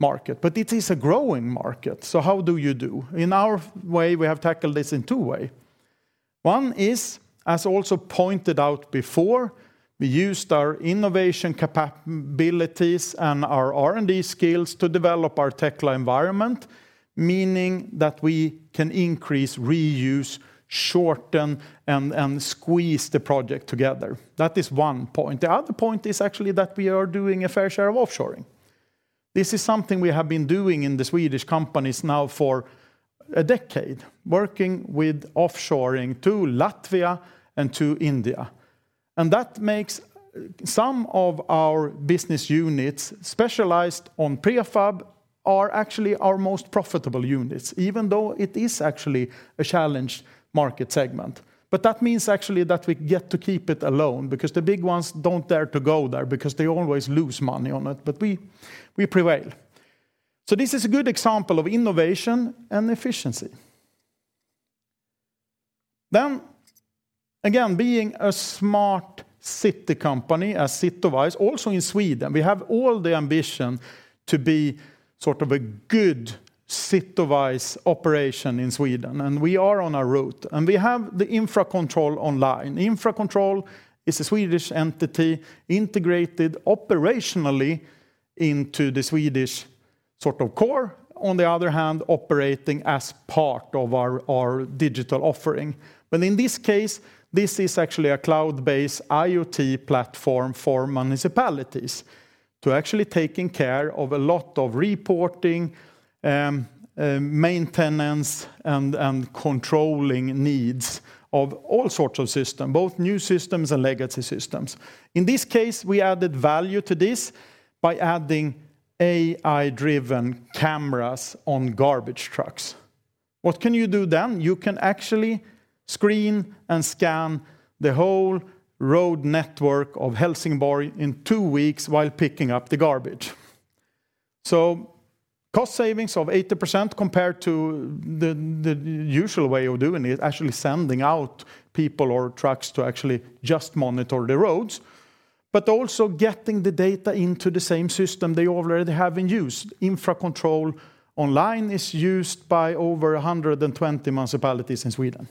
but it is a growing market, so how do you do? In our way, we have tackled this in two way. One is, as also pointed out before, we used our innovation capabilities and our R&D skills to develop our Tekla environment, meaning that we can increase, reuse, shorten, and squeeze the project together. That is one point. The other point is actually that we are doing a fair share of offshoring. This is something we have been doing in the Swedish companies now for a decade, working with offshoring to Latvia and to India. That makes some of our business units specialized on prefab are actually our most profitable units, even though it is actually a challenged market segment. That means actually that we get to keep it alone, because the big ones don't dare to go there because they always lose money on it, but we prevail. This is a good example of innovation and efficiency. Again, being a smart city company, as Sitowise, also in Sweden, we have all the ambition to be sort of a good Sitowise operation in Sweden, and we are on a route. We have the Infracontrol Online. Infracontrol is a Swedish entity integrated operationally into the Swedish sort of core, on the other hand, operating as part of our digital offering. In this case, this is actually a cloud-based IoT platform for municipalities to actually taking care of a lot of reporting, maintenance, and controlling needs of all sorts of system, both new systems and legacy systems. In this case, we added value to this by adding AI-driven cameras on garbage trucks. What can you do then? You can actually screen and scan the whole road network of Helsingborg in two weeks while picking up the garbage. Cost savings of 80% compared to the usual way of doing it, actually sending out people or trucks to actually just monitor the roads, but also getting the data into the same system they already have in use. Infracontrol Online is used by over 120 municipalities in Sweden.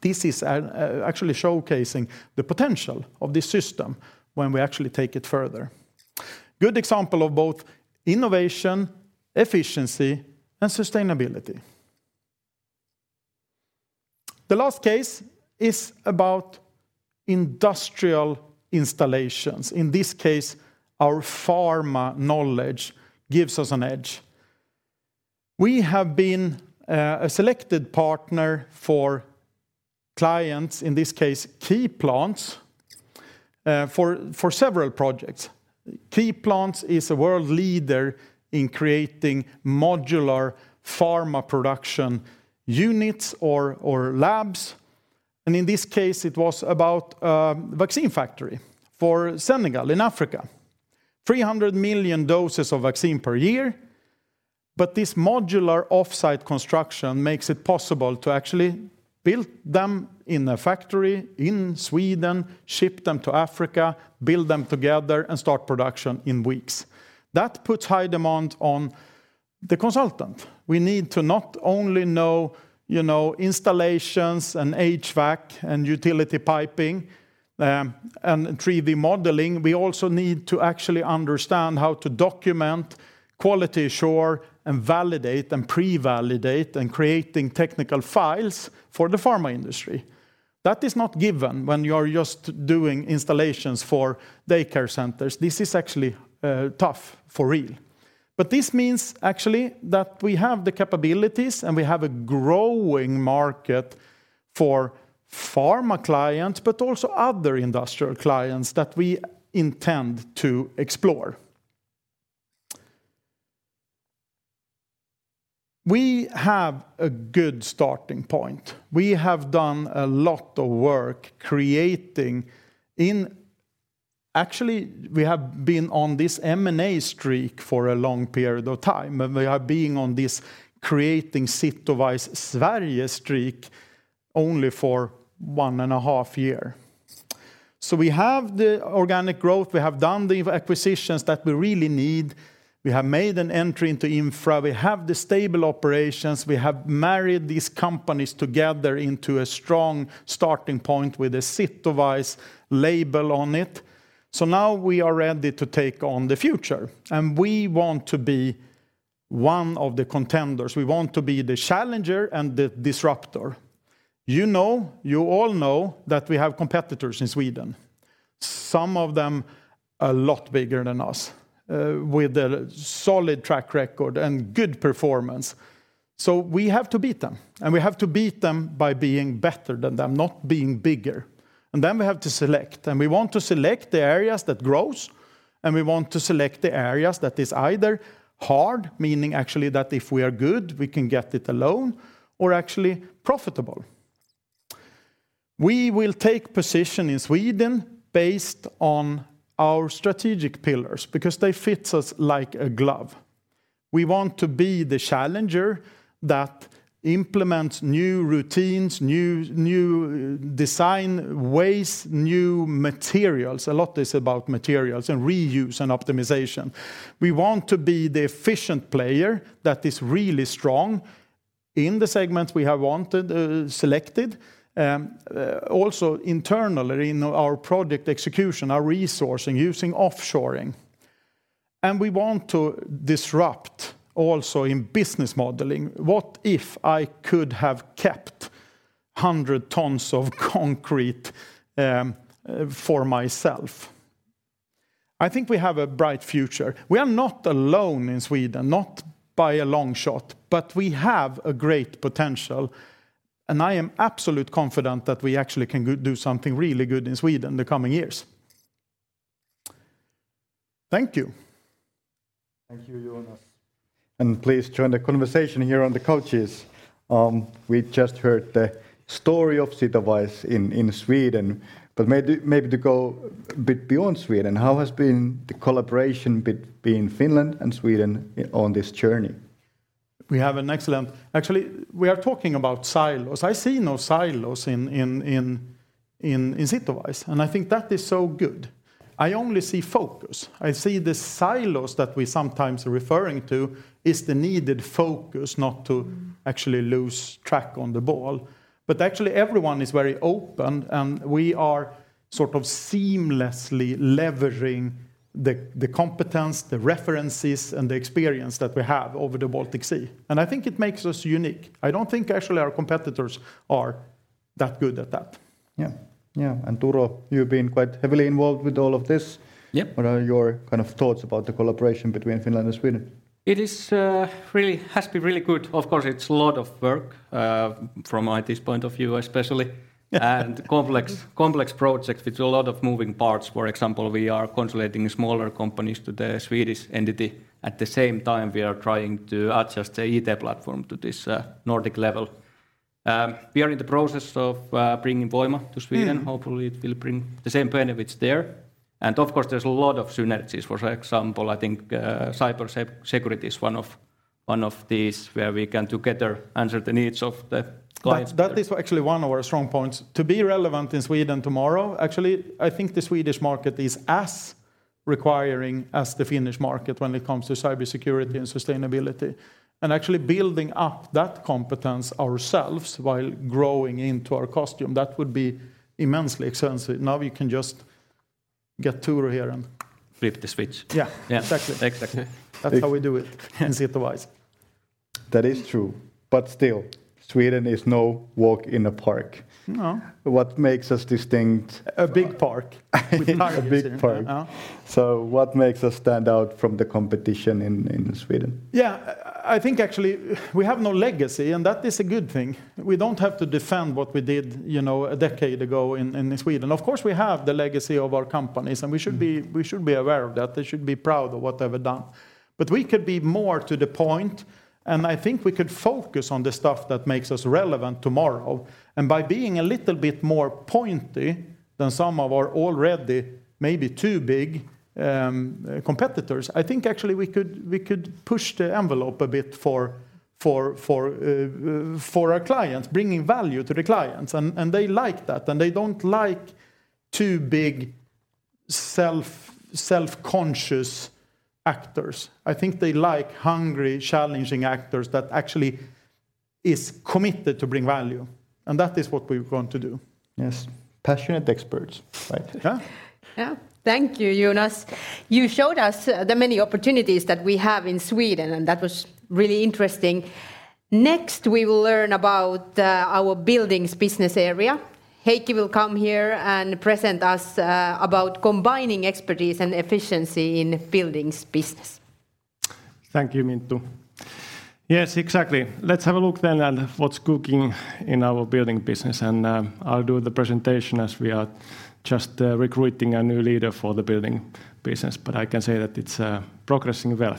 This is actually showcasing the potential of this system when we actually take it further. Good example of both innovation, efficiency, and sustainability. The last case is about industrial installations. In this case, our pharma knowledge gives us an edge. We have been a selected partner for clients, in this case, KeyPlants, for several projects. KeyPlants is a world leader in creating modular pharma production units or labs, and in this case, it was about vaccine factory for Senegal in Africa. 300 million doses of vaccine per year, this modular off-site construction makes it possible to actually build them in a factory in Sweden, ship them to Africa, build them together, and start production in weeks. That puts high demand on the consultant. We need to not only know, you know, installations and HVAC and utility piping, and 3D modeling, we also need to actually understand how to document, quality assure, and validate and pre-validate, and creating technical files for the pharma industry. That is not given when you are just doing installations for daycare centers. This is actually tough for real. This means actually that we have the capabilities, and we have a growing market for pharma clients, but also other industrial clients that we intend to explore. We have a good starting point. We have done a lot of work creating. Actually, we have been on this M&A streak for a long period of time, and we are being on this creating Sitowise Sverige streak only for one and a half year. We have the organic growth, we have done the acquisitions that we really need, we have made an entry into infra, we have the stable operations, we have married these companies together into a strong starting point with a Sitowise label on it. Now we are ready to take on the future, and we want to be one of the contenders. We want to be the challenger and the disruptor. You know, you all know that we have competitors in Sweden, some of them a lot bigger than us, with a solid track record and good performance. We have to beat them, and we have to beat them by being better than them, not being bigger. We have to select, and we want to select the areas that grows, and we want to select the areas that is either hard, meaning actually that if we are good, we can get it alone, or actually profitable. We will take position in Sweden based on our strategic pillars because they fit us like a glove. We want to be the challenger that implements new routines, new design ways, new materials. A lot is about materials and reuse and optimization. We want to be the efficient player that is really strong in the segments we have wanted, selected, also internally in our project execution, our resourcing, using offshoring. We want to disrupt also in business modeling. What if I could have kept 100 tons of concrete for myself? I think we have a bright future. We are not alone in Sweden, not by a long shot, but we have a great potential, and I am absolute confident that we actually can go do something really good in Sweden in the coming years. Thank you. Thank you, Jonas, and please join the conversation here on the couches. We just heard the story of Sitowise in Sweden, but maybe to go a bit beyond Sweden, how has been the collaboration between Finland and Sweden on this journey? We have an excellent. Actually, we are talking about silos. I see no silos in Sitowise, I think that is so good. I only see focus. I see the silos that we sometimes are referring to is the needed focus, not to actually lose track on the ball. Actually, everyone is very open, and we are sort of seamlessly leveraging the competence, the references, and the experience that we have over the Baltic Sea, and I think it makes us unique. I don't think, actually, our competitors are. That good at that. Yeah. Yeah, Turo, you've been quite heavily involved with all of this. Yep. What are your, kind of, thoughts about the collaboration between Finland and Sweden? It has been really good. Of course, it's a lot of work from IT's point of view, especially. Complex projects with a lot of moving parts. For example, we are consolidating smaller companies to the Swedish entity. At the same time, we are trying to adjust the IT platform to this Nordic level. We are in the process of bringing Voima to Sweden. Mm. Hopefully, it will bring the same benefits there, and of course, there's a lot of synergies. For example, I think, cyber security is one of these, where we can together answer the needs of the clients. That is actually one of our strong points. To be relevant in Sweden tomorrow. Actually, I think the Swedish market is as requiring as the Finnish market when it comes to cybersecurity and sustainability. Actually building up that competence ourselves while growing into our costume, that would be immensely expensive. Now we can just get Turo here. Flip the switch. Yeah. Yeah. Exactly. Exactly. That's how we do it and otherwise. That is true. Still, Sweden is no walk in the park. No. What makes us distinct? A big park. A big park. Yeah. What makes us stand out from the competition in Sweden? Yeah, I think actually, we have no legacy. That is a good thing. We don't have to defend what we did, you know, a decade ago in Sweden. Of course, we have the legacy of our companies. Mm We should be aware of that, and should be proud of what they've done. We could be more to the point, and I think we could focus on the stuff that makes us relevant tomorrow. By being a little bit more pointy than some of our already maybe too big competitors, I think actually we could push the envelope a bit for our clients, bringing value to the clients, and they like that, and they don't like too big self-conscious actors. I think they like hungry, challenging actors that actually is committed to bring value, and that is what we want to do. Yes. Passionate experts, right? Yeah. Yeah. Thank you, Jonas. You showed us the many opportunities that we have in Sweden. That was really interesting. Next, we will learn about our buildings business area. Heikki will come here and present us about combining expertise and efficiency in buildings business. Thank you, Minttu. Yes, exactly. Let's have a look then at what's cooking in our building business. I'll do the presentation as we are just recruiting a new leader for the building business, but I can say that it's progressing well.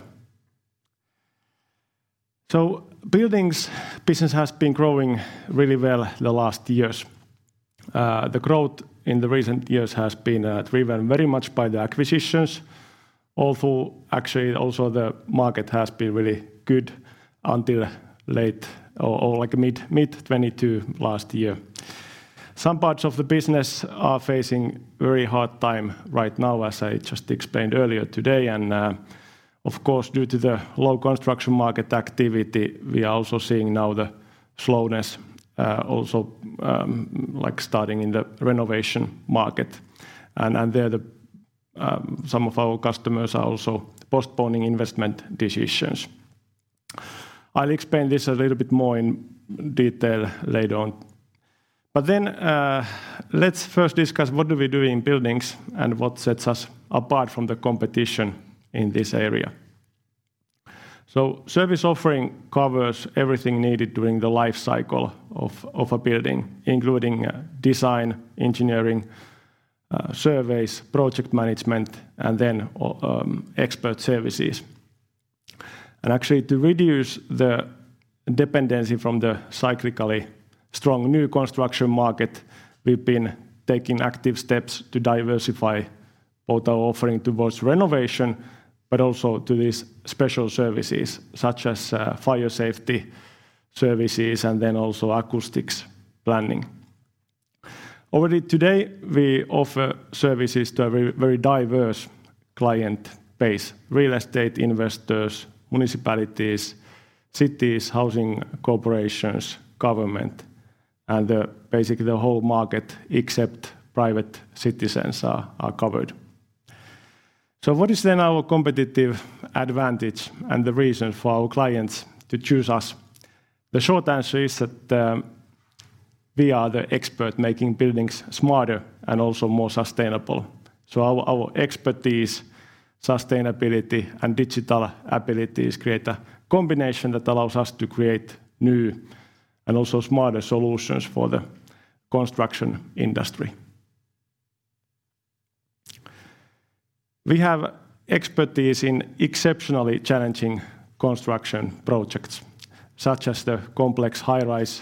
Buildings business has been growing really well the last years. The growth in the recent years has been driven very much by the acquisitions, although actually also the market has been really good until late or, like, mid 2022 last year. Some parts of the business are facing very hard time right now, as I just explained earlier today, and, of course, due to the low construction market activity, we are also seeing now the slowness, also, like, starting in the renovation market. There, the, some of our customers are also postponing investment decisions. I'll explain this a little bit more in detail later on. Let's first discuss what do we do in buildings and what sets us apart from the competition in this area. Service offering covers everything needed during the life cycle of a building, including design, engineering, surveys, project management, and then expert services. To reduce the dependency from the cyclically strong new construction market, we've been taking active steps to diversify both our offering towards renovation, but also to these special services, such as fire safety services and then also acoustics planning. Already today, we offer services to a very, very diverse client base: real estate investors, municipalities, cities, housing corporations, government, and basically the whole market, except private citizens are covered. What is then our competitive advantage and the reason for our clients to choose us? The short answer is that we are the expert making buildings smarter and also more sustainable. Our, our expertise, sustainability, and digital abilities create a combination that allows us to create new and also smarter solutions for the construction industry. We have expertise in exceptionally challenging construction projects, such as the complex high-rise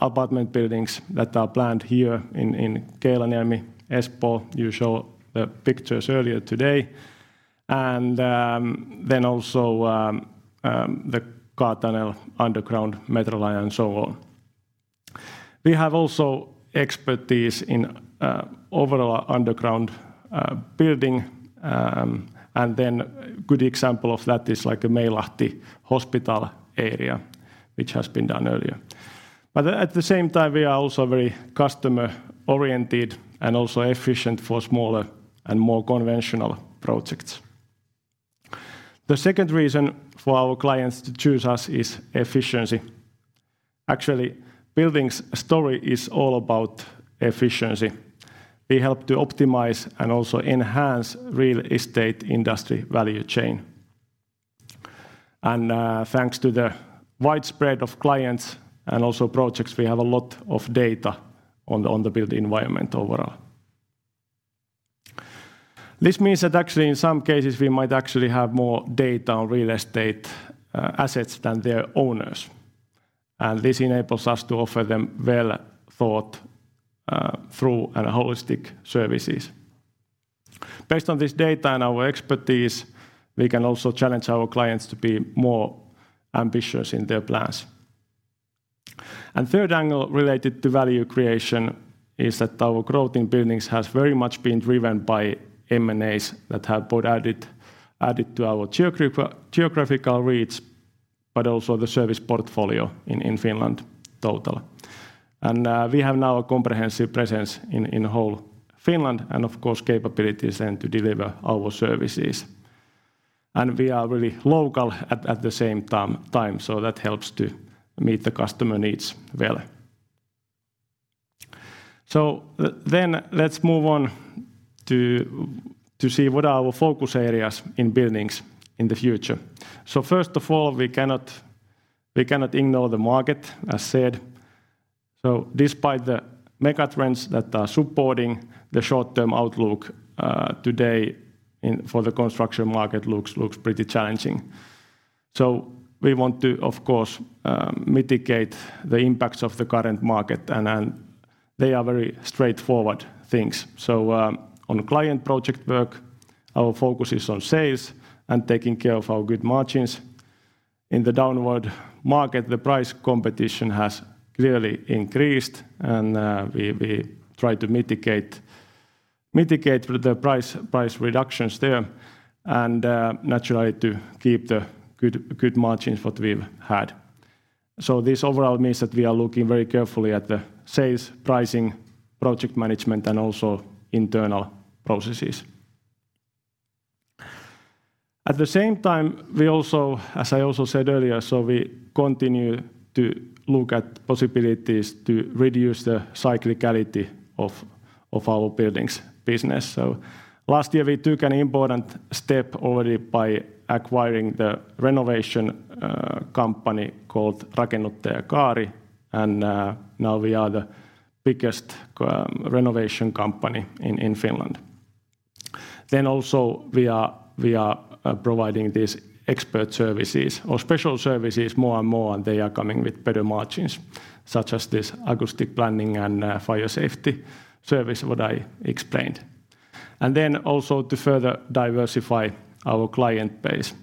apartment buildings that are planned here in Keilaniemi, Espoo. You show the pictures earlier today. Then also the Kalasatama underground metro line and so on. We have also expertise in overall underground building, and a good example of that is, like, the Meilahti hospital area, which has been done earlier. At the same time, we are also very customer-oriented and also efficient for smaller and more conventional projects. The second reason for our clients to choose us is efficiency. Actually, Buildings' story is all about efficiency. We help to optimize and also enhance real estate industry value chain. Thanks to the widespread of clients and also projects, we have a lot of data on the built environment overall. This means that actually in some cases, we might actually have more data on real estate assets than their owners, and this enables us to offer them well-thought-through and holistic services. Based on this data and our expertise, we can also challenge our clients to be more ambitious in their plans. Third angle related to value creation is that our growth in Buildings has very much been driven by M&As that have both added to our geographical reach, but also the service portfolio in Finland total. We have now a comprehensive presence in whole Finland, and of course, capabilities then to deliver our services. We are really local at the same time, that helps to meet the customer needs well. Let's move on to see what are our focus areas in Buildings in the future. First of all, we cannot ignore the market, as said. Despite the mega trends that are supporting the short-term outlook, today, for the construction market looks pretty challenging. We want to, of course, mitigate the impacts of the current market, and they are very straightforward things. On client project work, our focus is on sales and taking care of our good margins. In the downward market, the price competition has clearly increased, and we try to mitigate the price reductions there, and naturally, to keep the good margins what we've had. This overall means that we are looking very carefully at the sales, pricing, project management, and also internal processes. At the same time, we also, as I also said earlier, so we continue to look at possibilities to reduce the cyclicality of our Buildings business. Last year, we took an important step already by acquiring the renovation company called Rakennuttajakaari, and now we are the biggest renovation company in Finland. Also, we are providing these expert services or special services more and more, and they are coming with better margins, such as this acoustic planning and fire safety service, what I explained. Also to further diversify our client base,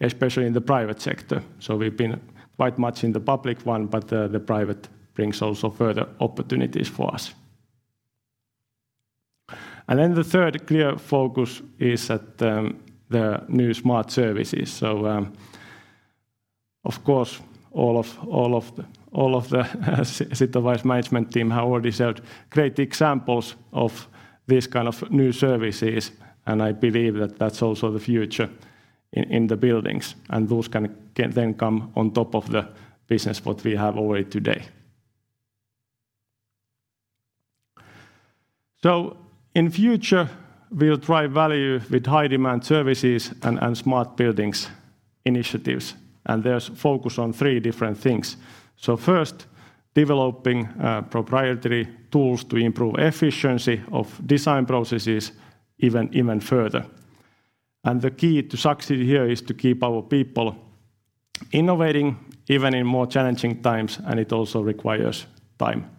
especially in the private sector. We've been quite much in the public one, but the private brings also further opportunities for us. The third clear focus is at the new smart services. Of course, all of the Sitowise management team have already shared great examples of these kind of new services, and I believe that that's also the future in the Buildings, and those can then come on top of the business what we have already today. In future, we'll drive value with high-demand services and smart buildings initiatives, and there's focus on three different things. First, developing proprietary tools to improve efficiency of design processes even further. The key to succeed here is to keep our people innovating, even in more challenging times, and it also requires time.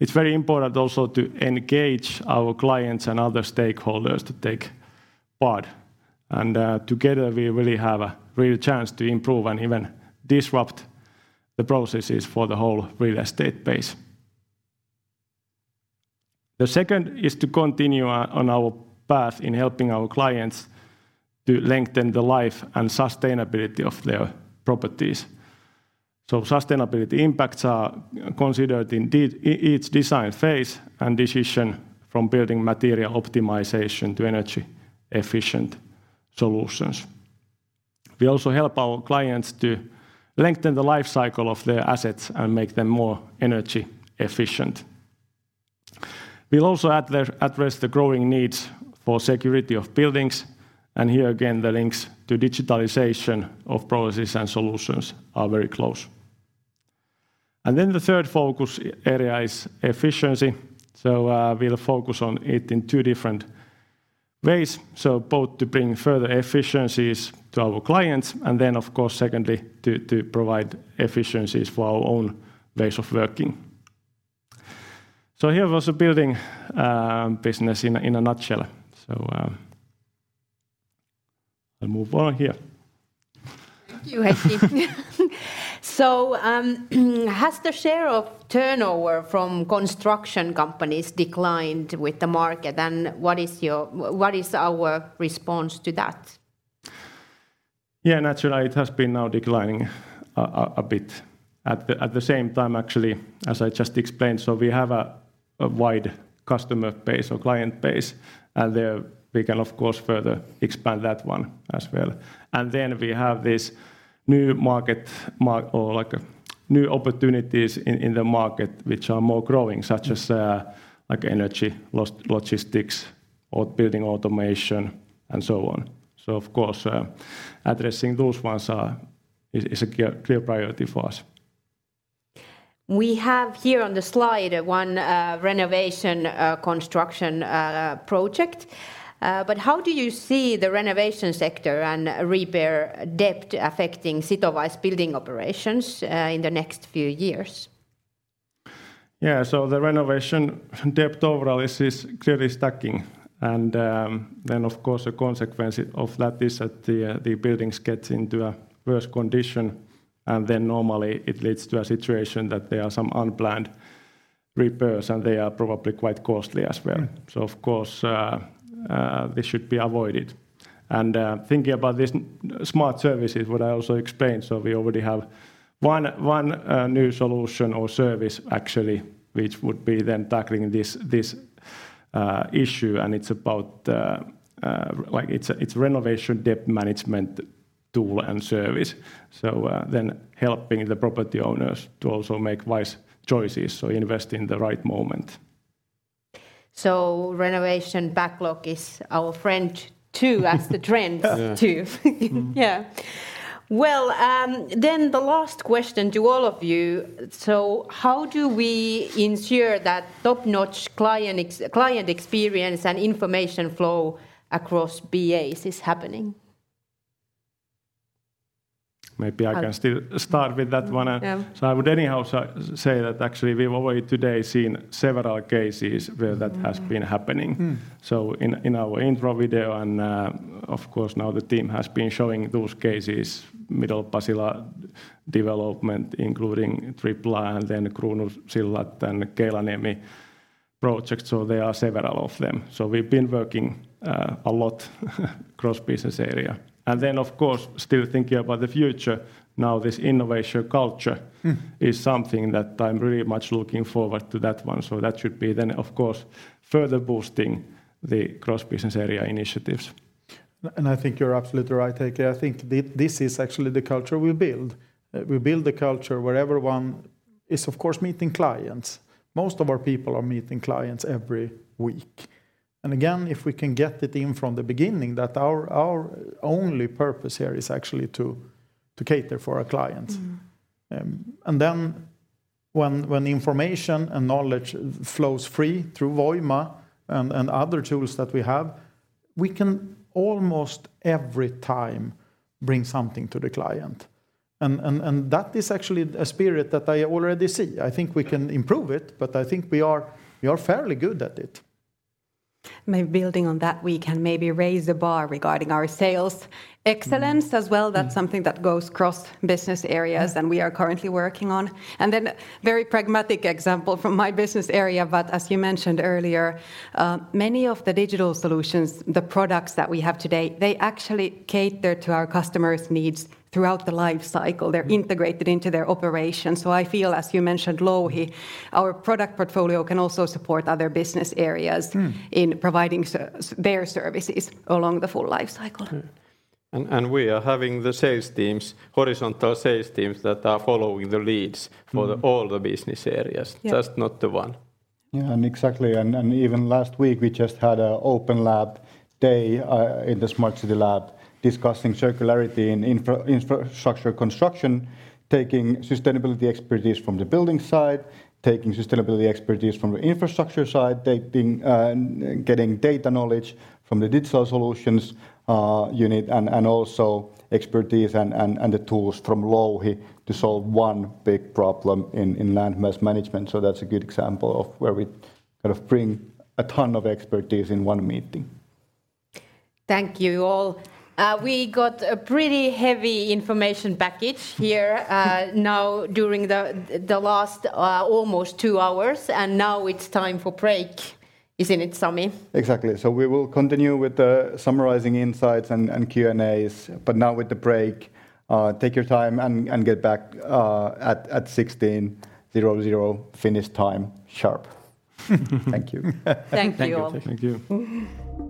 It's very important also to engage our clients and other stakeholders to take part, and together, we really have a real chance to improve and even disrupt the processes for the whole real estate base. The second is to continue on our path in helping our clients to lengthen the life and sustainability of their properties. Sustainability impacts are considered in each design phase and decision, from building material optimization to energy-efficient solutions. We also help our clients to lengthen the life cycle of their assets and make them more energy efficient. We'll also address the growing needs for security of buildings, and here again, the links to digitalization of processes and solutions are very close. The third focus area is efficiency, so we'll focus on it in two different ways: so both to bring further efficiencies to our clients, and then, of course, secondly, to provide efficiencies for our own ways of working. Here was a building business in a nutshell. I'll move on here. Thank you, Heikki. Has the share of turnover from construction companies declined with the market, and what is our response to that? Yeah, naturally, it has been now declining a bit. At the same time, actually, as I just explained, we have a wide customer base or client base, there we can, of course, further expand that one as well. We have this new market or, like, new opportunities in the market, which are more growing, such as, like energy, logistics, or building automation, and so on. Of course, addressing those ones is a clear priority for us. We have here on the slide one, renovation, construction, project. How do you see the renovation sector and repair debt affecting Sitowise building operations in the next few years? Yeah, the renovation debt overall is clearly stacking. Then, of course, a consequence of that is that the buildings get into a worse condition, and then normally it leads to a situation that there are some unplanned repairs, and they are probably quite costly as well. Of course, this should be avoided. Thinking about this smart services, what I also explained, we already have one new solution or service actually, which would be then tackling this issue, and it's about, like it's renovation debt management tool and service, then helping the property owners to also make wise choices, invest in the right moment. Renovation backlog is our friend, too, as the trend too. Yeah. Yeah. The last question to all of you: how do we ensure that top-notch client experience and information flow across BAs is happening? Maybe I can still start with that one. Yeah. I would anyhow, say that actually we've already today seen several cases where that has been happening. Mm. In our intro video, of course, now the team has been showing those cases, Middle Pasila development, including Tripla, Kruunusillat, and Keilaniemi project, there are several of them. We've been working a lot cross-business area. Of course, still thinking about the future, now, this innovation culture. Mm. Is something that I'm really much looking forward to that one. That should be then, of course, further boosting the cross-business area initiatives. I think you're absolutely right, Heikki. I think this is actually the culture we build. We build the culture where everyone is, of course, meeting clients. Most of our people are meeting clients every week. Again, if we can get the team from the beginning, that our only purpose here is actually to cater for our clients. Mm. Then when information and knowledge flows free through Voima and other tools that we have, we can almost every time bring something to the client. That is actually a spirit that I already see. I think we can improve it, but I think we are fairly good at it. Maybe building on that, we can maybe raise the bar regarding our sales excellence as well. Mm. That's something that goes cross-business areas. Mm And we are currently working on. Very pragmatic example from my business area, but as you mentioned earlier, many of the digital solutions, the products that we have today, they actually cater to our customers' needs throughout the life cycle. Mm. They're integrated into their operations, so I feel, as you mentioned, Louhi, our product portfolio can also support other business areas. Mm. in providing their services along the full life cycle. Mm. We are having the sales teams, horizontal sales teams, that are following the leads. Mm. For all the business areas. Yeah. Just not the one. Yeah, exactly, even last week, we just had a open lab day in The Smart City Lab, discussing circularity in infrastructure construction, taking sustainability expertise from the building side, taking sustainability expertise from the infrastructure side, taking getting data knowledge from the digital solutions unit, also expertise and the tools from Louhi to solve one big problem in land mass management. That's a good example of where we kind of bring a ton of expertise in one meeting. Thank you, all. We got a pretty heavy information package here, now during the last almost two hours, and now it's time for break. Isn't it, Sami? Exactly. We will continue with the summarizing insights and Q&As, but now with the break. Take your time and get back at 16:00 Finnish time, sharp. Thank you. Thank you, all.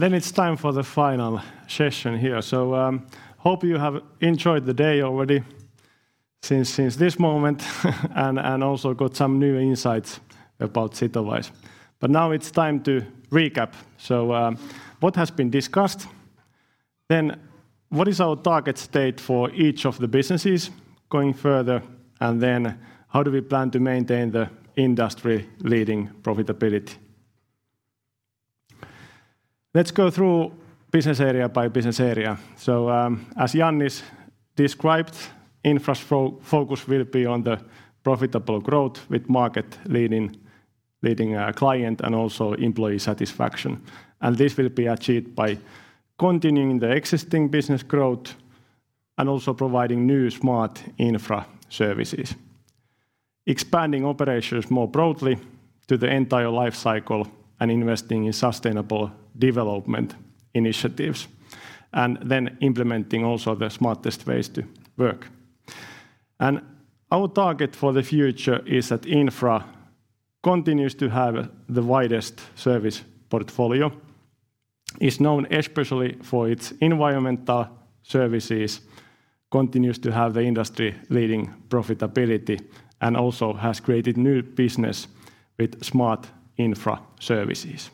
Thank you. Thank you. It's time for the final session here. Hope you have enjoyed the day already since this moment, also got some new insights about Sitowise. It's time to recap. What has been discussed, then what is our target state for each of the businesses going further, and then how do we plan to maintain the industry-leading profitability? Let's go through business area by business area. As Jannis described, Infra's focus will be on the profitable growth with market-leading client and also employee satisfaction. This will be achieved by continuing the existing business growth and also providing new smart Infra services, expanding operations more broadly to the entire life cycle, and investing in sustainable development initiatives, and then implementing also the smartest ways to work. Our target for the future is that Infra continues to have the widest service portfolio, is known especially for its environmental services, continues to have the industry-leading profitability, and also has created new business with smart Infra services.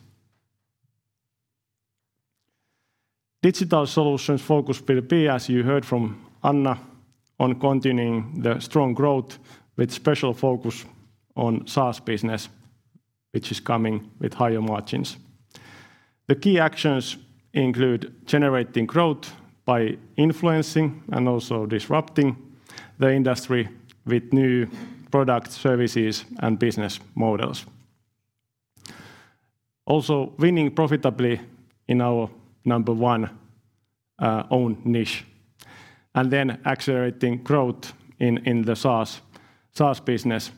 Digital solutions focus will be, as you heard from Anna, on continuing the strong growth with special focus on SaaS business, which is coming with higher margins. The key actions include generating growth by influencing and also disrupting the industry with new product, services, and business models. Also, winning profitably in our number one own niche, and then accelerating growth in the SaaS business,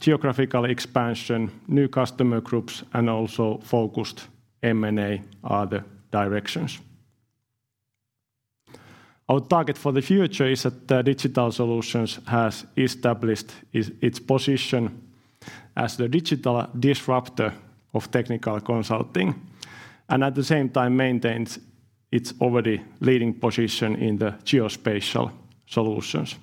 geographical expansion, new customer groups, and also focused M&A are the directions. Our target for the future is that the digital solutions has established its position as the digital disruptor of technical consulting, and at the same time, maintains its already leading position in the geospatial solutions.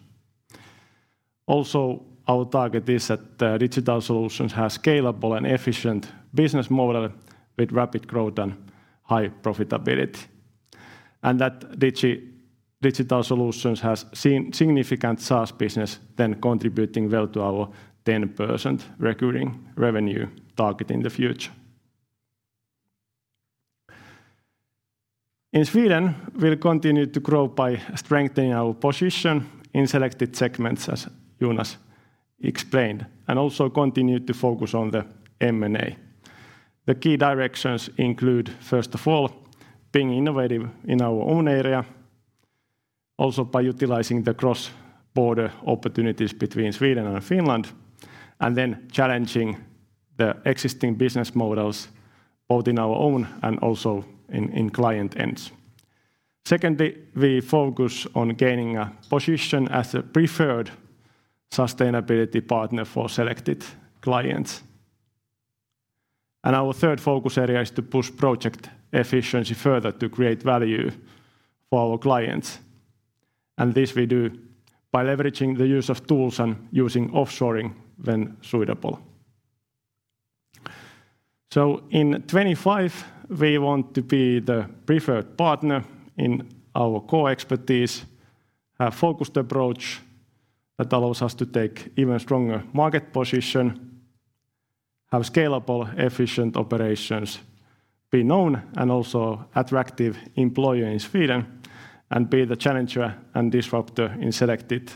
Our target is that digital solutions has scalable and efficient business model with rapid growth and high profitability, and that digital solutions has seen significant SaaS business, then contributing well to our 10% recurring revenue target in the future. In Sweden, we'll continue to grow by strengthening our position in selected segments, as Jonas explained, and also continue to focus on the M&A. The key directions include, first of all, being innovative in our own area, also by utilizing the cross-border opportunities between Sweden and Finland, and then challenging the existing business models, both in our own and also in client ends. Secondly, we focus on gaining a position as a preferred sustainability partner for selected clients. Our third focus area is to push project efficiency further to create value for our clients, and this we do by leveraging the use of tools and using offshoring when suitable. In 2025, we want to be the preferred partner in our core expertise, a focused approach that allows us to take even stronger market position, have scalable, efficient operations, be known, and also attractive employer in Sweden, and be the challenger and disruptor in selected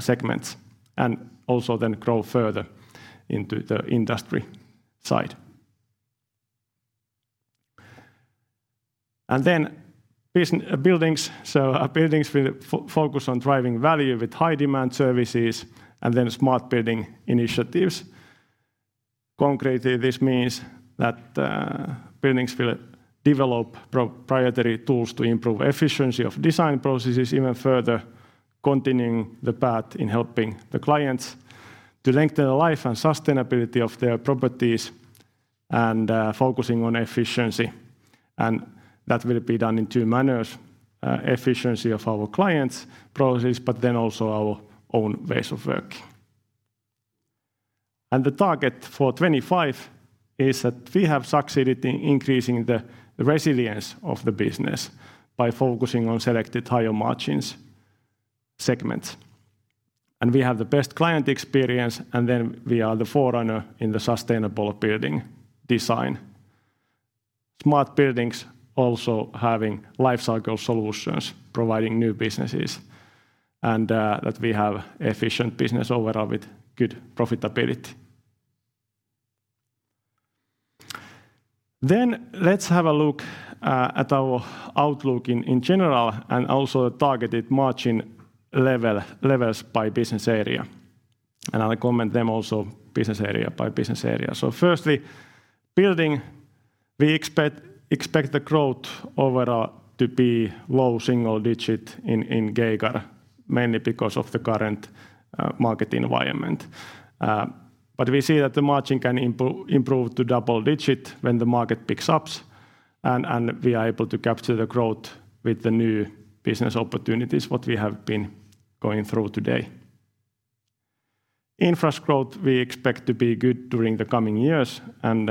segments, and also then grow further into the industry side. Buildings. Buildings will focus on driving value with high-demand services and then smart building initiatives. Concretely, this means that buildings will develop proprietary tools to improve efficiency of design processes even further, continuing the path in helping the clients to lengthen the life and sustainability of their properties and focusing on efficiency, and that will be done in two manners: efficiency of our clients' processes, but then also our own ways of working. The target for 2025 is that we have succeeded in increasing the resilience of the business by focusing on selected higher margins segments, and we have the best client experience, and then we are the forerunner in the sustainable building design. Smart buildings also having life cycle solutions, providing new businesses, and that we have efficient business overall with good profitability. Let's have a look at our outlook in general, and also the targeted margin level by business area, and I'll comment them also business area by business area. Firstly, building, we expect the growth overall to be low single-digit in Geiger, mainly because of the current market environment. We see that the margin can improve to double-digit when the market picks up, and we are able to capture the growth with the new business opportunities, what we have been going through today. Infra's growth, we expect to be good during the coming years, and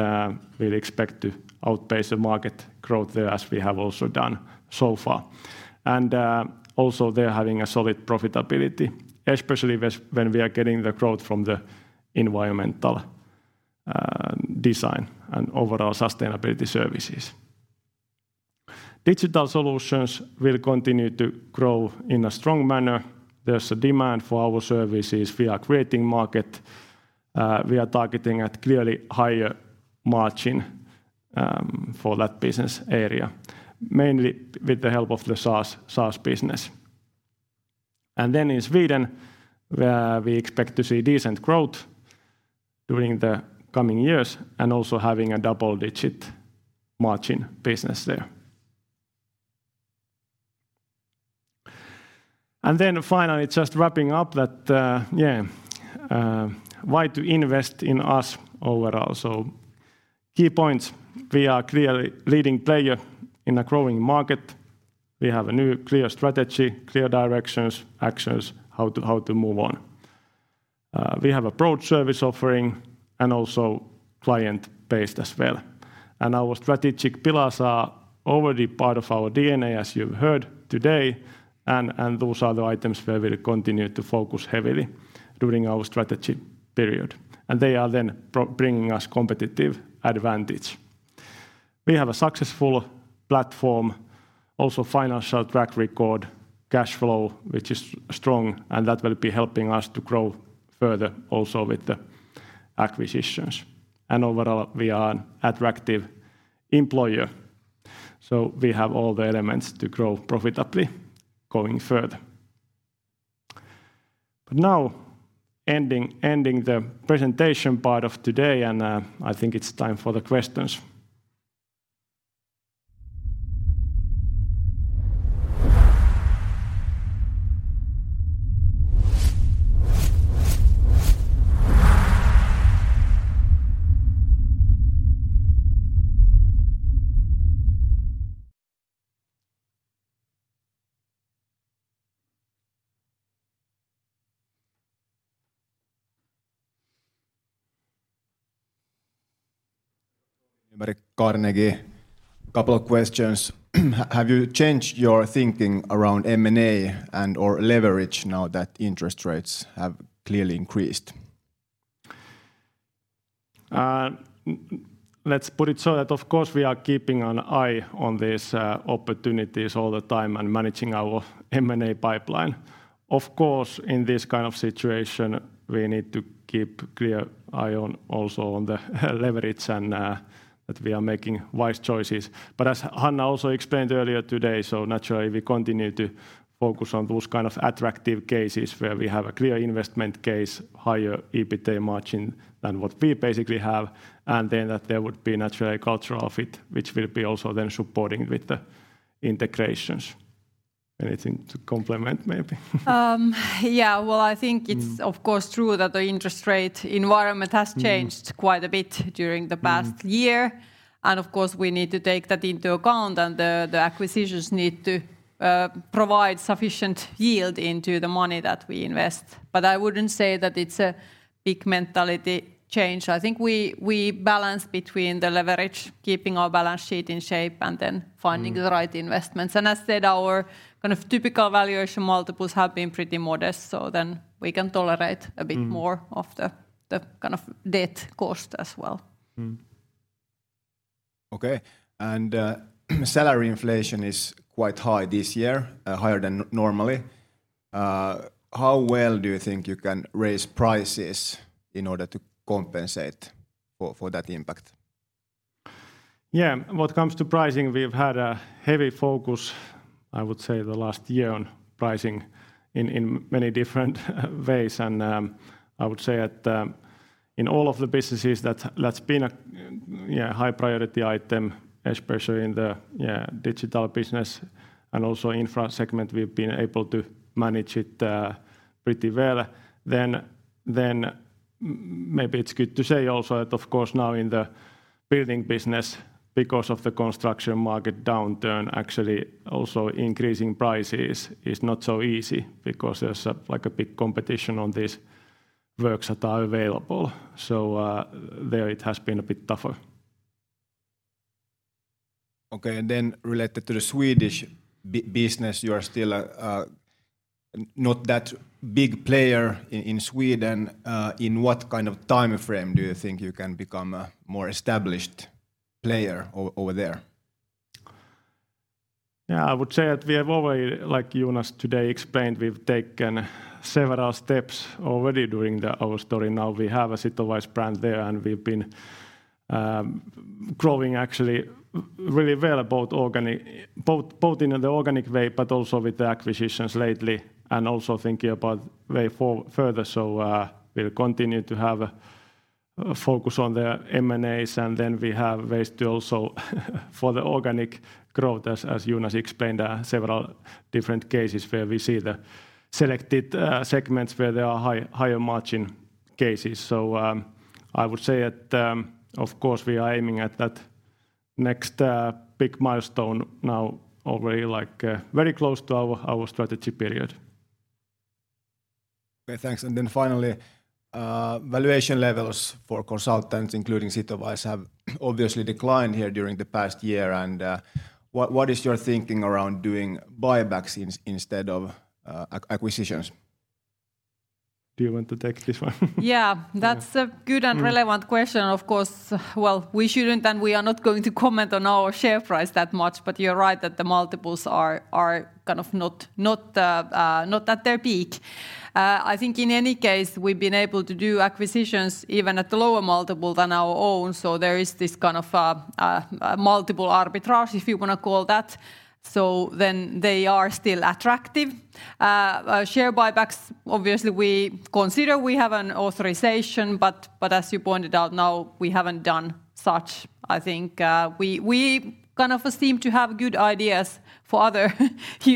we'll expect to outpace the market growth there, as we have also done so far. Also, they're having a solid profitability, especially when we are getting the growth from the environmental design and overall sustainability services. Digital solutions will continue to grow in a strong manner. There's a demand for our services. We are creating market. We are targeting at clearly higher margin for that business area, mainly with the help of the SaaS business. In Sweden, we expect to see decent growth during the coming years and also having a double-digit margin business there. Finally, just wrapping up that, why to invest in us overall? Key points: we are clearly leading player in a growing market. We have a new clear strategy, clear directions, actions, how to move on. We have a broad service offering and also client base as well. Our strategic pillars are already part of our DNA, as you've heard today, and those are the items where we'll continue to focus heavily during our strategy period. They are then bringing us competitive advantage. We have a successful platform, also financial track record, cash flow, which is strong, and that will be helping us to grow further also with the acquisitions. Overall, we are an attractive employer, so we have all the elements to grow profitably going further. Now, ending the presentation part of today, I think it's time for the questions. Carnegie, couple of questions. Have you changed your thinking around M&A and or leverage now that interest rates have clearly increased? Let's put it so that, of course, we are keeping an eye on these opportunities all the time and managing our M&A pipeline. Of course, in this kind of situation, we need to keep clear eye on also on the leverage and that we are making wise choices. As Hanna also explained earlier today, naturally, we continue to focus on those kind of attractive cases where we have a clear investment case, higher EBITA margin than what we basically have, and then that there would be naturally a cultural fit, which will be also then supporting with the integrations. Anything to complement, maybe? Yeah, well, I think. Mm. Of course, true that the interest rate environment has changed. Mm. Quite a bit during the past year. Mm. Of course, we need to take that into account, and the acquisitions need to provide sufficient yield into the money that we invest. I wouldn't say that it's a big mentality change. I think we balance between the leverage, keeping our balance sheet in shape, and then. Mm. The right investments. As said, our kind of typical valuation multiples have been pretty modest, so then we can tolerate a bit more. Mm. Of the kind of debt cost as well. Mm. Okay, salary inflation is quite high this year, higher than normally. How well do you think you can raise prices in order to compensate for that impact? When it comes to pricing, we've had a heavy focus, I would say, the last year on pricing in many different ways. I would say that in all of the businesses, that's been a high-priority item, especially in the digital business and also Infra segment, we've been able to manage it pretty well. Maybe it's good to say also that, of course, now in the building business, because of the construction market downturn, actually also increasing prices is not so easy because there's a, like, a big competition on these works that are available. There it has been a bit tougher. Okay, related to the Swedish business, you are still not that big player in Sweden. In what kind of time frame do you think you can become a more established player over there? I would say that we have already, like Jonas today explained, we've taken several steps already during our story. We have a Sitowise brand there, we've been growing actually really well, both in the organic way, but also with the acquisitions lately, also thinking about way for further. We'll continue to have a focus on the M&As, we have ways to also for the organic growth. As Jonas explained, several different cases where we see the selected segments where there are higher margin cases. I would say that, of course, we are aiming at that next big milestone now, already, like, very close to our strategy period. Okay, thanks. Finally, valuation levels for consultants, including Sitowise, have obviously declined here during the past year. What is your thinking around doing buybacks instead of acquisitions? Do you want to take this one? Yeah. That's a good. Mm. And relevant question, of course. We shouldn't and we are not going to comment on our share price that much, but you're right that the multiples are kind of not at their peak. I think in any case, we've been able to do acquisitions even at a lower multiple than our own, so there is this kind of a multiple arbitrage, if you wanna call that. They are still attractive. Share buybacks, obviously, we consider we have an authorization, but as you pointed out, no, we haven't done such. I think we kind of seem to have good ideas for other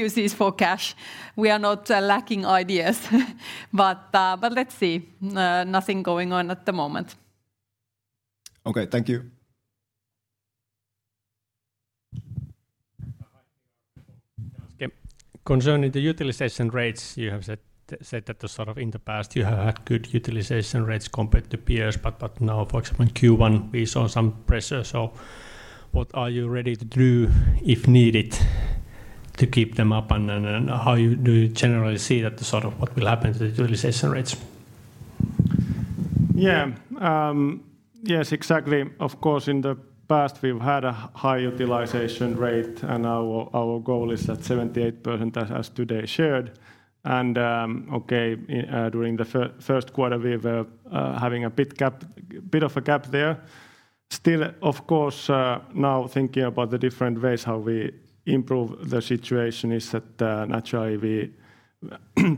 uses for cash. We are not lacking ideas. But let's see. Nothing going on at the moment. Okay, thank you. Yep. Concerning the utilization rates, you have said that the sort of in the past, you have had good utilization rates compared to peers, but now, for example, in Q1, we saw some pressure. What are you ready to do, if needed, to keep them up? How do you generally see what will happen to the utilization rates? Yes, exactly. Of course, in the past, we've had a high utilization rate, and our goal is at 78%, as today shared. Okay, during the first quarter, we were having a bit of a gap there. Still, of course, now thinking about the different ways how we improve the situation is that naturally, we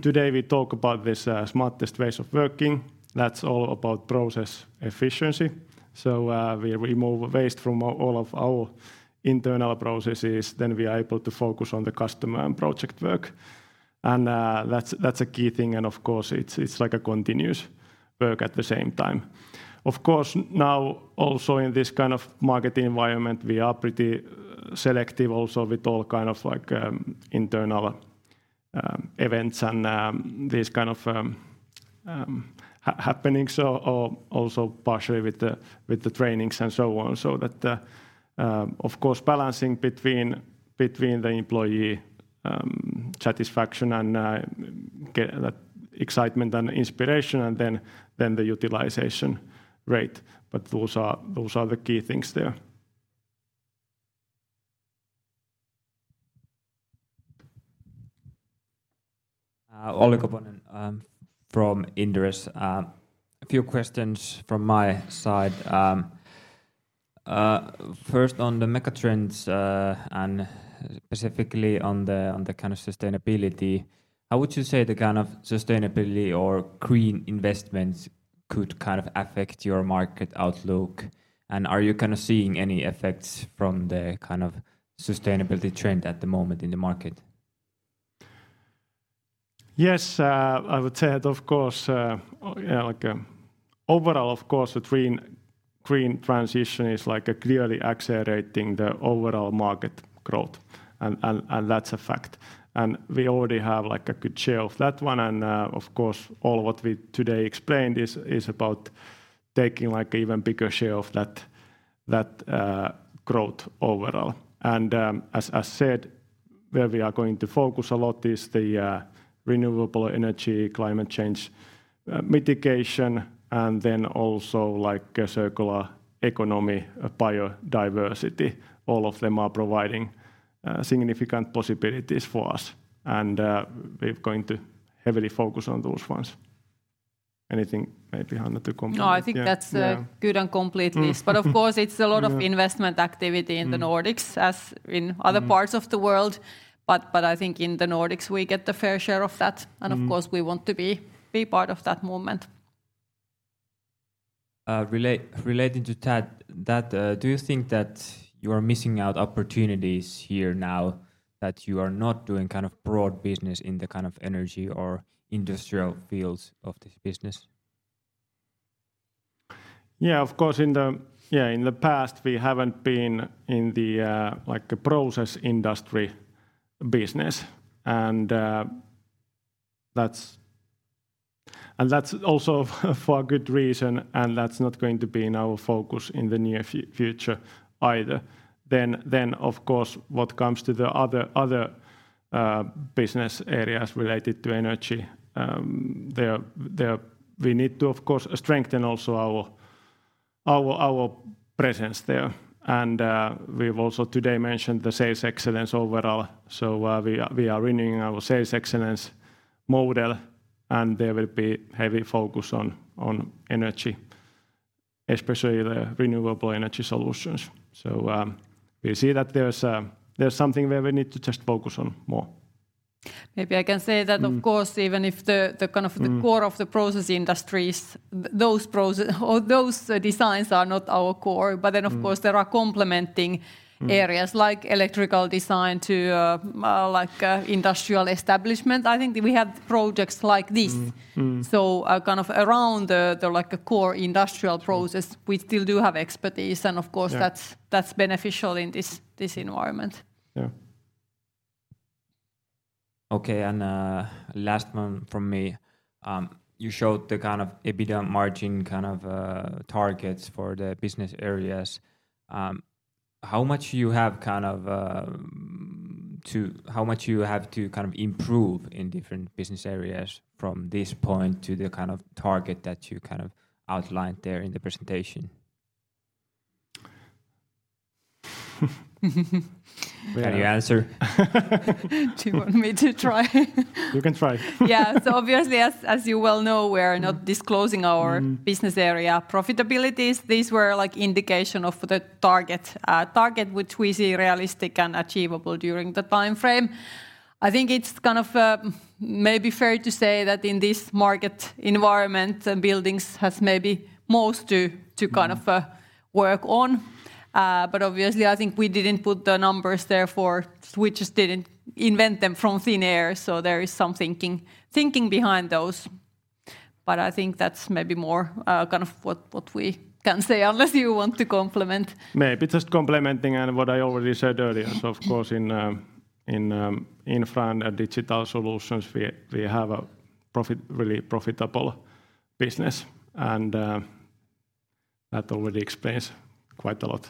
today talk about this smartest ways of working. That's all about process efficiency. We remove waste from all of our internal processes, then we are able to focus on the customer and project work, and that's a key thing, and of course, it's like a continuous work at the same time. Of course, now, also in this kind of market environment, we are pretty selective also with all kind of like, internal, events and these kind of happening, also partially with the trainings and so on. Of course, balancing between the employee satisfaction and get that excitement and inspiration, and then the utilization rate, those are the key things there. Olli Koponen from Inderes. A few questions from my side. First, on the megatrends, and specifically on the kind of sustainability, how would you say the kind of sustainability or green investments could kind of affect your market outlook? Are you kind of seeing any effects from the kind of sustainability trend at the moment in the market? I would say that, of course, overall, of course, the green transition is clearly accelerating the overall market growth, and that's a fact. We already have a good share of that one, of course, all what we today explained is about taking even bigger share of that growth overall. As said, where we are going to focus a lot is the renewable energy, climate change mitigation, then also a circular economy, biodiversity. All of them are providing significant possibilities for us, we're going to heavily focus on those ones. Anything maybe, Hanna, to complement? No, I think that's. Yeah Good and complete list. Of course, it's a lot. Yeah. Investment activity in the Nordics- Mm. -as in other parts of the world. Mm. I think in the Nordics, we get the fair share of that. Mm Of course, we want to be part of that movement. Relating to that, do you think that you are missing out opportunities here now that you are not doing kind of broad business in the kind of energy or industrial fields of this business? Of course, in the past, we haven't been in the like process industry business, and that's also for a good reason, and that's not going to be in our focus in the near future either. Of course, what comes to the other business areas related to energy, we need to, of course, strengthen also our presence there. We've also today mentioned the sales excellence overall. We are renewing our sales excellence model, and there will be heavy focus on energy, especially the renewable energy solutions. We see that there's something where we need to just focus on more. Maybe I can say that. Mm. Of course, even if the. Mm. The core of the process industries, or those designs are not our core. Mm. Of course, there are complementing areas. Mm Like electrical design to, like, industrial establishment. I think we have projects like this. Mm. Mm. Kind of around the, like, a core industrial process. Mm. We still do have expertise, and of course, that's- Yeah. That's beneficial in this environment. Yeah. Okay, last one from me. You showed the kind of EBITDA margin kind of targets for the business areas. How much you have to kind of improve in different business areas from this point to the kind of target that you kind of outlined there in the presentation? Can you answer? Do you want me to try? You can try. Yeah. Obviously, as you well know, we're not disclosing. Mm. Business area profitabilities. These were, like, indication of the target, which we see realistic and achievable during the time frame. I think it's kind of maybe fair to say that in this market environment, Buildings has maybe most to kind of work on. Obviously, I think we didn't put the numbers there for. We just didn't invent them from thin air, so there is some thinking behind those. I think that's maybe more, kind of what we can say unless you want to complement. Maybe just complementing on what I already said earlier. Of course, in front of Digital Solutions, we have a really profitable business, and that already explains quite a lot.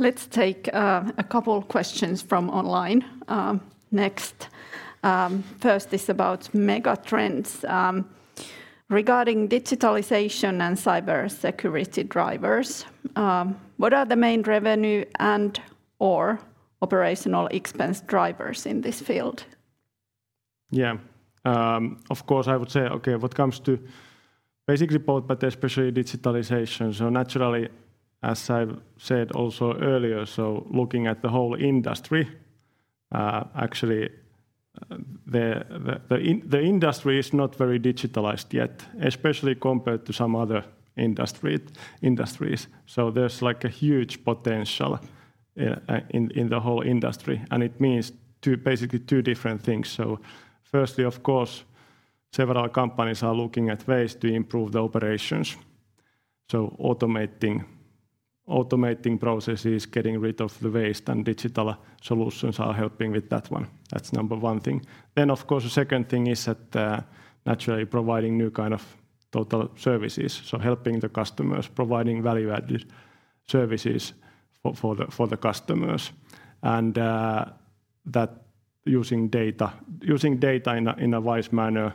Let's take a couple questions from online next. First is about mega trends regarding digitalization and cybersecurity drivers. What are the main revenue and or operational expense drivers in this field? Yeah. Of course, I would say what comes to basically both, but especially digitalization. Naturally, as I've said also earlier, looking at the whole industry, the industry is not very digitalized yet, especially compared to some other industries. There's, like, a huge potential in the whole industry, and it means basically two different things. Firstly, of course, several companies are looking at ways to improve the operations, automating processes, getting rid of the waste, and digital solutions are helping with that one. That's number one thing. Of course, the second thing is that naturally providing new kind of total services, so helping the customers, providing value-added services for the customers, and that using data in a wise manner,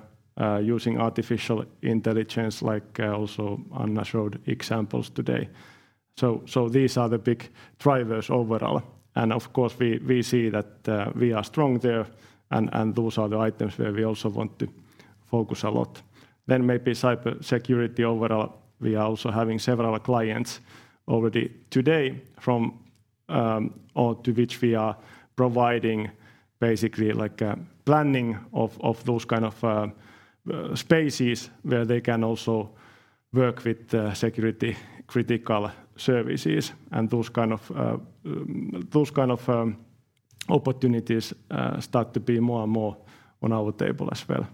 using artificial intelligence, like also Anna showed examples today. These are the big drivers overall, and of course, we see that we are strong there, and those are the items where we also want to focus a lot. Maybe cybersecurity overall, we are also having several clients already today from. To which we are providing basically, like, a planning of those kind of, spaces where they can also work with the security-critical services, and those kind of, those kind of, opportunities, start to be more and more on our table as well.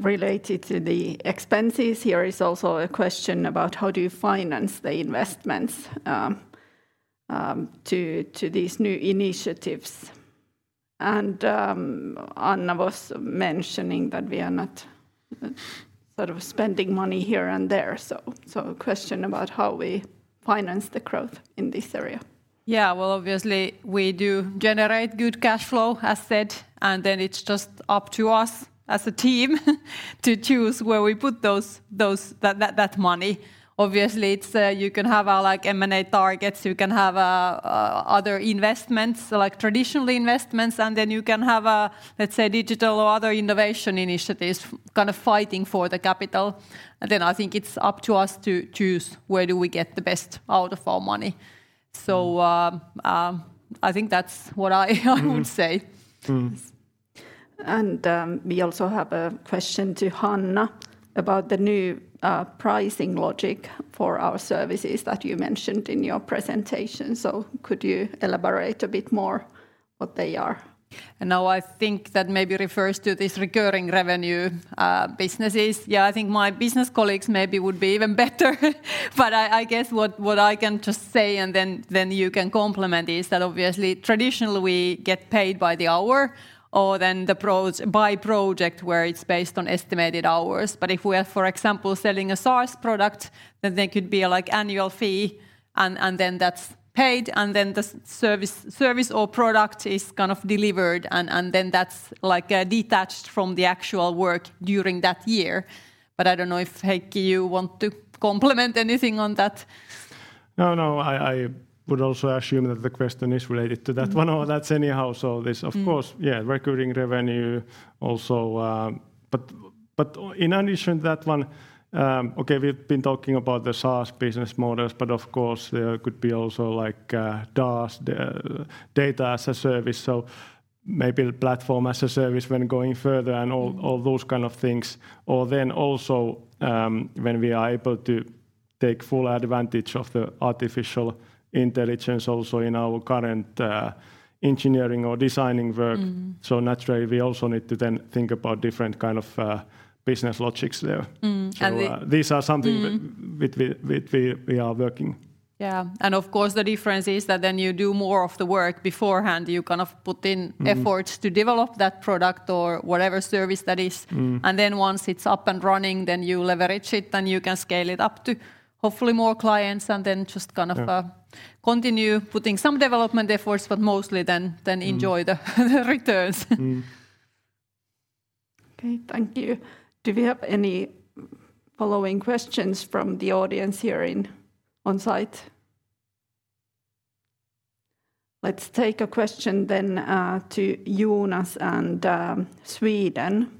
Related to the expenses, here is also a question about: How do you finance the investments to these new initiatives? Anna was mentioning that we are not sort of spending money here and there, so a question about how we finance the growth in this area. Well, obviously, we do generate good cash flow, as said, it's just up to us as a team to choose where we put those, that money. Obviously, it's like M&A targets. You can have other investments, like traditional investments, and then you can have a, let's say, digital or other innovation initiatives kind of fighting for the capital. I think it's up to us to choose where do we get the best out of our money. I think that's what I would say. Mm. We also have a question to Hanna about the new pricing logic for our services that you mentioned in your presentation. Could you elaborate a bit more what they are? Now I think that maybe refers to this recurring revenue businesses. I think my business colleagues maybe would be even better, but I guess what I can just say, and then you can complement, is that obviously, traditionally, we get paid by the hour or then by project, where it's based on estimated hours. If we are, for example, selling a source product, then there could be a, like, annual fee, and then that's paid, and then the service or product is kind of delivered, and then that's, like, detached from the actual work during that year. I don't know if, Heikki, you want to complement anything on that? No, I would also assume that the question is related to that one. Mm. Oh, that's anyhow. Mm. Of course, yeah, recurring revenue also, but in addition to that one, okay, we've been talking about the SaaS business models, but of course, there could be also, like, DaaS, the data as a service, so maybe platform as a service when going further. Mm. And all those kind of things. When we are able to take full advantage of the artificial intelligence also in our current engineering or designing work. Mm. Naturally, we also need to then think about different kind of business logics there. Mm, and we. These are. Mm With we are working. Yeah, of course, the difference is that then you do more of the work beforehand. You kind of put. Mm. Efforts to develop that product or whatever service that is. Mm. Once it's up and running, then you leverage it, then you can scale it up to hopefully more clients, and then just kind of. Yeah. Continue putting some development efforts, but mostly. Mm. Then enjoy the returns. Mm. Okay, thank you. Do we have any following questions from the audience here in on-site? Let's take a question then to Jonas and Sweden.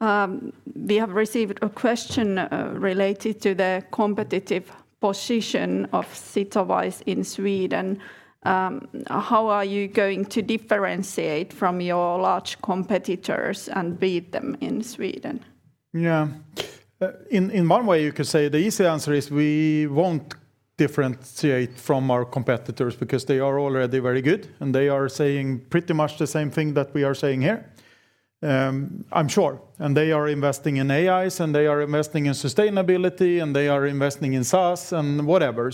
We have received a question related to the competitive position of Sitowise in Sweden. How are you going to differentiate from your large competitors and beat them in Sweden? In one way, you could say the easy answer is we won't differentiate from our competitors because they are already very good, they are saying pretty much the same thing that we are saying here, I'm sure. They are investing in AIs, they are investing in sustainability, they are investing in SaaS and whatever.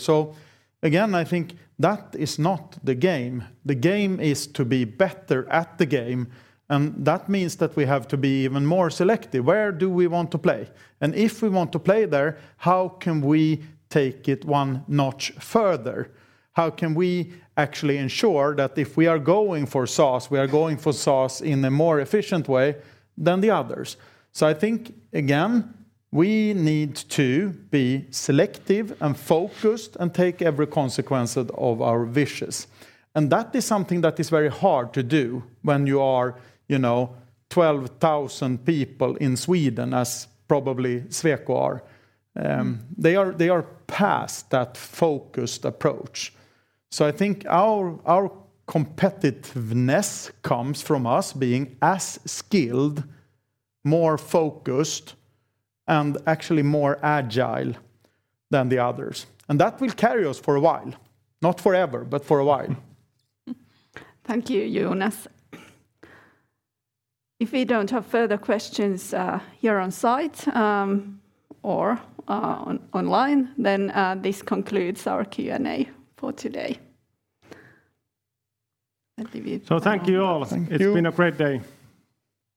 Again, I think that is not the game. The game is to be better at the game, and that means that we have to be even more selective. Where do we want to play? If we want to play there, how can we take it one notch further? How can we actually ensure that if we are going for SaaS, we are going for SaaS in a more efficient way than the others? I think, again, we need to be selective and focused and take every consequence of our wishes, and that is something that is very hard to do when you are, you know, 12,000 people in Sweden, as probably Sweco are. They are past that focused approach. I think our competitiveness comes from us being as skilled, more focused, and actually more agile than the others, and that will carry us for a while. Not forever, but for a while. Thank you, Jonas. If we don't have further questions, here on-site, or online, then this concludes our Q&A for today. Thank you all. Thank you. It's been a great day.